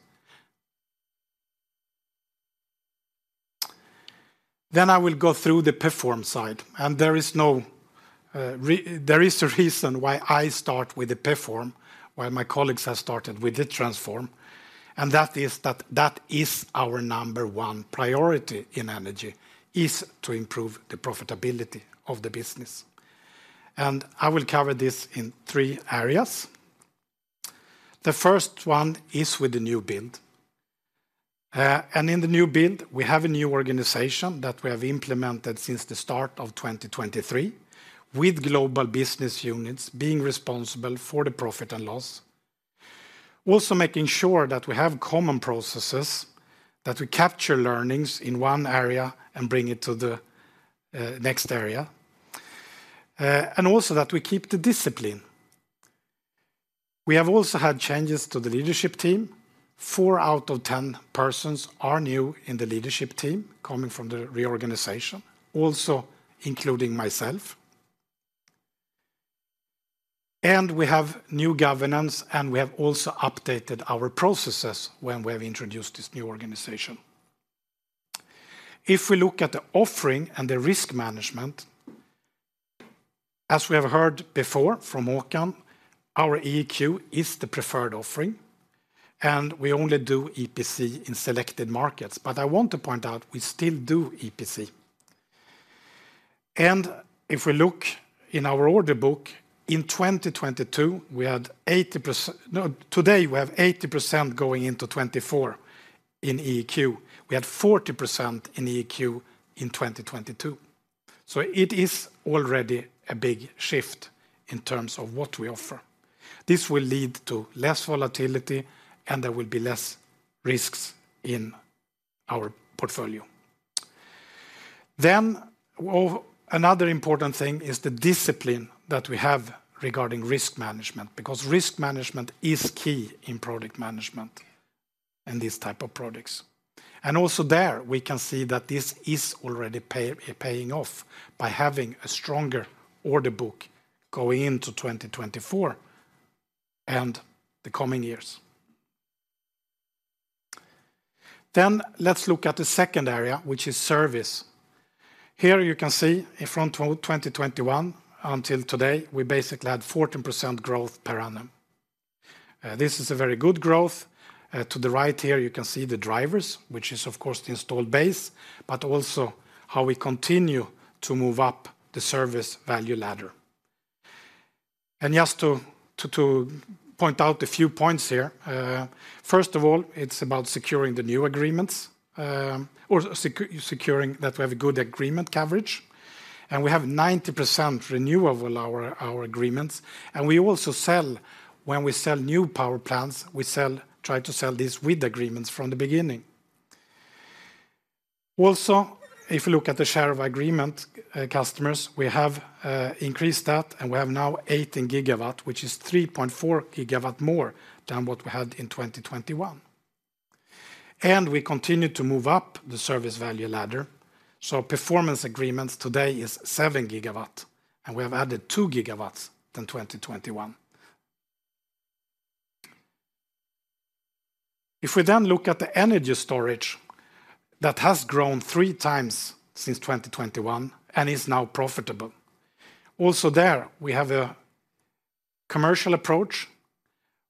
Then I will go through the Perform side, and there is no, there is a reason why I start with the Perform, while my colleagues have started with the Transform, and that is that, that is our number one priority in Energy, is to improve the profitability of the business. And I will cover this in three areas. The first one is with the new build. And in the new build, we have a new organization that we have implemented since the start of 2023, with global business units being responsible for the profit and loss. Also, making sure that we have common processes, that we capture learnings in one area and bring it to the next area, and also that we keep the discipline. We have also had changes to the leadership team. Four out of 10 persons are new in the leadership team, coming from the reorganization, also including myself. We have new governance, and we have also updated our processes when we have introduced this new organization. If we look at the offering and the risk management, as we have heard before from Håkan, our EEQ is the preferred offering, and we only do EPC in selected markets. I want to point out, we still do EPC. If we look in our order book, in 2022, we had 80%—no, today, we have 80% going into 2024 in EEQ. We had 40% in EEQ in 2022. It is already a big shift in terms of what we offer. This will lead to less volatility, and there will be less risks in our portfolio. Then, oh, another important thing is the discipline that we have regarding risk management, because risk management is key in project management and these type of projects. And also there, we can see that this is already paying off by having a stronger order book going into 2024 and the coming years. Then, let's look at the second area, which is service. Here you can see from 2021 until today, we basically had 14% growth per annum. This is a very good growth. To the right here, you can see the drivers, which is, of course, the installed base, but also how we continue to move up the service value ladder. And just to point out a few points here, first of all, it's about securing the new agreements, or securing that we have a good agreement coverage, and we have 90% renewal rate of our agreements, and we also sell—When we sell new power plants, we sell, try to sell these with agreements from the beginning. Also, if you look at the share of agreement customers, we have increased that, and we have now 18 GW, which is 3.4 GW more than what we had in 2021. And we continue to move up the service value ladder, so performance-based agreements today is 7 GW, and we have added 2 GW than 2021. If we then look at Energy Storage, that has grown three times since 2021 and is now profitable. Also there, we have a commercial approach,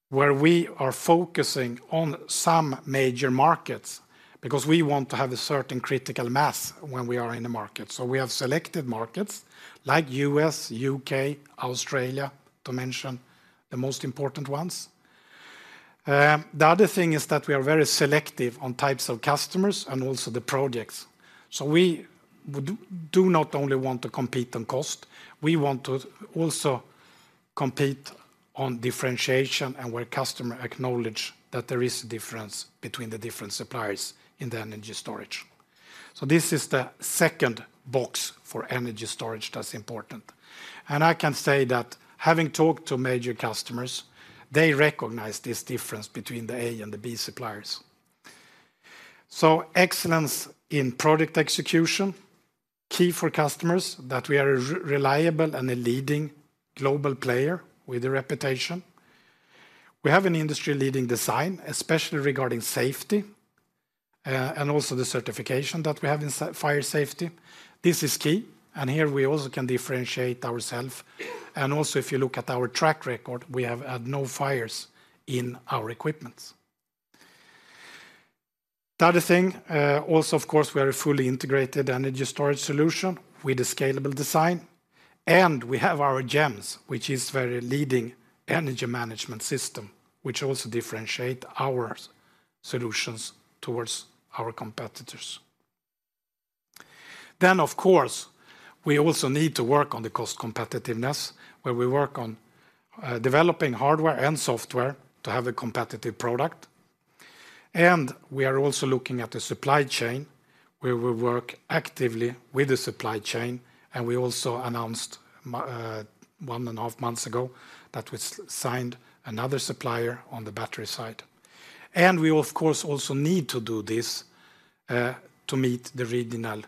where we are focusing on some major markets, because we want to have a certain critical mass when we are in the market. So we have selected markets, like U.S., U.K., Australia, to mention the most important ones. The other thing is that we are very selective on types of customers and also the projects. So we do not only want to compete on cost, we want to also compete on differentiation and where customer acknowledge that there is a difference between the different suppliers in Energy Storage. so this is the second box Energy Storage that's important. I can say that having talked to major customers, they recognize this difference between the A and the B suppliers. So excellence in project execution, key for customers, that we are reliable and a leading global player with a reputation. We have an industry-leading design, especially regarding safety, and also the certification that we have in fire safety. This is key, and here we also can differentiate ourselves. And also, if you look at our track record, we have had no fires in our equipment. The other thing, also, of course, we are a fully Energy Storage solution with a scalable design, and we have our GEMS, which is very leading Energy management system, which also differentiate our solutions towards our competitors. Then, of course, we also need to work on the cost-competitiveness, where we work on developing hardware and software to have a competitive product. And we are also looking at the supply chain, where we work actively with the supply chain, and we also announced 1.5 months ago that we signed another supplier on the battery side. And we, of course, also need to do this to meet the regional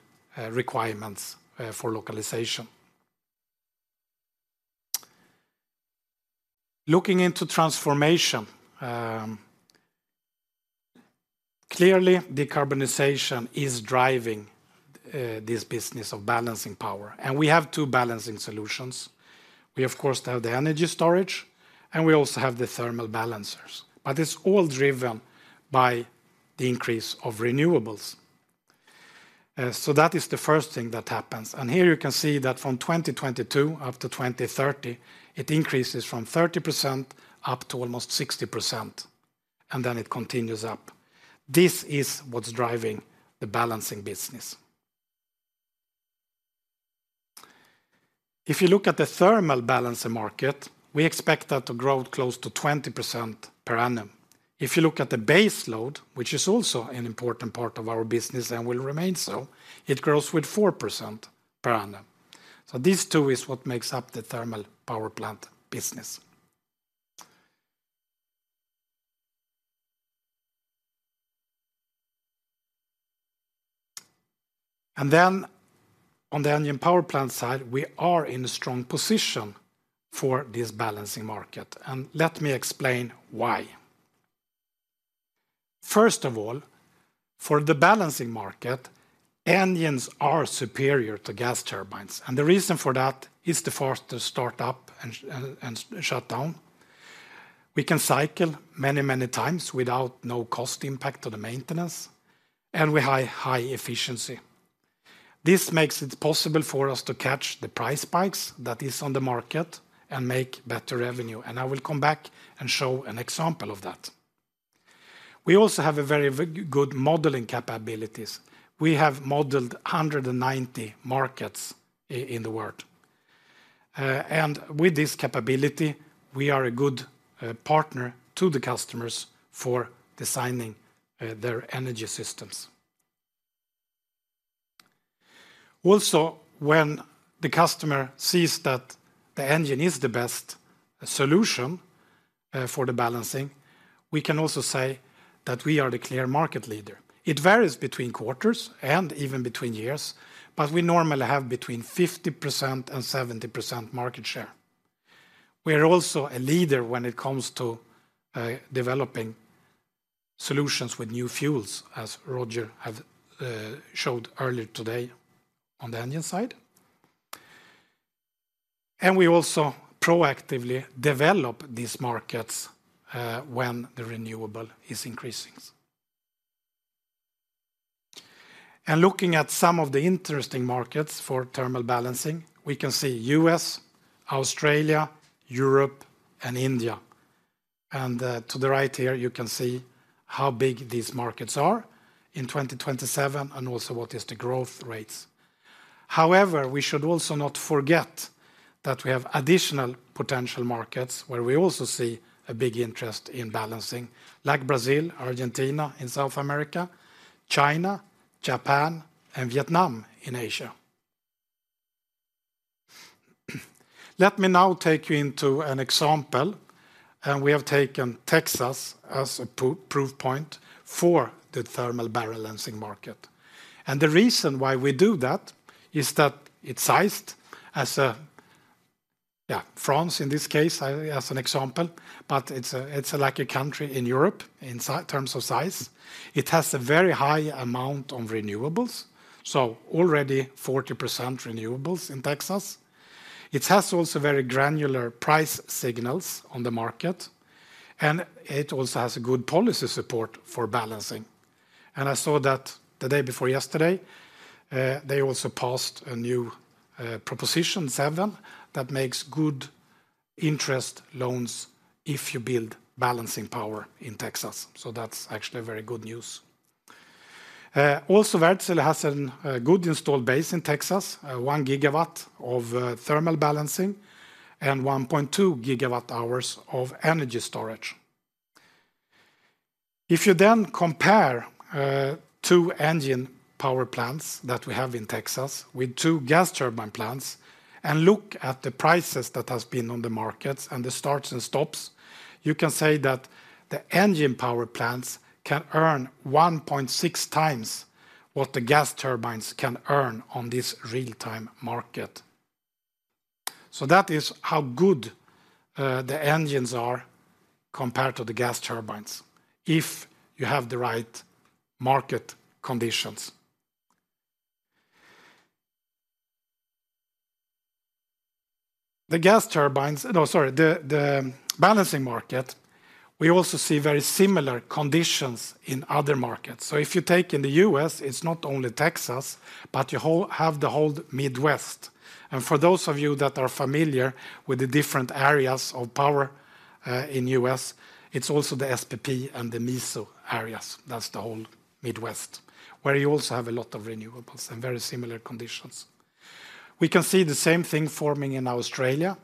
requirements for localization. Looking into transformation, clearly, decarbonization is driving this business of balancing power, and we have two balancing solutions. We, of course, have Energy Storage, and we also have the thermal balancers, but it's all driven by the increase of renewables. So that is the first thing that happens, and here you can see that from 2022 up to 2030, it increases from 30% up to almost 60%, and then it continues up. This is what's driving the balancing business. If you look at the thermal balancer market, we expect that to grow close to 20% per annum. If you look at the baseload, which is also an important part of our business and will remain so, it grows with 4% per annum. So these two is what makes up the thermal power plant business. And then on the engine power plant side, we are in a strong position for this balancing market, and let me explain why. First of all, for the balancing market, engines are superior to gas turbines, and the reason for that is the faster start up and shut down. We can cycle many, many times without no cost impact on the maintenance, and we have high efficiency. This makes it possible for us to catch the price spikes that is on the market and make better revenue, and I will come back and show an example of that. We also have a very good modeling capabilities. We have modeled 190 markets in the world. And with this capability, we are a good partner to the customers for designing their energy systems. Also, when the customer sees that the engine is the best solution for the balancing, we can also say that we are the clear market leader. It varies between quarters and even between years, but we normally have between 50% and 70% market share. We are also a leader when it comes to developing solutions with new fuels, as Roger have showed earlier today on the engine side. We also proactively develop these markets when the renewable is increasing. Looking at some of the interesting markets for thermal balancing, we can see US, Australia, Europe, and India. To the right here, you can see how big these markets are in 2027 and also what is the growth rates. However, we should also not forget that we have additional potential markets where we also see a big interest in balancing, like Brazil, Argentina in South America, China, Japan, and Vietnam in Asia. Let me now take you into an example, and we have taken Texas as a proof point for the thermal balancing market. The reason why we do that is that it's sized as a... yeah, France, in this case, as an example, but it's a, it's like a country in Europe in size terms. It has a very high amount of renewables, so already 40% renewables in Texas. It has also very granular price signals on the market, and it also has a good policy support for balancing. And I saw that the day before yesterday, they also passed a new, Proposition 7, that makes good interest loans if you build balancing power in Texas, so that's actually very good news. Also, Wärtsilä has a good installed base in Texas, 1 GW of thermal balancing and 1.2 GWh of Energy Storage. If you then compare two engine power plants that we have in Texas with two gas turbine plants and look at the prices that has been on the markets and the starts and stops, you can say that the engine power plants can earn 1.6 times what the gas turbines can earn on this real-time market. So that is how good the engines are compared to the gas turbines, if you have the right market conditions. The balancing market, we also see very similar conditions in other markets. So if you take in the U.S., it's not only Texas, but you have the whole Midwest. And for those of you that are familiar with the different areas of power in U.S., it's also the SPP and the MISO areas. That's the whole Midwest, where you also have a lot of renewables and very similar conditions. We can see the same thing forming in Australia,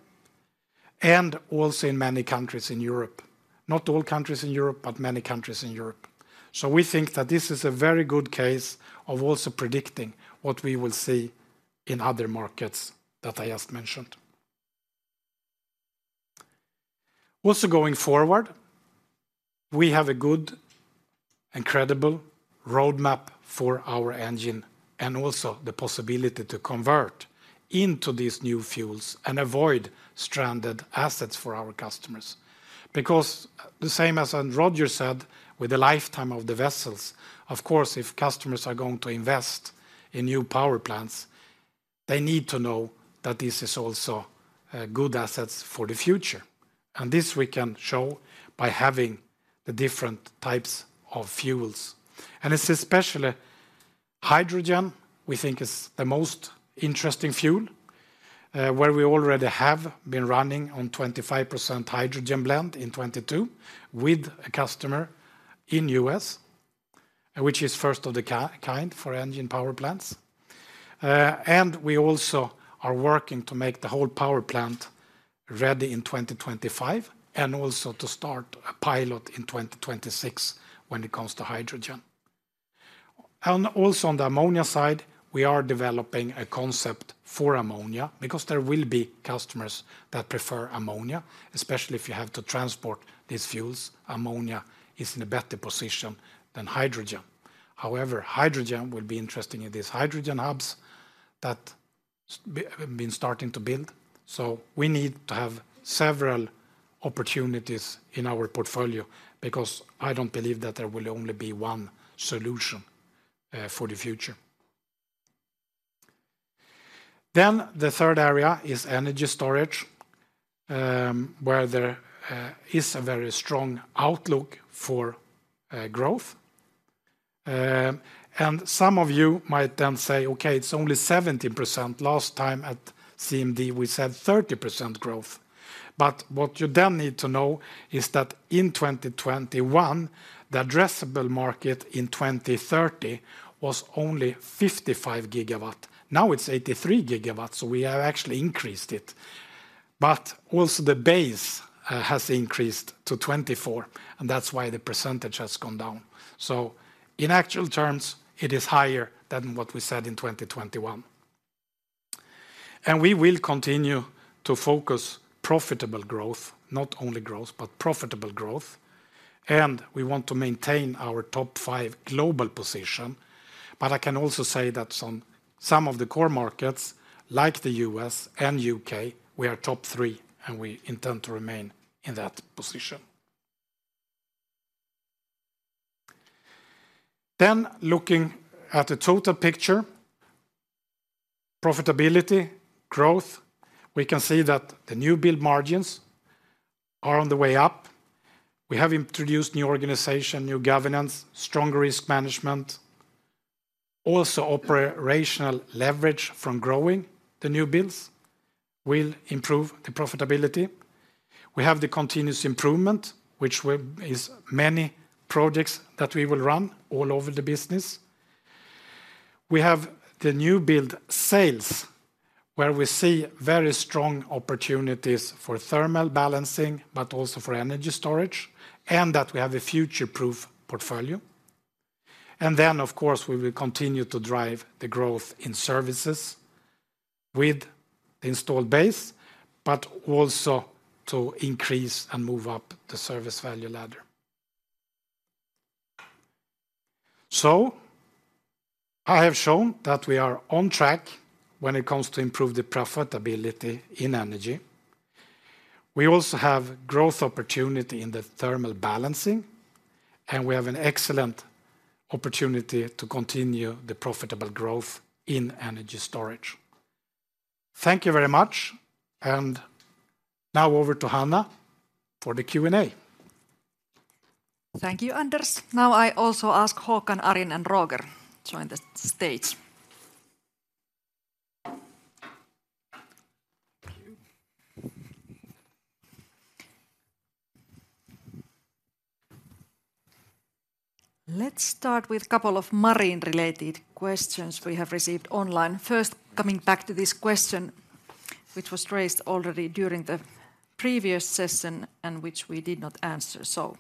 and also in many countries in Europe. Not all countries in Europe, but many countries in Europe. So we think that this is a very good case of also predicting what we will see in other markets that I just mentioned. Also, going forward, we have a good and credible roadmap for our engine, and also the possibility to convert into these new fuels and avoid stranded assets for our customers. Because the same as, Roger said, with the lifetime of the vessels, of course, if customers are going to invest in new power plants, they need to know that this is also, good assets for the future, and this we can show by having the different types of fuels. And it's especially hydrogen, we think is the most interesting fuel, where we already have been running on 25% hydrogen blend in 2022 with a customer in U.S., which is first of the kind for engine power plants. And we also are working to make the whole power plant ready in 2025, and also to start a pilot in 2026 when it comes to hydrogen. And also on the ammonia side, we are developing a concept for ammonia, because there will be customers that prefer ammonia. Especially if you have to transport these fuels, ammonia is in a better position than hydrogen. However, hydrogen will be interesting in these hydrogen hubs that we, we've been starting to build. So we need to have several opportunities in our portfolio, because I don't believe that there will only be one solution for the future. Then the third area Energy Storage, where there is a very strong outlook for growth. And some of you might then say, "Okay, it's only 70%. Last time at CMD, we said 30% growth." But what you then need to know is that in 2021, the addressable market in 2030 was only 55 GW. Now, it's 83 GW, so we have actually increased it. But also the base has increased to 24, and that's why the percentage has gone down. So in actual terms, it is higher than what we said in 2021. And we will continue to focus profitable growth, not only growth, but profitable growth, and we want to maintain our top-five global position. But I can also say that some of the core markets, like the U.S. and U.K., we are top three, and we intend to remain in that position. Then, looking at the total picture, profitability, growth, we can see that the new build margins are on the way up. We have introduced new organization, new governance, stronger risk management. Also, operational leverage from growing the new builds will improve the profitability. We have the continuous improvement, which is many projects that we will run all over the business. We have the new build sales, where we see very strong opportunities for thermal balancing, but also Energy Storage, and that we have a future-proof portfolio. And then, of course, we will continue to drive the growth in services with the installed base, but also to increase and move up the service value ladder. So I have shown that we are on track when it comes to improve the profitability in Energy. We also have growth opportunity in the thermal balancing, and we have an excellent opportunity to continue the profitable growth Energy Storage. thank you very much, and now over to Hanna for the Q&A. Thank you, Anders. Now, I also ask Håkan, Arjen, and Roger to join the stage. Thank you. Let's start with couple of Marine-related questions we have received online. First, coming back to this question, which was raised already during the previous session and which we did not answer. So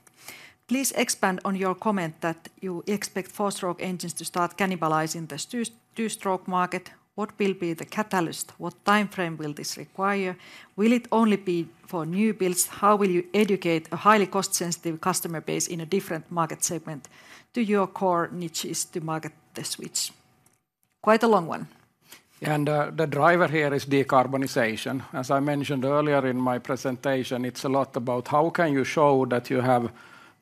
please expand on your comment that you expect four-stroke engines to start cannibalizing the two-stroke market. What will be the catalyst? What time frame will this require? Will it only be for new builds? How will you educate a highly cost-sensitive customer base in a different market segment to your core niches to market the switch?... Quite a long one. The driver here is decarbonization. As I mentioned earlier in my presentation, it's a lot about how can you show that you have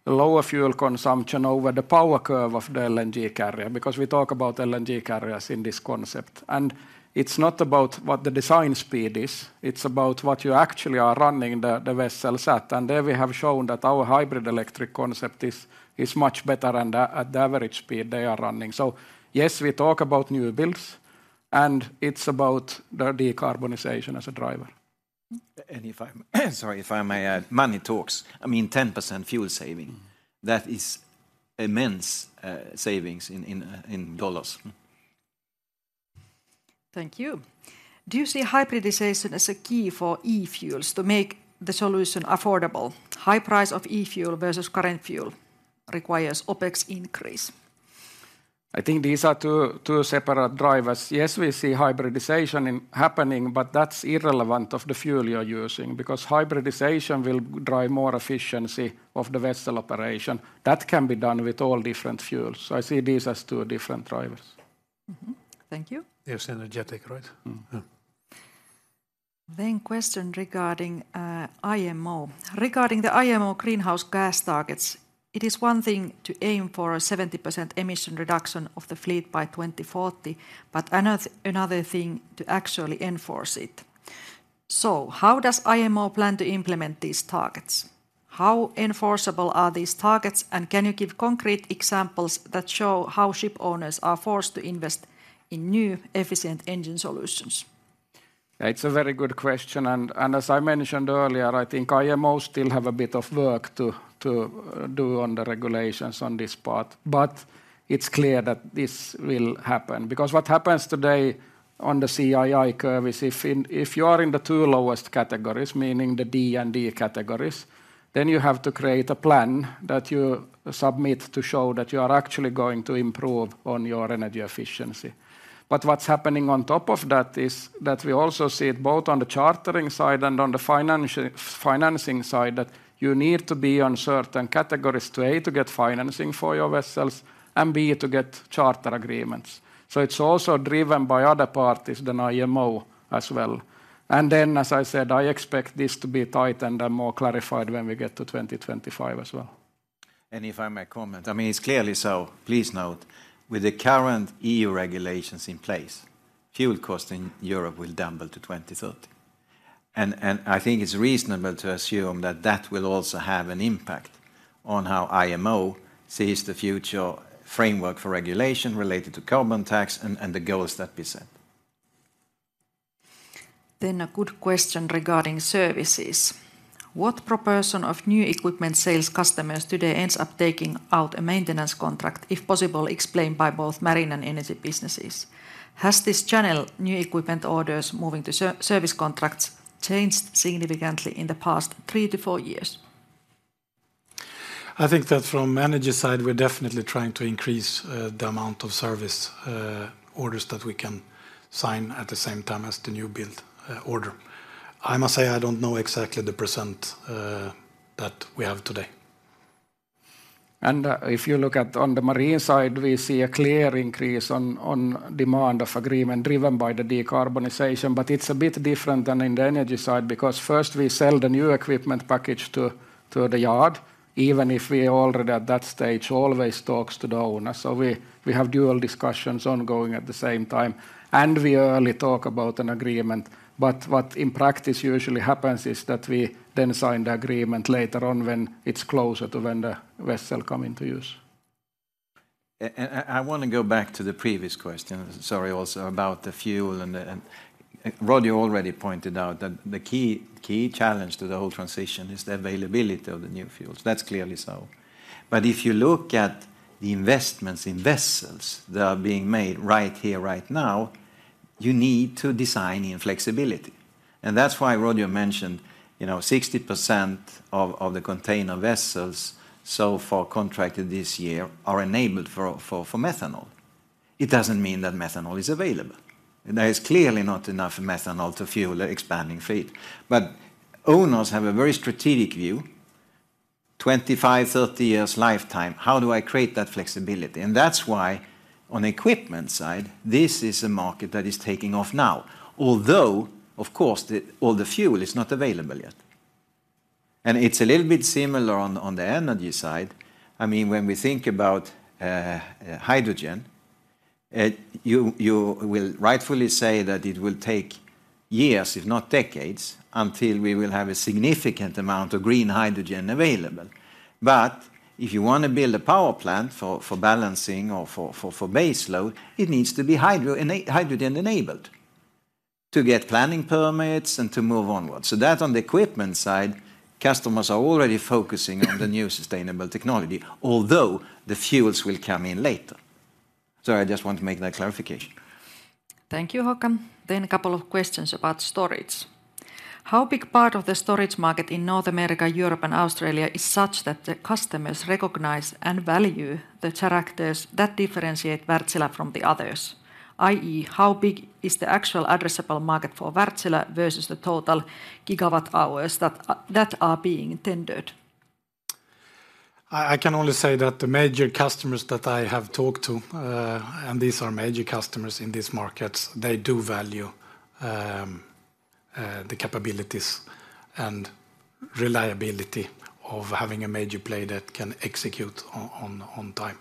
lower fuel consumption over the power curve of the LNG carrier, because we talk about LNG carriers in this concept. And it's not about what the design speed is, it's about what you actually are running the, the vessels at. And there we have shown that our hybrid electric concept is, is much better and at the average speed they are running. So yes, we talk about new builds, and it's about the decarbonization as a driver. And if I sorry, if I may add, money talks. I mean, 10% fuel saving, that is immense savings in dollars. Thank you. Do you see hybridization as a key for e-fuels to make the solution affordable? High price of e-fuel versus current fuel requires OpEx increase. I think these are two, two separate drivers. Yes, we see hybridization happening, but that's irrelevant of the fuel you're using, because hybridization will drive more efficiency of the vessel operation. That can be done with all different fuels, so I see these as two different drivers. Mm-hmm. Thank you. They're synergetic, right? Mm. Yeah. Then question regarding IMO: regarding the IMO greenhouse gas targets, it is one thing to aim for a 70% emission reduction of the fleet by 2040, but another, another thing to actually enforce it. So how does IMO plan to implement these targets? How enforceable are these targets, and can you give concrete examples that show how ship owners are forced to invest in new, efficient engine solutions? It's a very good question, and as I mentioned earlier, I think IMO still have a bit of work to do on the regulations on this part. But it's clear that this will happen, because what happens today on the CII curve is if you are in the two lowest categories, meaning the D and E categories, then you have to create a plan that you submit to show that you are actually going to improve on your energy efficiency. But what's happening on top of that is that we also see it, both on the chartering side and on the financing side, that you need to be on certain categories to, A, to get financing for your vessels, and, B, to get charter agreements. So it's also driven by other parties than IMO as well. As I said, I expect this to be tightened and more clarified when we get to 2025 as well. If I may comment, I mean, it's clearly so. Please note, with the current EU regulations in place, fuel cost in Europe will double to 2030. I think it's reasonable to assume that that will also have an impact on how IMO sees the future framework for regulation related to carbon tax and the goals that we set. A good question regarding services: what proportion of new equipment sales customers today ends up taking out a maintenance contract? If possible, explain by both Marine and Energy businesses. Has this channel, new equipment orders moving to service contracts, changed significantly in the past three to four years? I think that from Energy side, we're definitely trying to increase the amount of service orders that we can sign at the same time as the new build order. I must say, I don't know exactly the percent that we have today. If you look at on the Marine side, we see a clear increase on, on demand of agreement driven by the decarbonization, but it's a bit different than in the Energy side, because first we sell the new equipment package to, to the yard, even if we already at that stage always talks to the owner. So we, we have dual discussions ongoing at the same time, and we early talk about an agreement. But what in practice usually happens is that we then sign the agreement later on when it's closer to when the vessel come into use. And I wanna go back to the previous question, sorry, also about the fuel and the... And Roger already pointed out that the key, key challenge to the whole transition is the availability of the new fuels. That's clearly so. But if you look at the investments in vessels that are being made right here, right now, you need to design in flexibility, and that's why Roger mentioned, you know, 60% of, of the container vessels so far contracted this year are enabled for, for, for methanol. It doesn't mean that methanol is available. There is clearly not enough methanol to fuel the expanding fleet. But owners have a very strategic view, 25 to 30 years lifetime, "How do I create that flexibility?" And that's why, on the equipment side, this is a market that is taking off now, although, of course, all the fuel is not available yet. And it's a little bit similar on the Energy side. I mean, when we think about hydrogen, you will rightfully say that it will take years, if not decades, until we will have a significant amount of green hydrogen available. But if you wanna build a power plant for balancing or for base load, it needs to be hydrogen-enabled to get planning permits and to move onwards. So that on the equipment side, customers are already focusing on the new sustainable technology, although the fuels will come in later. So I just want to make that clarification. Thank you, Håkan. Then a couple of questions about storage: how big part of the storage market in North America, Europe, and Australia is such that the customers recognize and value the characters that differentiate Wärtsilä from the others? i.e., how big is the actual addressable market for Wärtsilä versus the total gigawatt hours that are being tendered?... I can only say that the major customers that I have talked to, and these are major customers in these markets, they do value the capabilities, and reliability of having a major player that can execute on time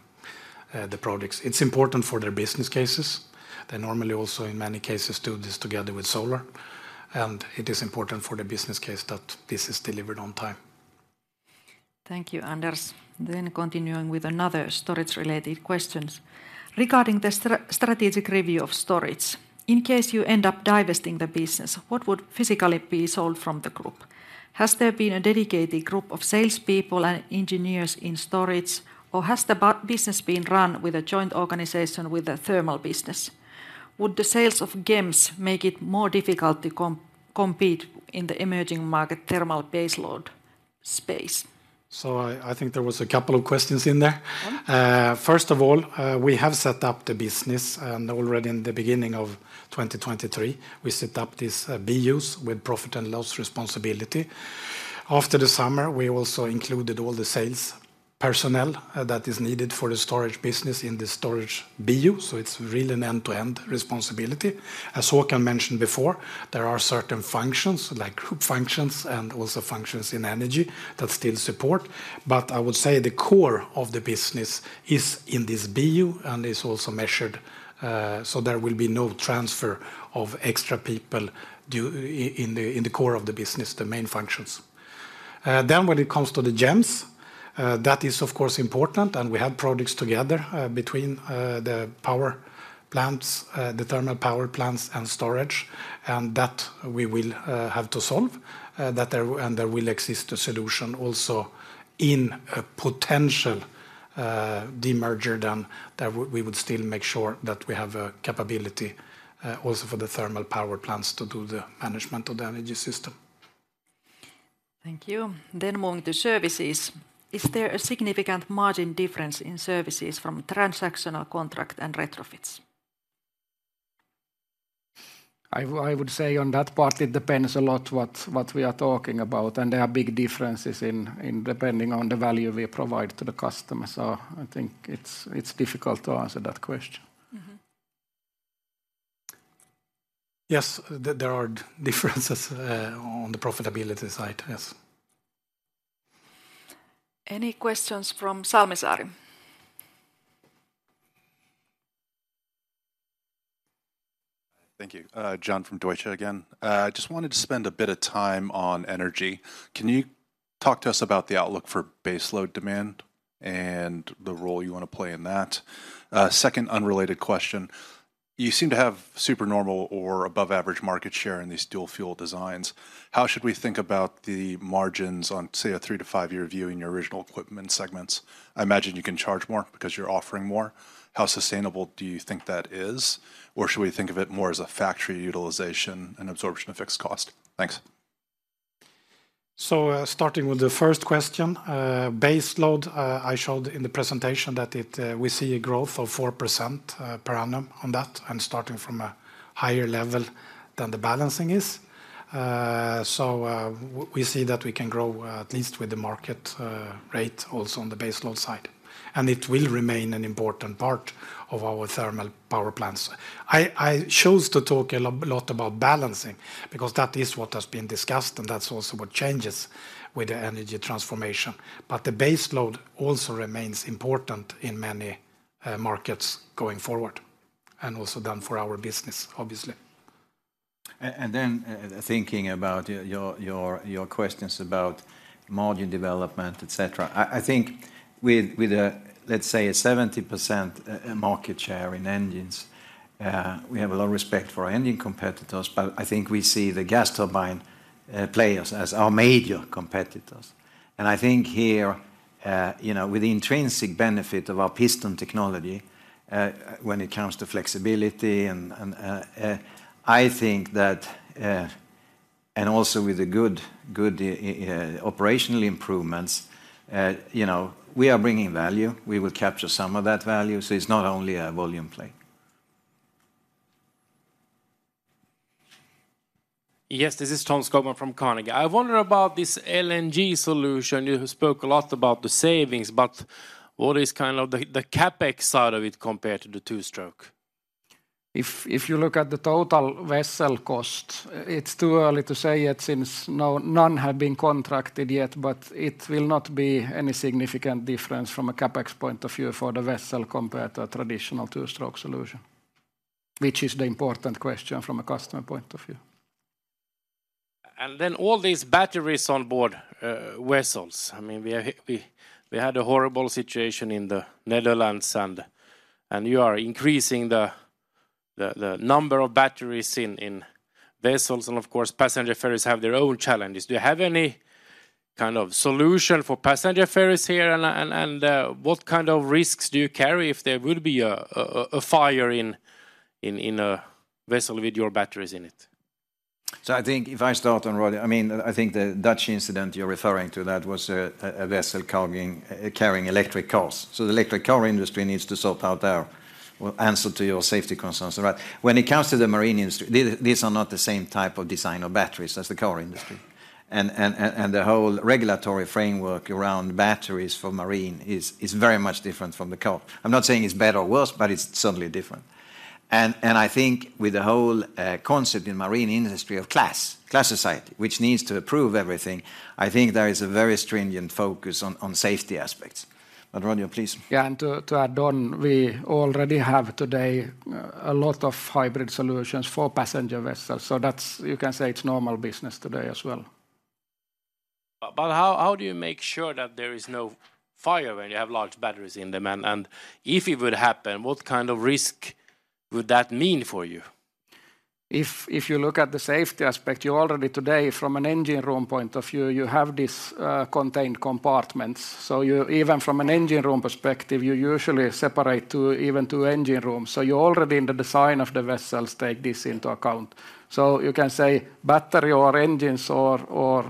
the products. It's important for their business cases. They normally also, in many cases, do this together with solar, and it is important for the business case that this is delivered on time. Thank you, Anders. Then continuing with another storage-related questions. Regarding the strategic review of storage, in case you end up divesting the business, what would physically be sold from the group? Has there been a dedicated group of salespeople and engineers in storage, or has the business been run with a joint organization with a thermal business? Would the sales of GEMS make it more difficult to compete in the emerging market thermal baseload space? So, I think there was a couple of questions in there. Yeah. First of all, we have set up the business, and already in the beginning of 2023, we set up this BUs with profit and loss responsibility. After the summer, we also included all the sales personnel that is needed for the storage business in the storage BU, so it's really an end-to-end responsibility. As Håkan mentioned before, there are certain functions, like group functions, and also functions in Energy that still support. But I would say the core of the business is in this BU, and is also measured, so there will be no transfer of extra people in the core of the business, the main functions. Then when it comes to the GEMS, that is, of course, important, and we have products together between the power plants, the thermal power plants, and storage, and that we will have to solve, that there... And there will exist a solution also in a potential demerger, then that we would still make sure that we have a capability also for the thermal power plants to do the management of the energy system. Thank you. Then moving to services, is there a significant margin difference in services from transactional contract and retrofits? I would say on that part, it depends a lot what we are talking about, and there are big differences in depending on the value we provide to the customer, so I think it's difficult to answer that question. Mm-hmm. Yes, there are differences on the profitability side, yes. Any questions from Salmisaari? Thank you. John from Deutsche again. I just wanted to spend a bit of time on Energy. Can you talk to us about the outlook for baseload demand, and the role you wanna play in that? Second unrelated question: You seem to have super normal or above average market share in these dual-fuel designs. How should we think about the margins on, say, a three to five year view in your original equipment segments? I imagine you can charge more because you're offering more. How sustainable do you think that is, or should we think of it more as a factory utilization and absorption of fixed cost? Thanks. So, starting with the first question, baseload, I showed in the presentation that it... We see a growth of 4% per annum on that, and starting from a higher level than the balancing is. So, we see that we can grow at least with the market rate also on the baseload side, and it will remain an important part of our thermal power plants. I chose to talk a lot about balancing, because that is what has been discussed, and that's also what changes with the Energy transformation. But the baseload also remains important in many markets going forward, and also then for our business, obviously. And then, thinking about your questions about margin development, et cetera, I think with a, let's say, a 70% market share in engines, we have a lot of respect for our engine competitors, but I think we see the gas turbine players as our major competitors. And I think here, you know, with the intrinsic benefit of our piston technology, when it comes to flexibility and, and, I think that... And also with the good operational improvements, you know, we are bringing value. We will capture some of that value, so it's not only a volume play. Yes. Yes, this is Tom Skogman from Carnegie. I wonder about this LNG solution. You spoke a lot about the savings, but what is kind of the CapEx side of it compared to the two-stroke? If you look at the total vessel cost, it's too early to say it, since none have been contracted yet, but it will not be any significant difference from a CapEx point of view for the vessel compared to a traditional two-stroke solution, which is the important question from a customer point of view. And then all these batteries on board vessels, I mean, we had a horrible situation in the Netherlands, and you are increasing the number of batteries in vessels, and of course, passenger ferries have their own challenges. Do you have any kind of solution for passenger ferries here? And what kind of risks do you carry if there would be a fire in a vessel with your batteries in it? So I think if I start on what... I mean, I think the Dutch incident you're referring to, that was a vessel carrying electric cars. So the electric car industry needs to sort out their answer to your safety concerns, all right? When it comes to the Marine industry, these are not the same type of design of batteries as the car industry... and the whole regulatory framework around batteries for Marine is very much different from the car. I'm not saying it's better or worse, but it's certainly different. And I think with the whole concept in Marine industry of class society, which needs to approve everything, I think there is a very stringent focus on safety aspects. But Roger, please. Yeah, and to add on, we already have today a lot of hybrid solutions for passenger vessels, so that's, you can say, it's normal business today as well. But how do you make sure that there is no fire when you have large batteries in them? And if it would happen, what kind of risk would that mean for you? If you look at the safety aspect, you already today, from an engine room point of view, have these contained compartments. So you, even from an engine room perspective, usually separate two, even two engine rooms. So you already in the design of the vessels take this into account. So you can say battery or engines or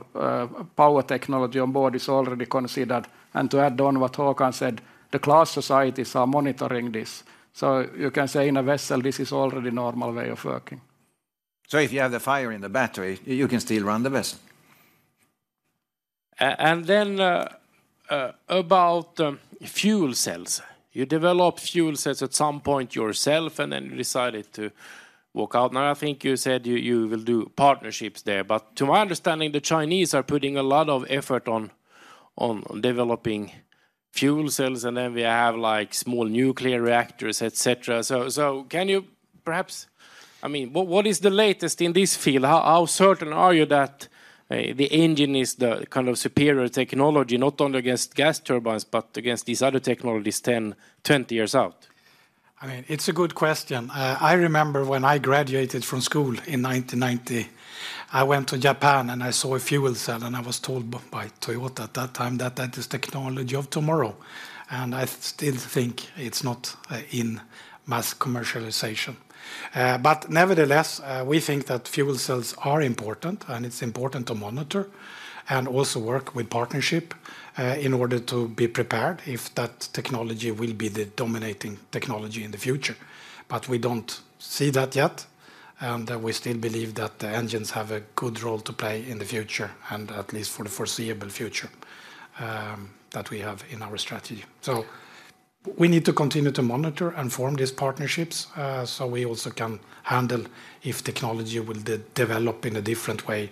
power technology on board is already considered. And to add on what Håkan said, the class societies are monitoring this. So you can say in a vessel, this is already normal way of working. If you have the fire in the battery, you can still run the vessel. And then, about fuel cells. You developed fuel cells at some point yourself, and then you decided to walk out. Now, I think you said you will do partnerships there, but to my understanding, the Chinese are putting a lot of effort on developing fuel cells, and then we have, like, small nuclear reactors, et cetera. So can you perhaps... I mean, what is the latest in this field? How certain are you that the engine is the kind of superior technology, not only against gas turbines, but against these other technologies 10, 20 years out? I mean, it's a good question. I remember when I graduated from school in 1990, I went to Japan and I saw a fuel cell, and I was told by Toyota at that time that that is technology of tomorrow, and I still think it's not in mass commercialization. But nevertheless, we think that fuel cells are important, and it's important to monitor and also work with partnership in order to be prepared if that technology will be the dominating technology in the future. But we don't see that yet, and we still believe that the engines have a good role to play in the future, and at least for the foreseeable future that we have in our strategy. So we need to continue to monitor and form these partnerships, so we also can handle if technology will develop in a different way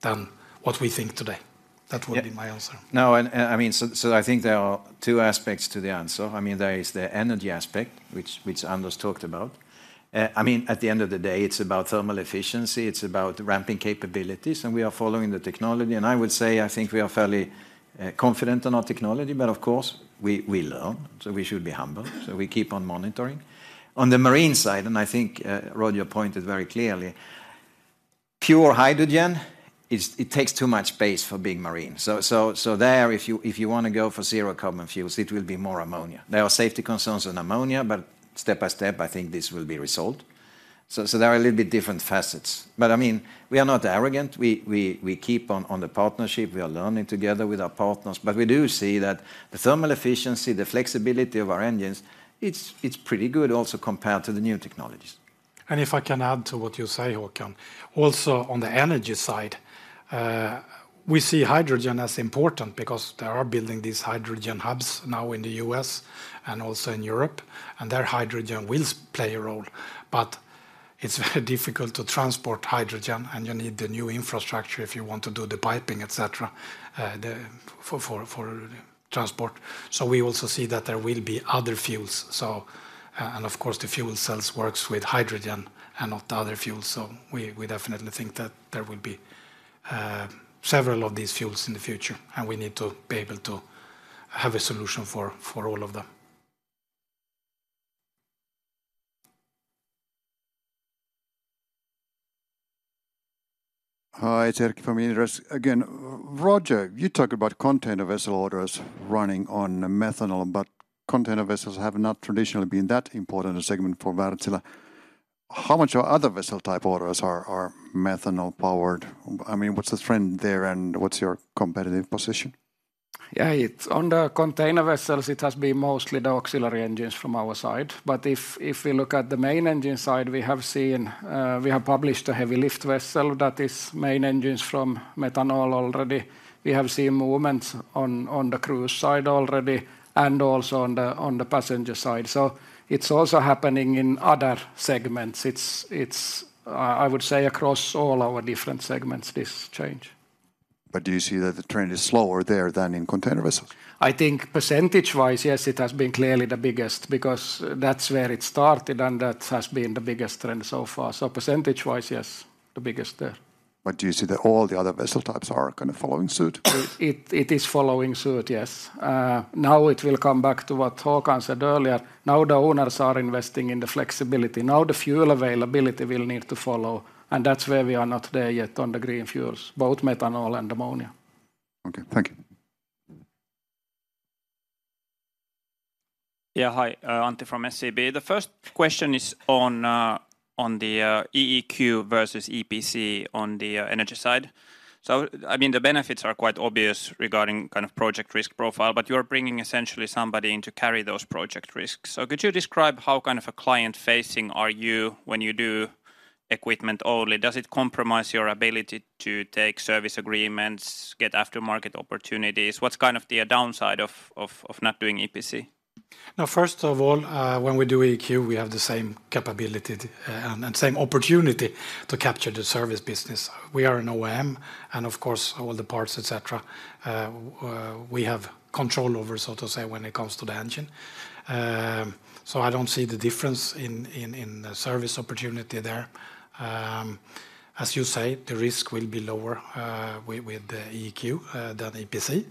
than what we think today. That would be my answer. No, I mean, I think there are two aspects to the answer. I mean, there is the Energy aspect, which Anders talked about. I mean, at the end of the day, it's about thermal efficiency, it's about ramping capabilities, and we are following the technology. And I would say I think we are fairly confident in our technology, but of course, we learn, so we should be humble. So we keep on monitoring. On the Marine side, I think Roger pointed very clearly, pure hydrogen is, it takes too much space for big Marine. So there, if you want to go for zero carbon fuels, it will be more ammonia. There are safety concerns on ammonia, but step by step, I think this will be resolved. So there are a little bit different facets, but, I mean, we are not arrogant. We keep on the partnership. We are learning together with our partners, but we do see that the thermal efficiency, the flexibility of our engines, it's pretty good also compared to the new technologies. And if I can add to what you say, Håkan, also on the Energy side, we see hydrogen as important because they are building these hydrogen hubs now in the U.S. and also in Europe, and there hydrogen will play a role. But it's very difficult to transport hydrogen, and you need the new infrastructure if you want to do the piping, et cetera, for transport. So we also see that there will be other fuels. So, and of course, the fuel cells works with hydrogen and not other fuels, so we definitely think that there will be several of these fuels in the future, and we need to be able to have a solution for all of them. Hi, it's Erkki from Inderes again. Roger, you talked about container vessel orders running on methanol, but container vessels have not traditionally been that important a segment for Wärtsilä. How much of other vessel type orders are methanol-powered? I mean, what's the trend there, and what's your competitive position? Yeah, it's on the container vessels, it has been mostly the auxiliary engines from our side. But if we look at the main engine side, we have seen we have published a heavy lift vessel that is main engines from methanol already. We have seen movement on the cruise side already and also on the passenger side. So it's also happening in other segments. It's I would say, across all our different segments, this change. Do you see that the trend is slower there than in container vessels? I think percentage-wise, yes, it has been clearly the biggest, because that's where it started, and that has been the biggest trend so far. So percentage-wise, yes, the biggest there. Do you see that all the other vessel types are kind of following suit? It is following suit, yes. Now it will come back to what Håkan said earlier. Now the owners are investing in the flexibility. Now the fuel availability will need to follow, and that's where we are not there yet on the green fuels, both methanol and ammonia. Okay. Thank you. Mm-hmm. Yeah, hi, Antti from SEB. The first question is on the EEQ versus EPC on the Energy side. So I mean, the benefits are quite obvious regarding kind of project risk profile, but you're bringing essentially somebody in to carry those project risks. So could you describe how kind of a client-facing are you when you do equipment only, does it compromise your ability to take service agreements, get aftermarket opportunities? What's kind of the downside of not doing EPC? Now, first of all, when we do EEQ, we have the same capability to and same opportunity to capture the service business. We are an OEM, and of course, all the parts, et cetera, we have control over, so to say, when it comes to the engine. So I don't see the difference in the service opportunity there. As you say, the risk will be lower with the EEQ than EPC.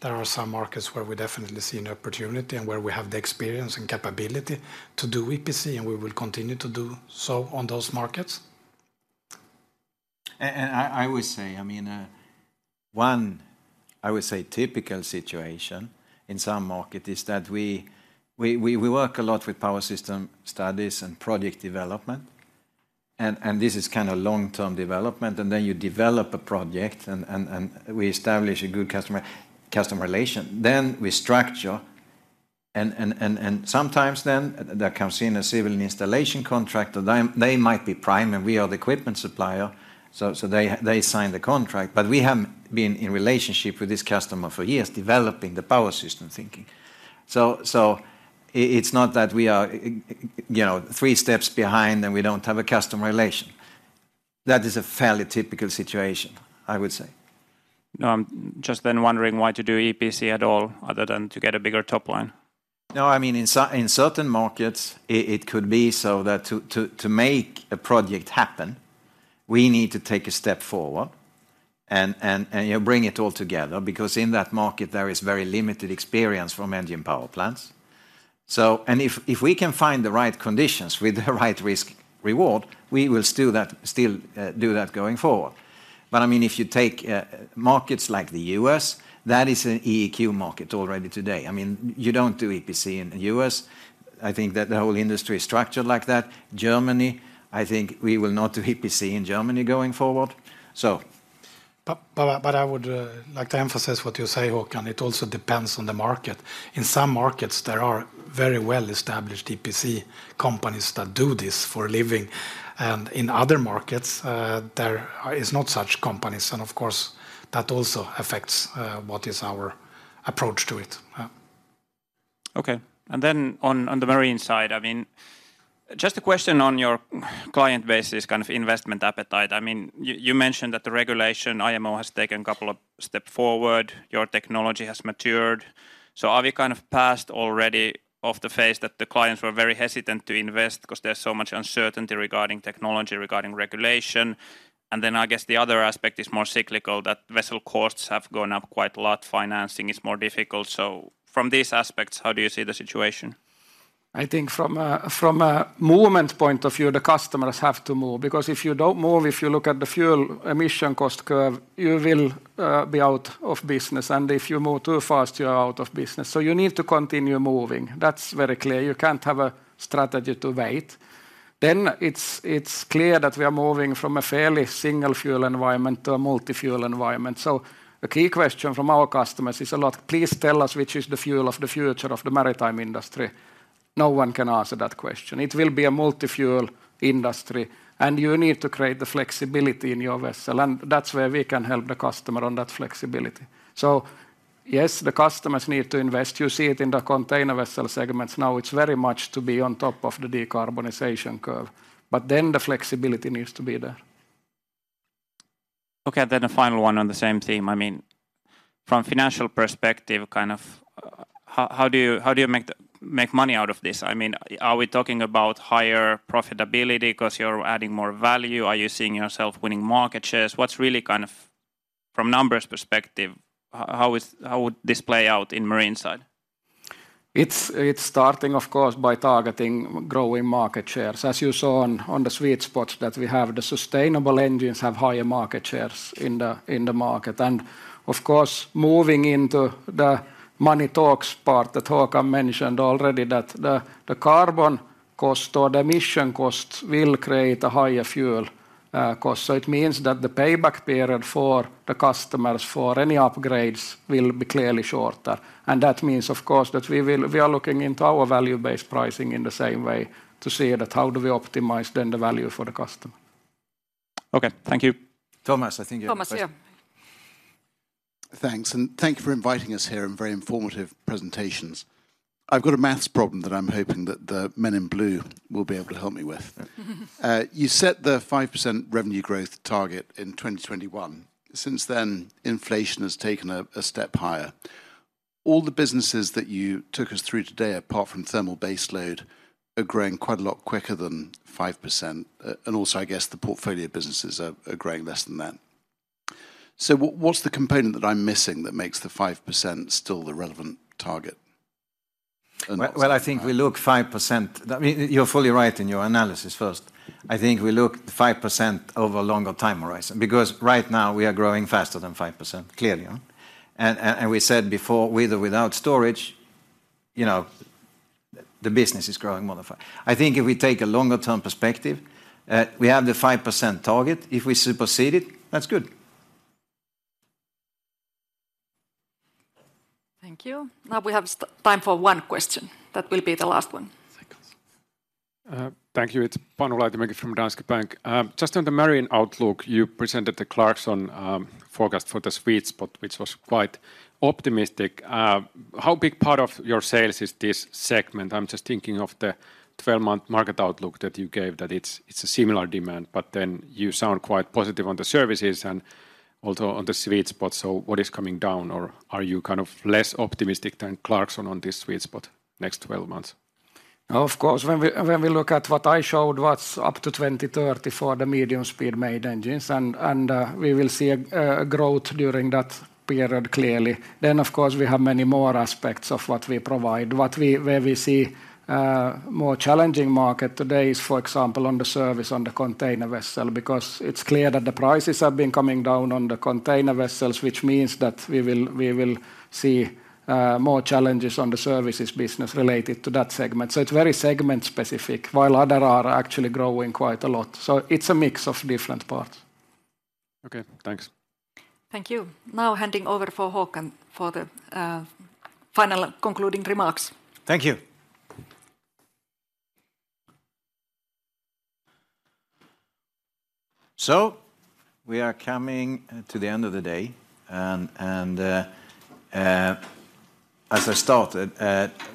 There are some markets where we definitely see an opportunity and where we have the experience and capability to do EPC, and we will continue to do so on those markets. And I would say, I mean, one typical situation in some market is that we work a lot with power system studies and project development, and this is kind of long-term development. And then you develop a project, and we establish a good customer relation. Then we structure, and sometimes then there comes in a civil and installation contract, and they might be prime, and we are the equipment supplier, so they sign the contract. But we have been in relationship with this customer for years, developing the power system thinking. So it's not that we are, you know, three steps behind, and we don't have a customer relation. That is a fairly typical situation, I would say. No, I'm just then wondering why to do EPC at all, other than to get a bigger top line? No, I mean, in certain markets, it could be so that to make a project happen, we need to take a step forward and, you know, bring it all together, because in that market there is very limited experience from engine power plants. So... And if we can find the right conditions with the right risk reward, we will still do that going forward. But, I mean, if you take markets like the U.S., that is an EEQ market already today. I mean, you don't do EPC in the U.S. I think that the whole industry is structured like that. Germany, I think we will not do EPC in Germany going forward, so- But I would like to emphasize what you say, Håkan. It also depends on the market. In some markets, there are very well-established EPC companies that do this for a living, and in other markets, there is not such companies. And of course, that also affects what is our approach to it. Okay. And then on, on the Marine side, I mean, just a question on your client base's kind of investment appetite. I mean, you, you mentioned that the regulation, IMO, has taken a couple of steps forward, your technology has matured. So are we kind of past already of the phase that the clients were very hesitant to invest, because there's so much uncertainty regarding technology, regarding regulation? And then, I guess, the other aspect is more cyclical, that vessel costs have gone up quite a lot, financing is more difficult. So from these aspects, how do you see the situation? I think from a movement point of view, the customers have to move, because if you don't move, if you look at the fuel emission cost curve, you will be out of business, and if you move too fast, you are out of business. So you need to continue moving. That's very clear. You can't have a strategy to wait. Then it's clear that we are moving from a fairly single fuel environment to a multi-fuel environment. So the key question from our customers is a lot, "Please tell us, which is the fuel of the future of the maritime industry?" No one can answer that question. It will be a multi-fuel industry, and you need to create the flexibility in your vessel, and that's where we can help the customer on that flexibility. So yes, the customers need to invest. You see it in the container vessel segments now. It's very much to be on top of the decarbonization curve, but then the flexibility needs to be there. Okay, and then a final one on the same theme. I mean, from financial perspective, kind of, how do you make money out of this? I mean, are we talking about higher profitability, because you're adding more value? Are you seeing yourself winning market shares? What's really kind of... From numbers perspective, how would this play out in Marine side? It's starting, of course, by targeting growing market shares. As you saw on the sweet spots that we have, the sustainable engines have higher market shares in the market. And of course, moving into the money talks part that Håkan mentioned already, that the carbon cost or the emission cost will create a higher fuel cost. So it means that the payback period for the customers for any upgrades will be clearly shorter. And that means, of course, that we are looking into our value-based pricing in the same way to see how do we optimize then the value for the customer? Okay. Thank you. Thomas, I think you have a question. Thomas, yeah. Thanks, and thank you for inviting us here, and very informative presentations. I've got a math problem that I'm hoping that the men in blue will be able to help me with. You set the 5% revenue growth target in 2021. Since then, inflation has taken a step higher. All the businesses that you took us through today, apart from thermal base load, are growing quite a lot quicker than 5%, and also, I guess, Portfolio Businesses are growing less than that. So what, what's the component that I'm missing that makes the 5% still the relevant target? And- Well, well, I think we look 5%... I mean, you're fully right in your analysis first. I think we look 5% over a longer time horizon, because right now we are growing faster than 5%, clearly, yeah? And we said before, with or without storage, you know, the business is growing more than five. I think if we take a longer-term perspective, we have the 5% target. If we supersede it, that's good. ... Thank you. Now we have time for one question. That will be the last one. Thank you. It's Panu Laitinen from Danske Bank. Just on the Marine outlook, you presented the Clarksons forecast for the sweet spot, which was quite optimistic. How big part of your sales is this segment? I'm just thinking of the 12-month market outlook that you gave, that it's a similar demand, but then you sound quite positive on the services and also on the sweet spot, so what is coming down, or are you kind of less optimistic than Clarksons on this sweet spot next 12 months? Of course, when we look at what I showed, what's up to 2030 for the medium-speed main engines and we will see a growth during that period, clearly. Then, of course, we have many more aspects of what we provide. Where we see more challenging market today is, for example, on the service on the container vessel, because it's clear that the prices have been coming down on the container vessels, which means that we will see more challenges on the services business related to that segment. So it's very segment-specific, while others are actually growing quite a lot. So it's a mix of different parts. Okay, thanks. Thank you. Now handing over for Håkan for the final concluding remarks. Thank you. So we are coming to the end of the day, and, and, as I started,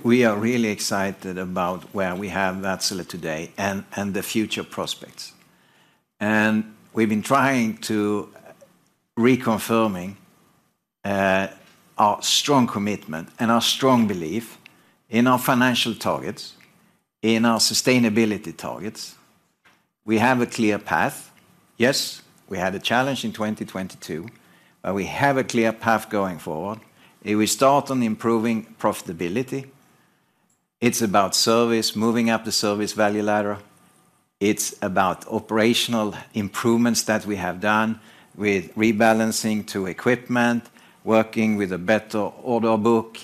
we are really excited about where we have Wärtsilä today and, and the future prospects. And we've been trying to reconfirming our strong commitment and our strong belief in our financial targets, in our sustainability targets. We have a clear path. Yes, we had a challenge in 2022, but we have a clear path going forward, and we start on improving profitability. It's about service, moving up the service value ladder. It's about operational improvements that we have done with rebalancing to equipment, working with a better order book,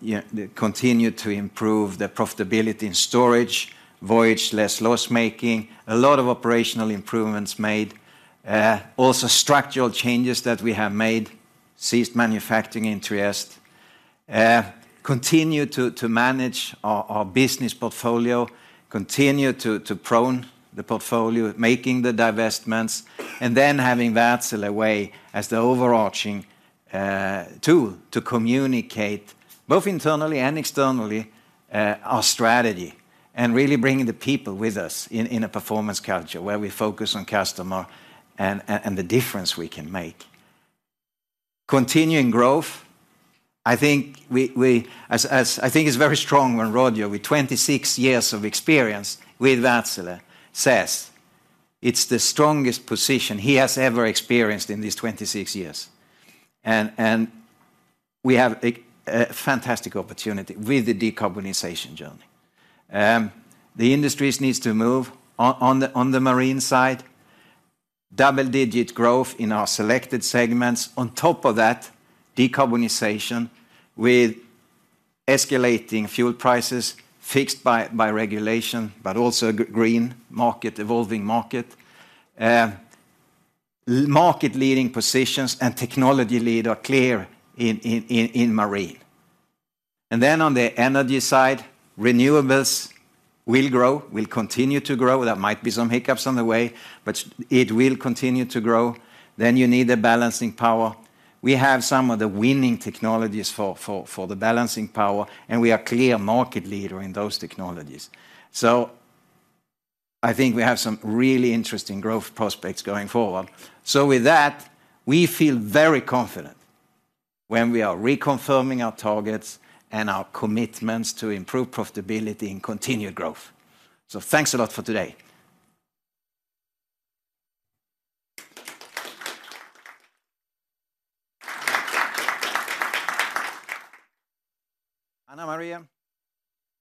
yeah, continue to improve the profitability in storage, with less loss-making, a lot of operational improvements made. Also structural changes that we have made, ceased manufacturing in Trieste, continue to manage our business portfolio, continue to prune the portfolio, making the divestments, and then having Wärtsilä Way as the overarching tool to communicate, both internally and externally, our strategy, and really bringing the people with us in a performance culture, where we focus on customer and the difference we can make. Continuing growth, I think it's very strong when Roger, with 26 years of experience with Wärtsilä, says it's the strongest position he has ever experienced in these 26 years. And we have a fantastic opportunity with the decarbonization journey. The industries needs to move on the Marine side, double-digit growth in our selected segments. On top of that, decarbonization with escalating fuel prices, fixed by regulation, but also green market, evolving market. Market-leading positions and technology lead are clear in Marine. And then on the Energy side, renewables will grow, will continue to grow. There might be some hiccups on the way, but it will continue to grow. Then you need the balancing power. We have some of the winning technologies for the balancing power, and we are clear market leader in those technologies. So I think we have some really interesting growth prospects going forward. So with that, we feel very confident when we are reconfirming our targets and our commitments to improve profitability and continued growth. So thanks a lot for today. Hanna-Maria?